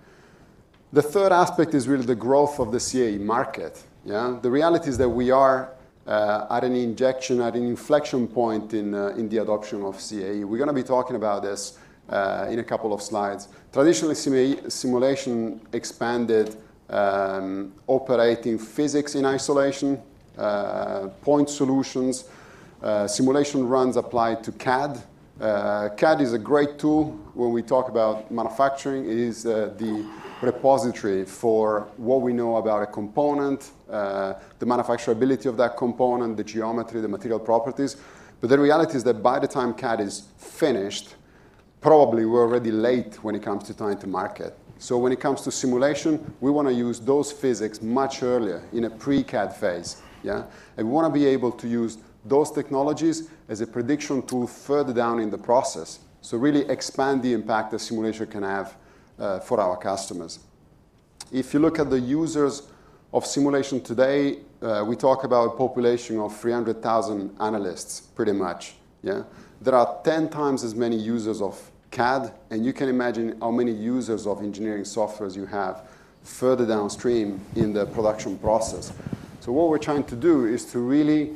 The third aspect is really the growth of the CAE market. Yeah. The reality is that we are at an inflection point in the adoption of CAE. We're going to be talking about this in a couple of slides. Traditionally, simulation expanded operating physics in isolation, point solutions, simulation runs applied to CAD. CAD is a great tool when we talk about manufacturing. It is the repository for what we know about a component, the manufacturability of that component, the geometry, the material properties. The reality is that by the time CAD is finished, probably we're already late when it comes to time to market. When it comes to simulation, we want to use those physics much earlier in a pre-CAD phase. Yeah. We want to be able to use those technologies as a prediction tool further down in the process. Really expand the impact that simulation can have for our customers. If you look at the users of simulation today, we talk about a population of 300,000 analysts, pretty much. Yeah. There are 10 times as many users of CAD, and you can imagine how many users of engineering software you have further downstream in the production process. What we're trying to do is to really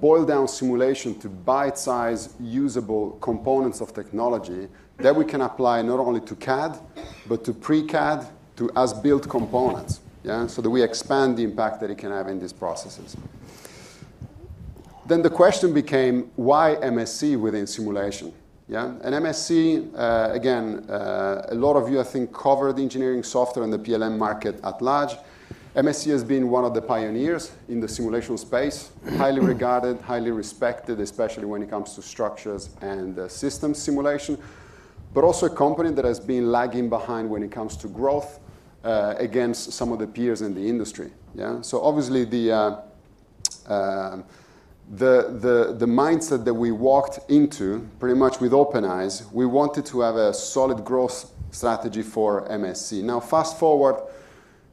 boil down simulation to bite-size, usable components of technology that we can apply not only to CAD, but to pre-CAD, to as-built components. Yeah. That we expand the impact that it can have in these processes. The question became: Why MSC within simulation? Yeah. MSC, again, a lot of you I think cover the engineering software and the PLM market at large. MSC has been one of the pioneers in the simulation space, highly regarded, highly respected, especially when it comes to structures and system simulation. Also a company that has been lagging behind when it comes to growth against some of the peers in the industry. Yeah. Obviously the mindset that we walked into, pretty much with open eyes, we wanted to have a solid growth strategy for MSC. Now, fast-forward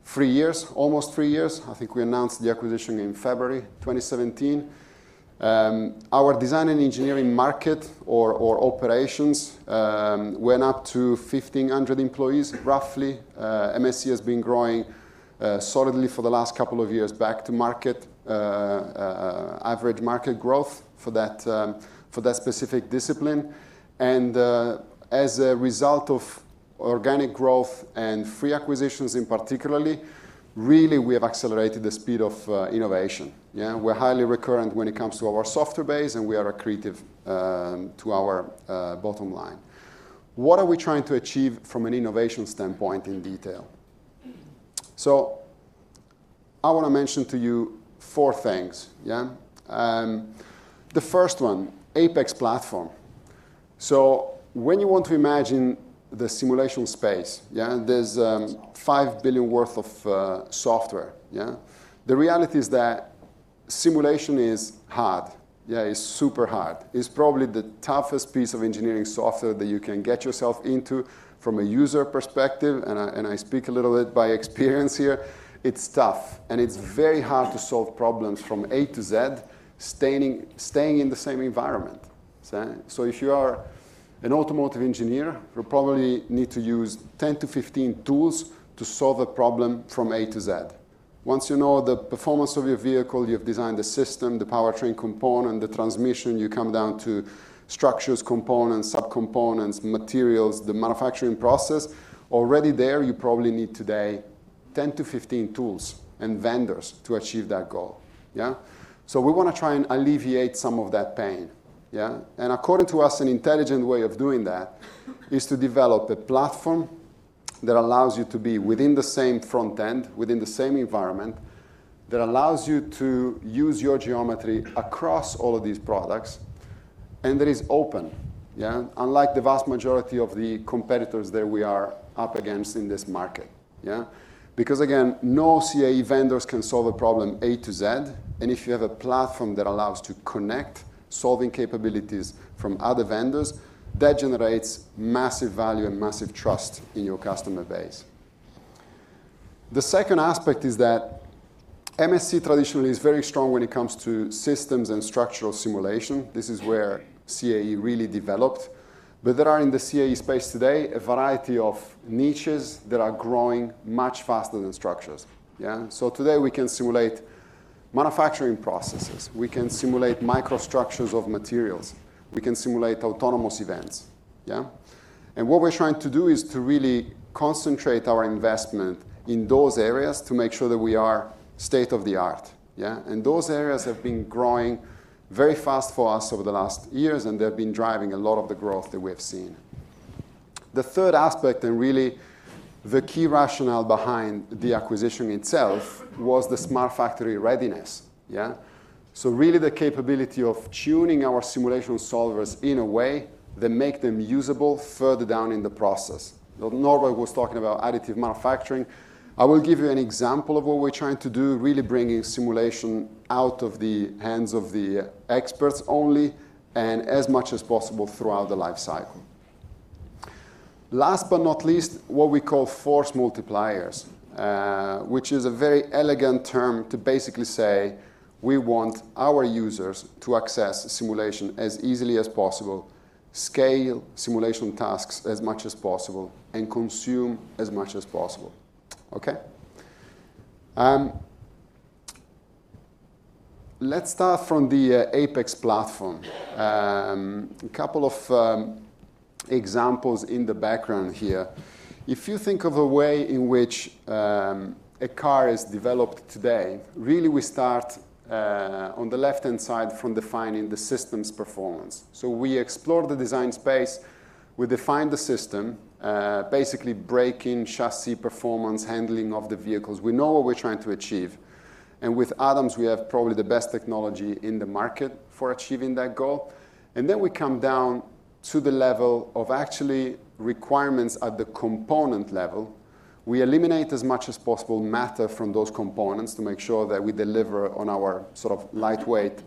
three years, almost three years, I think we announced the acquisition in February 2017. Our design and engineering market or operations went up to 1,500 employees, roughly. MSC has been growing solidly for the last couple of years back to average market growth for that specific discipline. As a result of organic growth and three acquisitions in particular, really we have accelerated the speed of innovation. We are highly recurrent when it comes to our software base, and we are accretive to our bottom line. What are we trying to achieve from an innovation standpoint in detail? I want to mention to you four things. The first one, Apex platform. When you want to imagine the simulation space, there is 5 billion worth of software. The reality is that simulation is hard. It is super hard. It is probably the toughest piece of engineering software that you can get yourself into from a user perspective, and I speak a little bit by experience here. It is tough, and it is very hard to solve problems from A to Z, staying in the same environment. If you are an automotive engineer, you'll probably need to use 10 to 15 tools to solve a problem from A to Z. Once you know the performance of your vehicle, you've designed the system, the powertrain component, the transmission, you come down to structures, components, subcomponents, materials, the manufacturing process. Already there, you probably need today 10 to 15 tools and vendors to achieve that goal. Yeah. We want to try and alleviate some of that pain. Yeah. According to us, an intelligent way of doing that is to develop a platform that allows you to be within the same front end, within the same environment, that allows you to use your geometry across all of these products, and that is open. Yeah. Unlike the vast majority of the competitors that we are up against in this market. Yeah. Again, no CAE vendors can solve a problem A to Z, and if you have a platform that allows to connect solving capabilities from other vendors, that generates massive value and massive trust in your customer base. The second aspect is that MSC traditionally is very strong when it comes to systems and structural simulation. This is where CAE really developed. There are in the CAE space today, a variety of niches that are growing much faster than structures. Today we can simulate manufacturing processes. We can simulate microstructures of materials. We can simulate autonomous events. What we're trying to do is to really concentrate our investment in those areas to make sure that we are state of the art. Those areas have been growing very fast for us over the last years, and they've been driving a lot of the growth that we have seen. The third aspect, and really the key rationale behind the acquisition itself, was the smart factory readiness. Really the capability of tuning our simulation solvers in a way that make them usable further down in the process. Norbert was talking about additive manufacturing. I will give you an example of what we're trying to do, really bringing simulation out of the hands of the experts only, and as much as possible throughout the life cycle. Last but not least, what we call force multipliers, which is a very elegant term to basically say we want our users to access simulation as easily as possible, scale simulation tasks as much as possible, and consume as much as possible. Let's start from the MSC Apex platform. A couple of examples in the background here. If you think of a way in which a car is developed today, really we start on the left-hand side from defining the system's performance. We explore the design space, we define the system, basically braking, chassis performance, handling of the vehicles. We know what we're trying to achieve. With Adams, we have probably the best technology in the market for achieving that goal. We come down to the level of actually requirements at the component level. We eliminate as much as possible matter from those components to make sure that we deliver on our sort of lightweight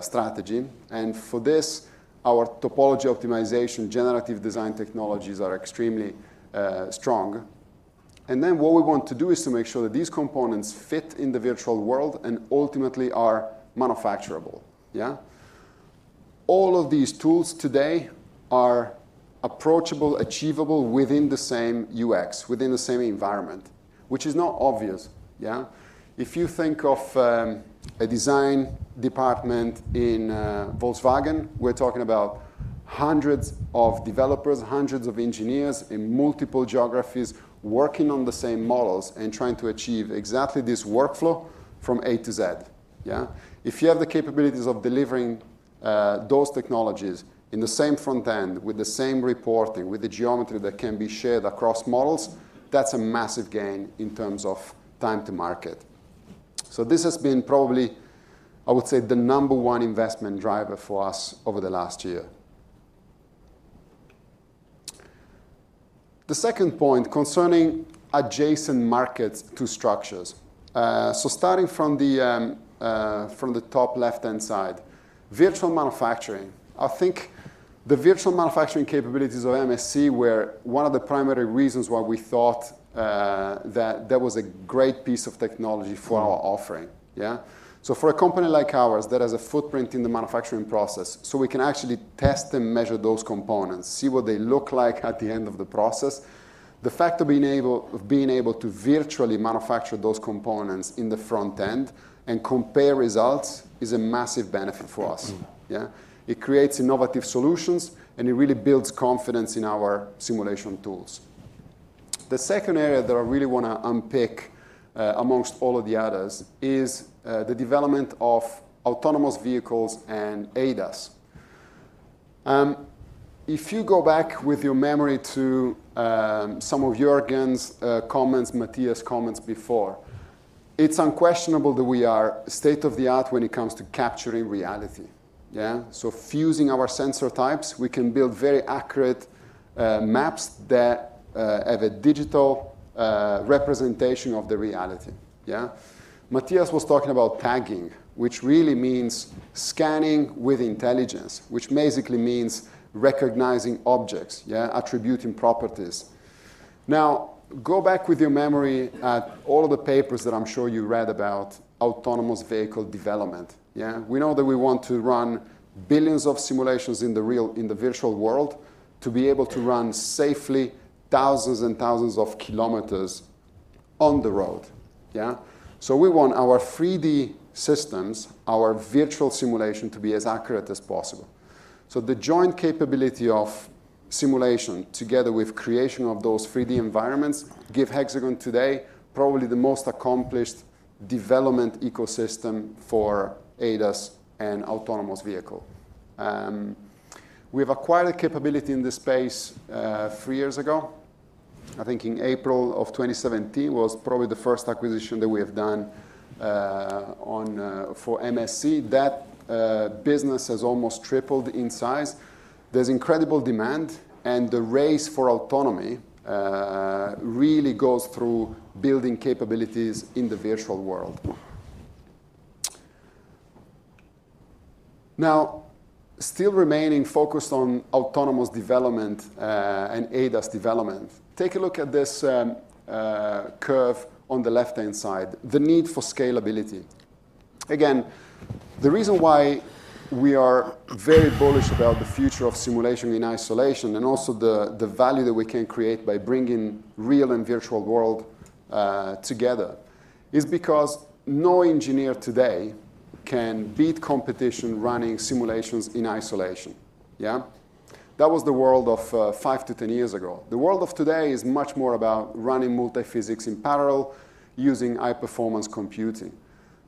strategy. For this, our topology optimization generative design technologies are extremely strong. What we want to do is to make sure that these components fit in the virtual world and ultimately are manufacturable. Yeah. All of these tools today are approachable, achievable within the same UX, within the same environment, which is not obvious. Yeah. If you think of a design department in Volkswagen, we're talking about hundreds of developers, hundreds of engineers in multiple geographies, working on the same models and trying to achieve exactly this workflow from A to Z. Yeah. If you have the capabilities of delivering those technologies in the same front end, with the same reporting, with the geometry that can be shared across models, that's a massive gain in terms of time to market. This has been probably, I would say, the number one investment driver for us over the last year. The second point concerning adjacent markets to structures. Starting from the top left-hand side, virtual manufacturing. I think the virtual manufacturing capabilities of MSC were one of the primary reasons why we thought that that was a great piece of technology for our offering. Yeah. For a company like ours that has a footprint in the manufacturing process, so we can actually test and measure those components, see what they look like at the end of the process. The fact of being able to virtually manufacture those components in the front end and compare results is a massive benefit for us. Yeah. It creates innovative solutions, and it really builds confidence in our simulation tools. The second area that I really want to unpick amongst all of the others is the development of autonomous vehicles and ADAS. If you go back with your memory to some of Juergen's comments, Mattias' comments before, it's unquestionable that we are state of the art when it comes to capturing reality. Yeah. Fusing our sensor types, we can build very accurate maps that have a digital representation of the reality. Yeah. Mattias was talking about tagging, which really means scanning with intelligence, which basically means recognizing objects, attributing properties. Go back with your memory at all of the papers that I'm sure you read about autonomous vehicle development. Yeah. We know that we want to run billions of simulations in the virtual world to be able to run safely thousands and thousands of km on the road. Yeah. We want our 3D systems, our virtual simulation, to be as accurate as possible. The joint capability of simulation, together with creation of those 3D environments, give Hexagon today probably the most accomplished development ecosystem for ADAS and autonomous vehicle. We've acquired a capability in this space three years ago. I think in April of 2017 was probably the first acquisition that we have done for MSC. That business has almost tripled in size. There's incredible demand, and the race for autonomy really goes through building capabilities in the virtual world. Still remaining focused on autonomous development and ADAS development, take a look at this curve on the left-hand side, the need for scalability. Again, the reason why we are very bullish about the future of simulation in isolation and also the value that we can create by bringing real and virtual world together is because no engineer today can beat competition running simulations in isolation. Yeah. That was the world of 5 to 10 years ago. The world of today is much more about running multiphysics in parallel using high-performance computing.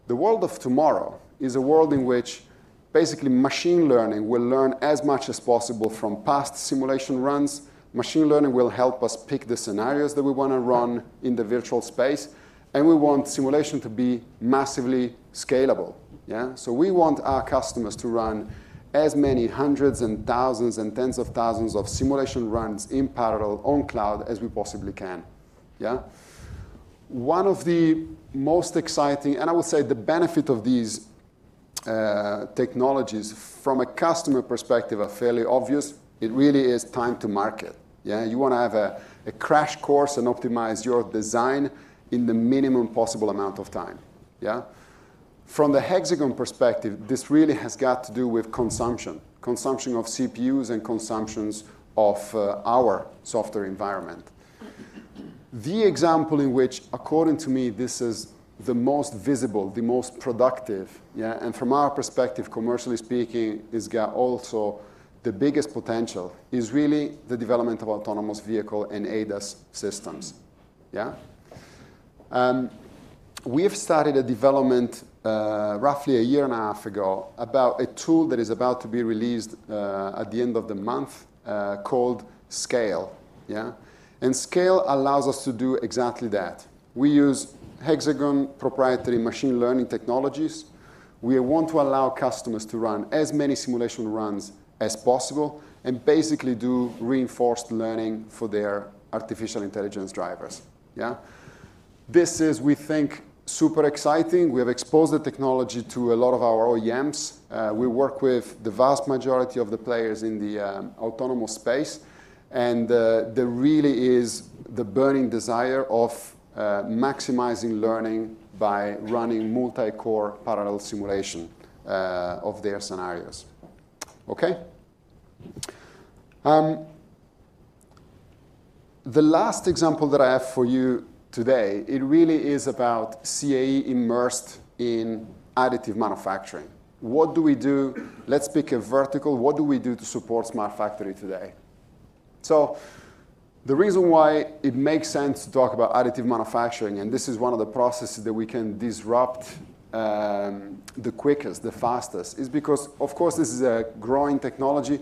The world of tomorrow is a world in which basically machine learning will learn as much as possible from past simulation runs. Machine learning will help us pick the scenarios that we want to run in the virtual space, and we want simulation to be massively scalable. Yeah. We want our customers to run as many hundreds and thousands and tens of thousands of simulation runs in parallel on cloud as we possibly can. Yeah. One of the most exciting, and I would say the benefit of these technologies from a customer perspective are fairly obvious. It really is time to market. Yeah. You want to have a crash course and optimize your design in the minimum possible amount of time. Yeah. From the Hexagon perspective, this really has got to do with consumption, consumptions of CPUs and consumptions of our software environment. The example in which, according to me, this is the most visible, the most productive, yeah, and from our perspective, commercially speaking, has got also the biggest potential, is really the development of autonomous vehicle and ADAS systems. Yeah. We have started a development roughly a year and a half ago about a tool that is about to be released at the end of the month called Scale. Yeah. Scale allows us to do exactly that. We use Hexagon proprietary machine learning technologies. We want to allow customers to run as many simulation runs as possible and basically do reinforced learning for their artificial intelligence drivers. Yeah. This is, we think, super exciting. We have exposed the technology to a lot of our OEMs. We work with the vast majority of the players in the autonomous space. There really is the burning desire of maximizing learning by running multi-core parallel simulation of their scenarios. Okay. The last example that I have for you today, it really is about CAE immersed in additive manufacturing. What do we do? Let's pick a vertical. What do we do to support smart factory today? The reason why it makes sense to talk about additive manufacturing, and this is one of the processes that we can disrupt the quickest, the fastest, is because, of course, this is a growing technology.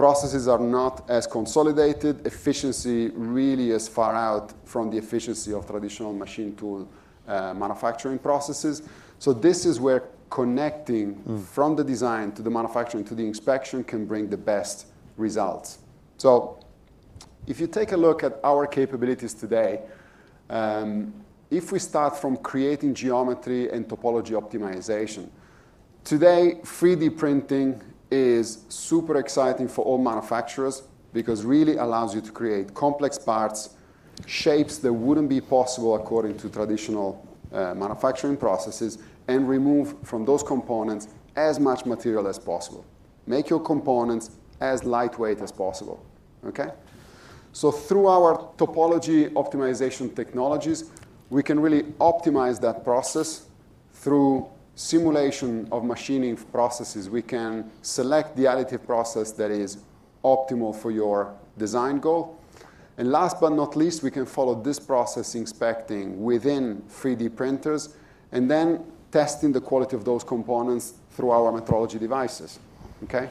Processes are not as consolidated. Efficiency really is far out from the efficiency of traditional machine tool manufacturing processes. This is where connecting from the design to the manufacturing to the inspection can bring the best results. If you take a look at our capabilities today, if we start from creating geometry and topology optimization, today, 3D printing is super exciting for all manufacturers because it really allows you to create complex parts, shapes that wouldn't be possible according to traditional manufacturing processes, and remove from those components as much material as possible, make your components as lightweight as possible. Okay. Through our topology optimization technologies, we can really optimize that process. Through simulation of machining processes, we can select the additive process that is optimal for your design goal. Last but not least, we can follow this process inspecting within 3D printers and then testing the quality of those components through our metrology devices. Okay.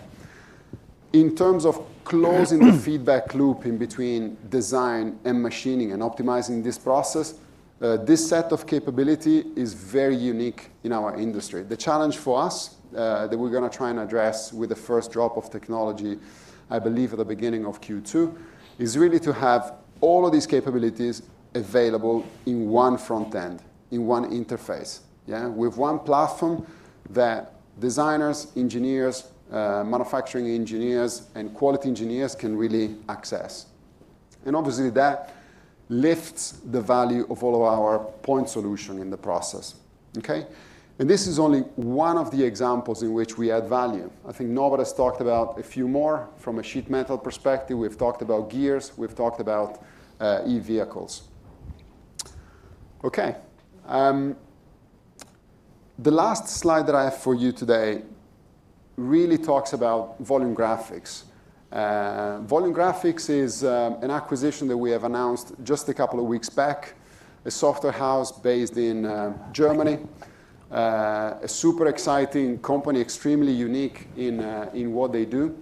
In terms of closing the feedback loop in between design and machining and optimizing this process, this set of capability is very unique in our industry. The challenge for us that we're going to try and address with the first drop of technology, I believe at the beginning of Q2, is really to have all of these capabilities available in one front end, in one interface. Yeah. With one platform that designers, engineers, manufacturing engineers, and quality engineers can really access. Obviously that lifts the value of all of our point solution in the process. Okay. This is only one of the examples in which we add value. I think Norbert has talked about a few more from a sheet metal perspective. We've talked about gears, we've talked about e-vehicles. Okay. The last slide that I have for you today really talks about Volume Graphics. Volume Graphics is an acquisition that we have announced just a couple of weeks back, a software house based in Germany. A super exciting company, extremely unique in what they do.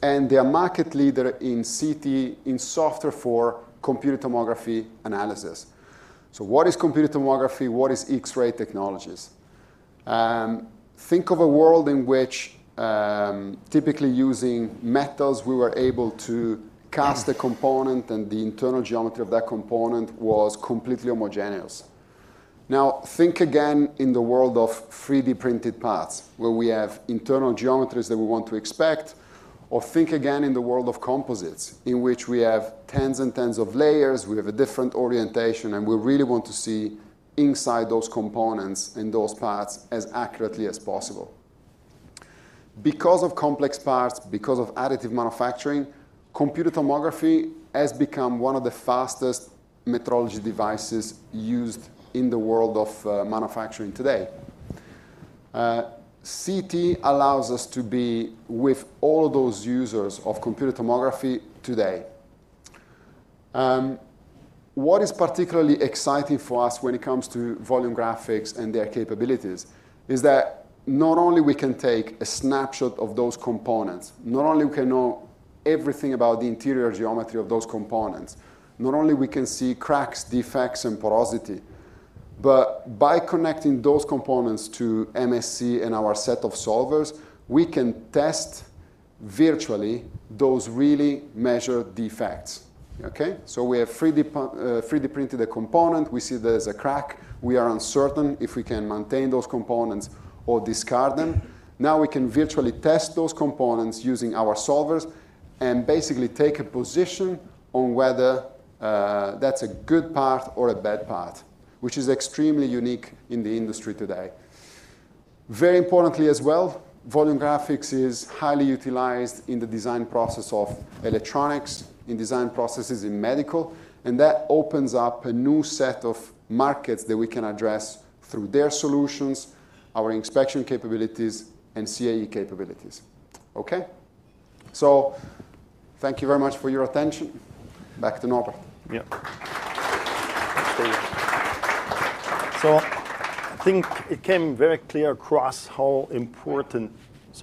They're a market leader in CT, in software for computed tomography analysis. What is computed tomography? What is X-ray technologies? Think of a world in which, typically using metals, we were able to cast a component, and the internal geometry of that component was completely homogeneous. Now, think again in the world of 3D-printed parts, where we have internal geometries that we want to inspect, or think again in the world of composites, in which we have tens and tens of layers, we have a different orientation, and we really want to see inside those components and those parts as accurately as possible. Because of complex parts, because of additive manufacturing, computed tomography has become one of the fastest metrology devices used in the world of manufacturing today. CT allows us to be with all those users of computed tomography today. What is particularly exciting for us when it comes to Volume Graphics and their capabilities is that not only we can take a snapshot of those components, not only we can know everything about the interior geometry of those components, not only we can see cracks, defects, and porosity, but by connecting those components to MSC and our set of solvers, we can test, virtually, those really measured defects. Okay. We have 3D-printed a component. We see there's a crack. We are uncertain if we can maintain those components or discard them. We can virtually test those components using our solvers and basically take a position on whether that's a good part or a bad part, which is extremely unique in the industry today. Very importantly as well, Volume Graphics is highly utilized in the design process of electronics, in design processes in medical. That opens up a new set of markets that we can address through their solutions, our inspection capabilities, and CAE capabilities. Okay? Thank you very much for your attention. Back to Norbert. I think it came very clear across how important it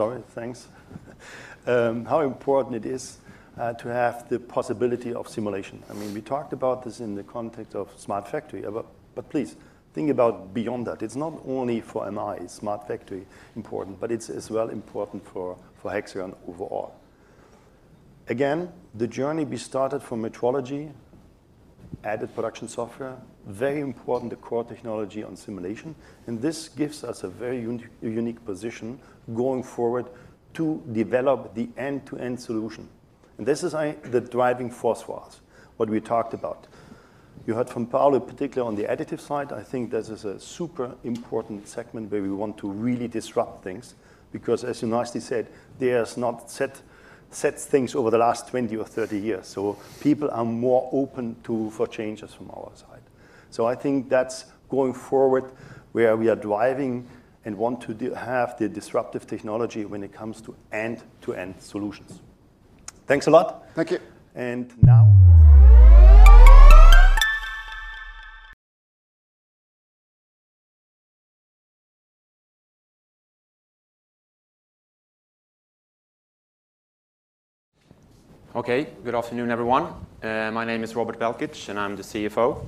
is to have the possibility of simulation. We talked about this in the context of smart factory, but please think about beyond that. It's not only for MI, smart factory important, but it's as well important for Hexagon overall. Again, the journey we started from metrology, added production software, very important to core technology on simulation, and this gives us a very unique position going forward to develop the end-to-end solution. This is the driving force for us, what we talked about. You heard from Paolo particular on the additive side, I think this is a super important segment where we want to really disrupt things because as you nicely said, there's not set things over the last 20 or 30 years. People are more open for changes from our side. I think that's going forward where we are driving and want to have the disruptive technology when it comes to end-to-end solutions. Thanks a lot. Thank you. Now. Okay. Good afternoon, everyone. My name is Robert Belkic, and I'm the CFO.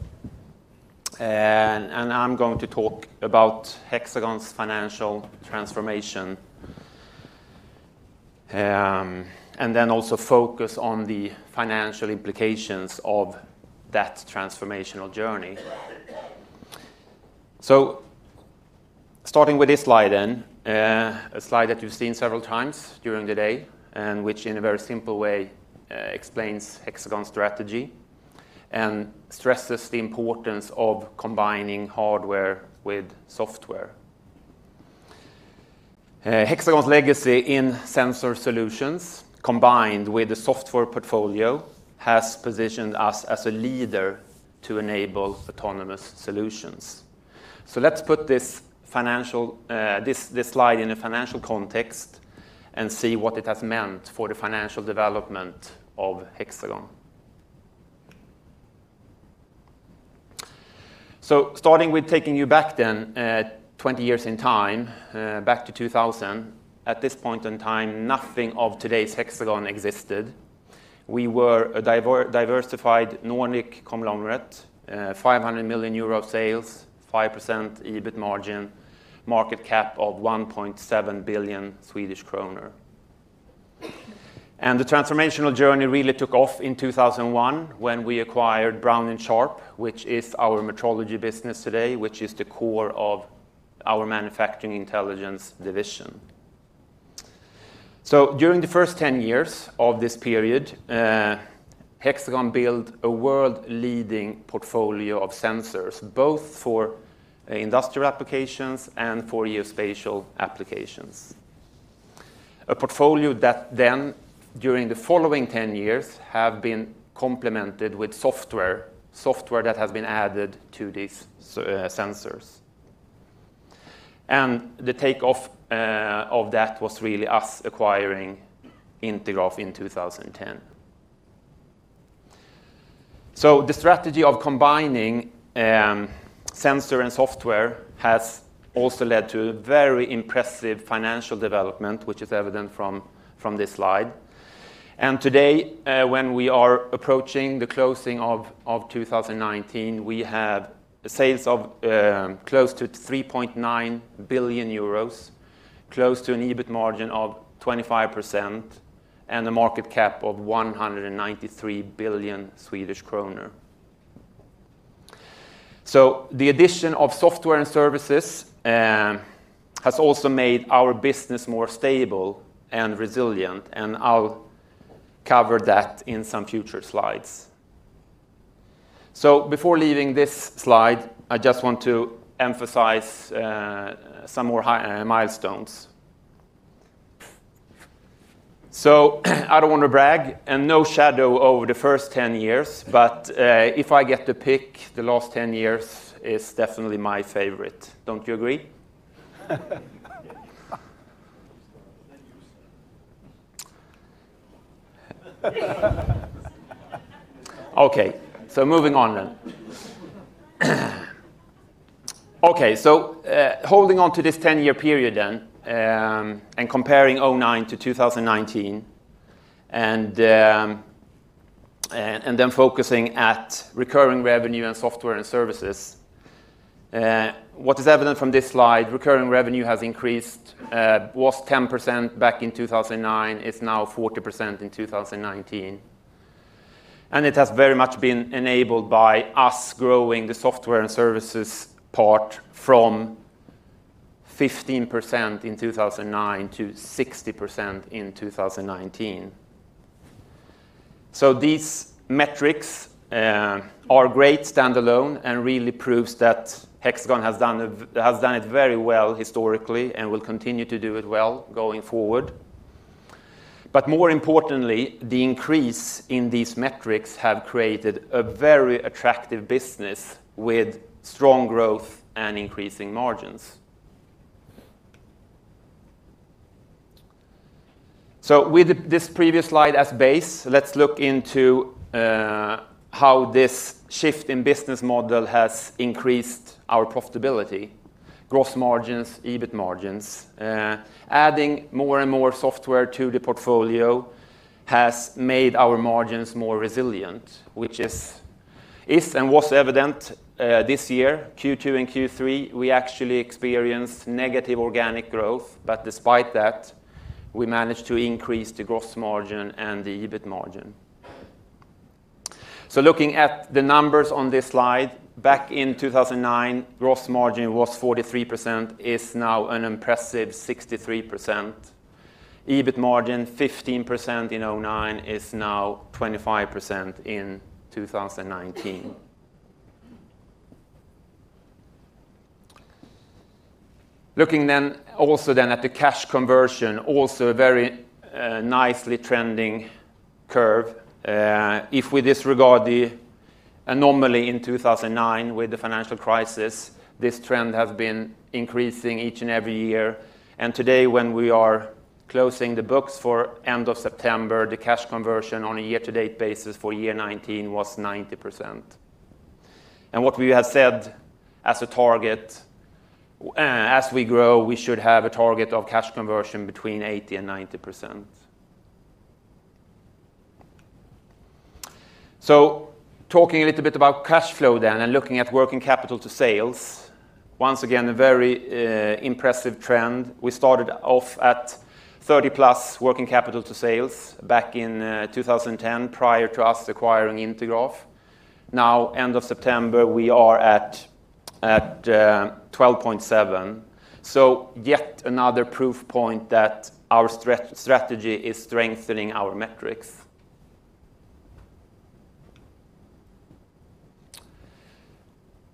I'm going to talk about Hexagon's financial transformation, and then also focus on the financial implications of that transformational journey. Starting with this slide, a slide that you've seen several times during the day, and which in a very simple way, explains Hexagon's strategy and stresses the importance of combining hardware with software. Hexagon's legacy in sensor solutions, combined with the software portfolio, has positioned us as a leader to enable autonomous solutions. Let's put this slide in a financial context and see what it has meant for the financial development of Hexagon. Starting with taking you back, 20 years in time, back to 2000. At this point in time, nothing of today's Hexagon existed. We were a diversified Nordic 500 million euro of sales, 5% EBIT margin, market cap of 1.7 billion Swedish kronor. The transformational journey really took off in 2001 when we acquired Brown & Sharpe, which is our metrology business today, which is the core of our Manufacturing Intelligence division. During the first 10 years of this period, Hexagon built a world-leading portfolio of sensors, both for industrial applications and for geospatial applications. A portfolio that then, during the following 10 years, have been complemented with software that has been added to these sensors. The takeoff of that was really us acquiring Intergraph in 2010. The strategy of combining sensor and software has also led to very impressive financial development, which is evident from this slide. Today, when we are approaching the closing of 2019, we have sales of close to 3.9 billion euros, close to an EBIT margin of 25%, and a market cap of 193 billion Swedish kronor. The addition of software and services has also made our business more stable and resilient, and I'll cover that in some future slides. Before leaving this slide, I just want to emphasize some more milestones. I don't want to brag, and no shadow over the first 10 years, but if I get to pick, the last 10 years is definitely my favorite. Don't you agree? Okay, moving on then. Okay, holding on to this 10-year period then, and comparing 2009 to 2019, and then focusing at recurring revenue and software and services. What is evident from this slide, recurring revenue has increased, was 10% back in 2009, is now 40% in 2019. It has very much been enabled by us growing the software and services part from 15% in 2009 to 60% in 2019. These metrics are great standalone and really proves that Hexagon has done it very well historically and will continue to do it well going forward. More importantly, the increase in these metrics have created a very attractive business with strong growth and increasing margins. With this previous slide as base, let's look into how this shift in business model has increased our profitability, gross margins, EBIT margins. Adding more and more software to the portfolio has made our margins more resilient, which was evident this year, Q2 and Q3, we actually experienced negative organic growth. Despite that, we managed to increase the gross margin and the EBIT margin. Looking at the numbers on this slide, back in 2009, gross margin was 43%, is now an impressive 63%. EBIT margin 15% in 2009 is now 25% in 2019. Looking then also then at the cash conversion, also a very nicely trending curve. If we disregard the anomaly in 2009 with the financial crisis, this trend has been increasing each and every year. Today when we are closing the books for end of September, the cash conversion on a year-to-date basis for year 2019 was 90%. What we have said as a target, as we grow, we should have a target of cash conversion between 80% and 90%. Talking a little bit about cash flow then, and looking at working capital to sales, once again, a very impressive trend. We started off at 30-plus working capital to sales back in 2010 prior to us acquiring Intergraph. End of September, we are at 12.7. Yet another proof point that our strategy is strengthening our metrics.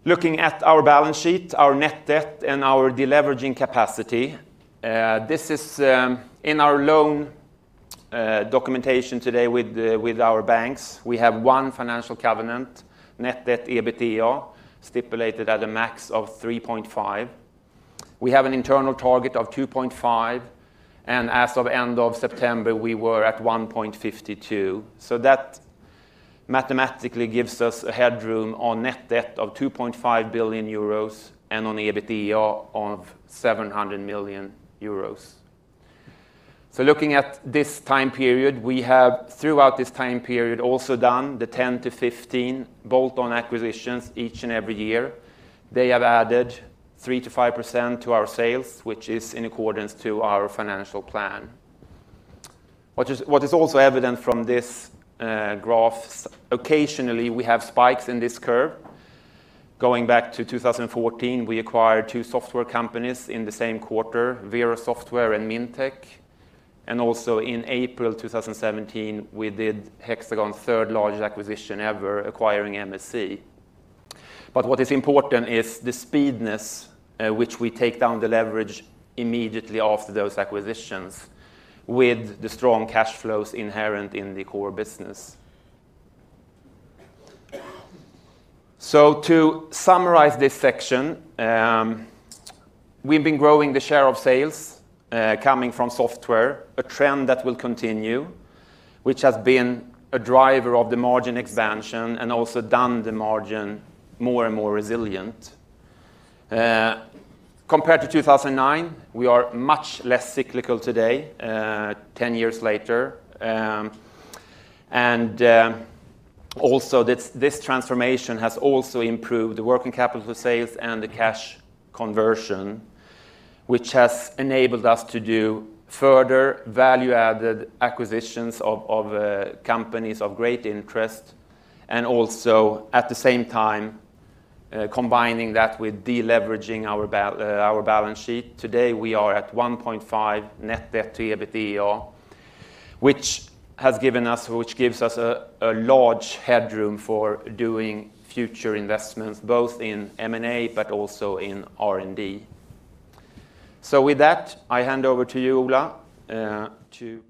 Looking at our balance sheet, our net debt and our deleveraging capacity, this is in our loan documentation today with our banks. We have one financial covenant, net debt/EBITDA stipulated at a max of 3.5. We have an internal target of 2.5, and as of end of September, we were at 1.52. That mathematically gives us a headroom on net debt of 2.5 billion euros and on EBITDA of 700 million euros. Looking at this time period, we have throughout this time period also done the 10-15 bolt-on acquisitions each and every year. They have added 3%-5% to our sales, which is in accordance to our financial plan. What is also evident from this graph, occasionally we have spikes in this curve. Going back to 2014, we acquired two software companies in the same quarter, Vero Software and Mintec, and also in April 2017, we did Hexagon's third-largest acquisition ever, acquiring MSC. What is important is the speedness, which we take down the leverage immediately after those acquisitions with the strong cash flows inherent in the core business. To summarize this section, we've been growing the share of sales, coming from software, a trend that will continue, which has been a driver of the margin expansion and also done the margin more and more resilient. Compared to 2009, we are much less cyclical today, 10 years later. This transformation has also improved the working capital to sales and the cash conversion, which has enabled us to do further value-added acquisitions of companies of great interest, and also at the same time, combining that with deleveraging our balance sheet. Today, we are at 1.5 net debt to EBITDA, which gives us a large headroom for doing future investments, both in M&A but also in R&D. With that, I hand over to you, Ola, to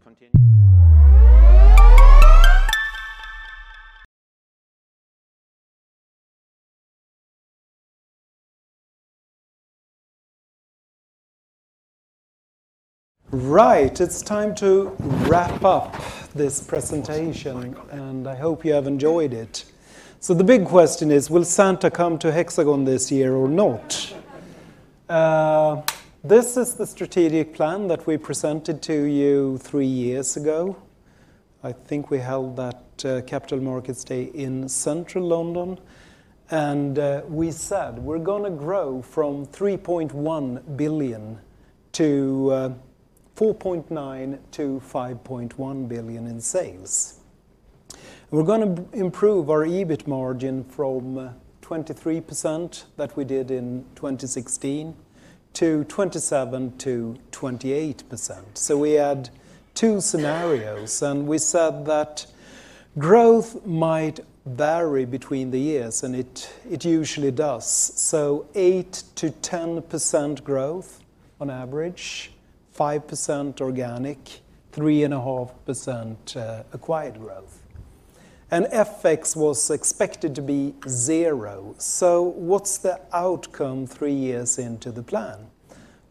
continue. Right. It's time to wrap up this presentation, and I hope you have enjoyed it. The big question is, will Santa come to Hexagon this year or not? This is the strategic plan that we presented to you three years ago. I think we held that capital markets day in central London, and we said we're going to grow from 3.1 billion to 4.9 billion-5.1 billion in sales. We're going to improve our EBIT margin from 23% that we did in 2016 to 27%-28%. We had two scenarios, and we said that growth might vary between the years, and it usually does. 8%-10% growth on average, 5% organic, 3.5% acquired growth. FX was expected to be zero. What's the outcome three years into the plan?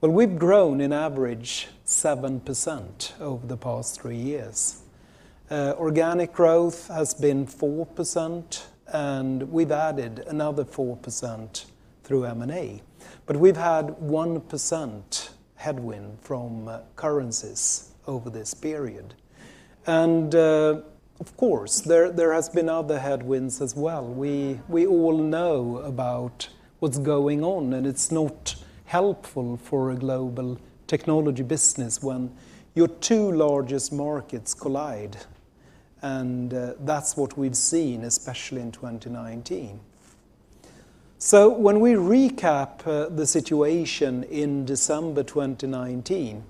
Well, we've grown on average 7% over the past three years. Organic growth has been 4%. We've added another 4% through M&A, we've had 1% headwind from currencies over this period. Of course, there has been other headwinds as well. We all know about what's going on, and it's not helpful for a global technology business when your two largest markets collide. That's what we've seen, especially in 2019. When we recap the situation in December 2019,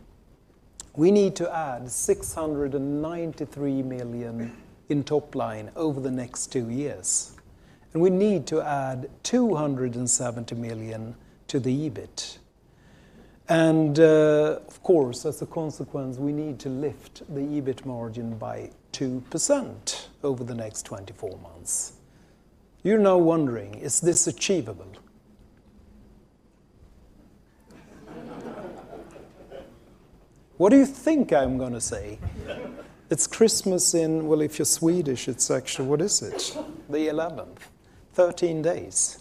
we need to add 693 million in top line over the next two years, and we need to add 270 million to the EBIT. Of course, as a consequence, we need to lift the EBIT margin by 2% over the next 24 months. You're now wondering, is this achievable? What do you think I'm going to say? It's Christmas in, well, if you're Swedish, it's actually, what is it? The 11th. 13 days.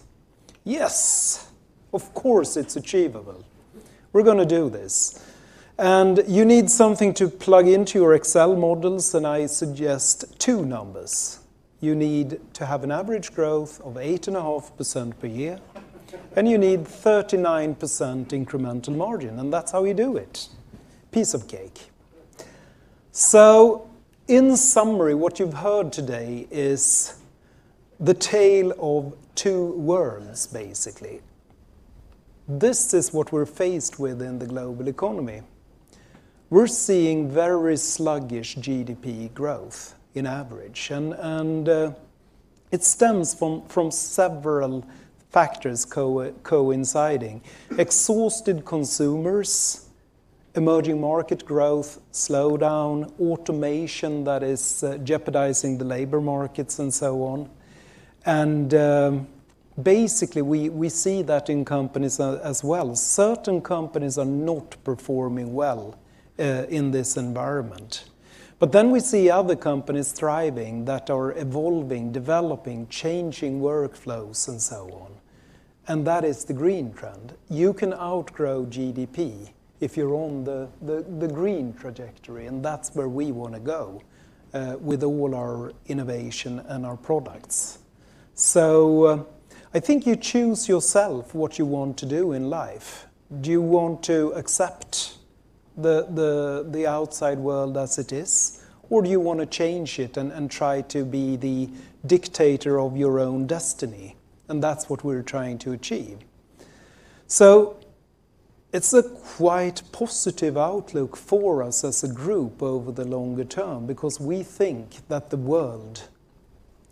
Yes, of course, it's achievable. We're going to do this. You need something to plug into your Excel models, and I suggest two numbers. You need to have an average growth of 8.5% per year, and you need 39% incremental margin, and that's how you do it. Piece of cake. In summary, what you've heard today is the tale of two worms, basically. This is what we're faced with in the global economy. We're seeing very sluggish GDP growth in average. It stems from several factors coinciding. Exhausted consumers, emerging market growth slowdown, automation that is jeopardizing the labor markets, and so on. Basically, we see that in companies as well. Certain companies are not performing well in this environment. We see other companies thriving that are evolving, developing, changing workflows, and so on. That is the green trend. You can outgrow GDP if you're on the green trajectory. That's where we want to go with all our innovation and our products. I think you choose yourself what you want to do in life. Do you want to accept the outside world as it is, or do you want to change it and try to be the dictator of your own destiny? That's what we're trying to achieve. It's a quite positive outlook for us as a group over the longer term because we think that the world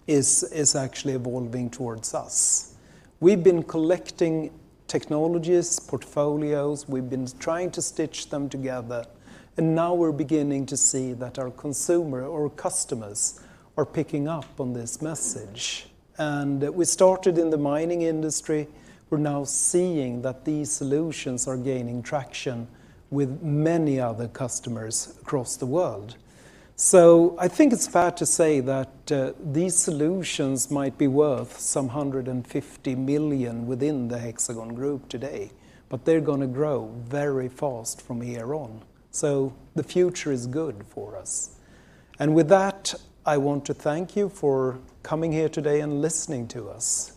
is actually evolving towards us. We've been collecting technologies, portfolios, we've been trying to stitch them together. Now we're beginning to see that our consumer or customers are picking up on this message. We started in the mining industry. We're now seeing that these solutions are gaining traction with many other customers across the world. I think it's fair to say that these solutions might be worth some 150 million within the Hexagon Group today, but they're going to grow very fast from here on. The future is good for us. With that, I want to thank you for coming here today and listening to us.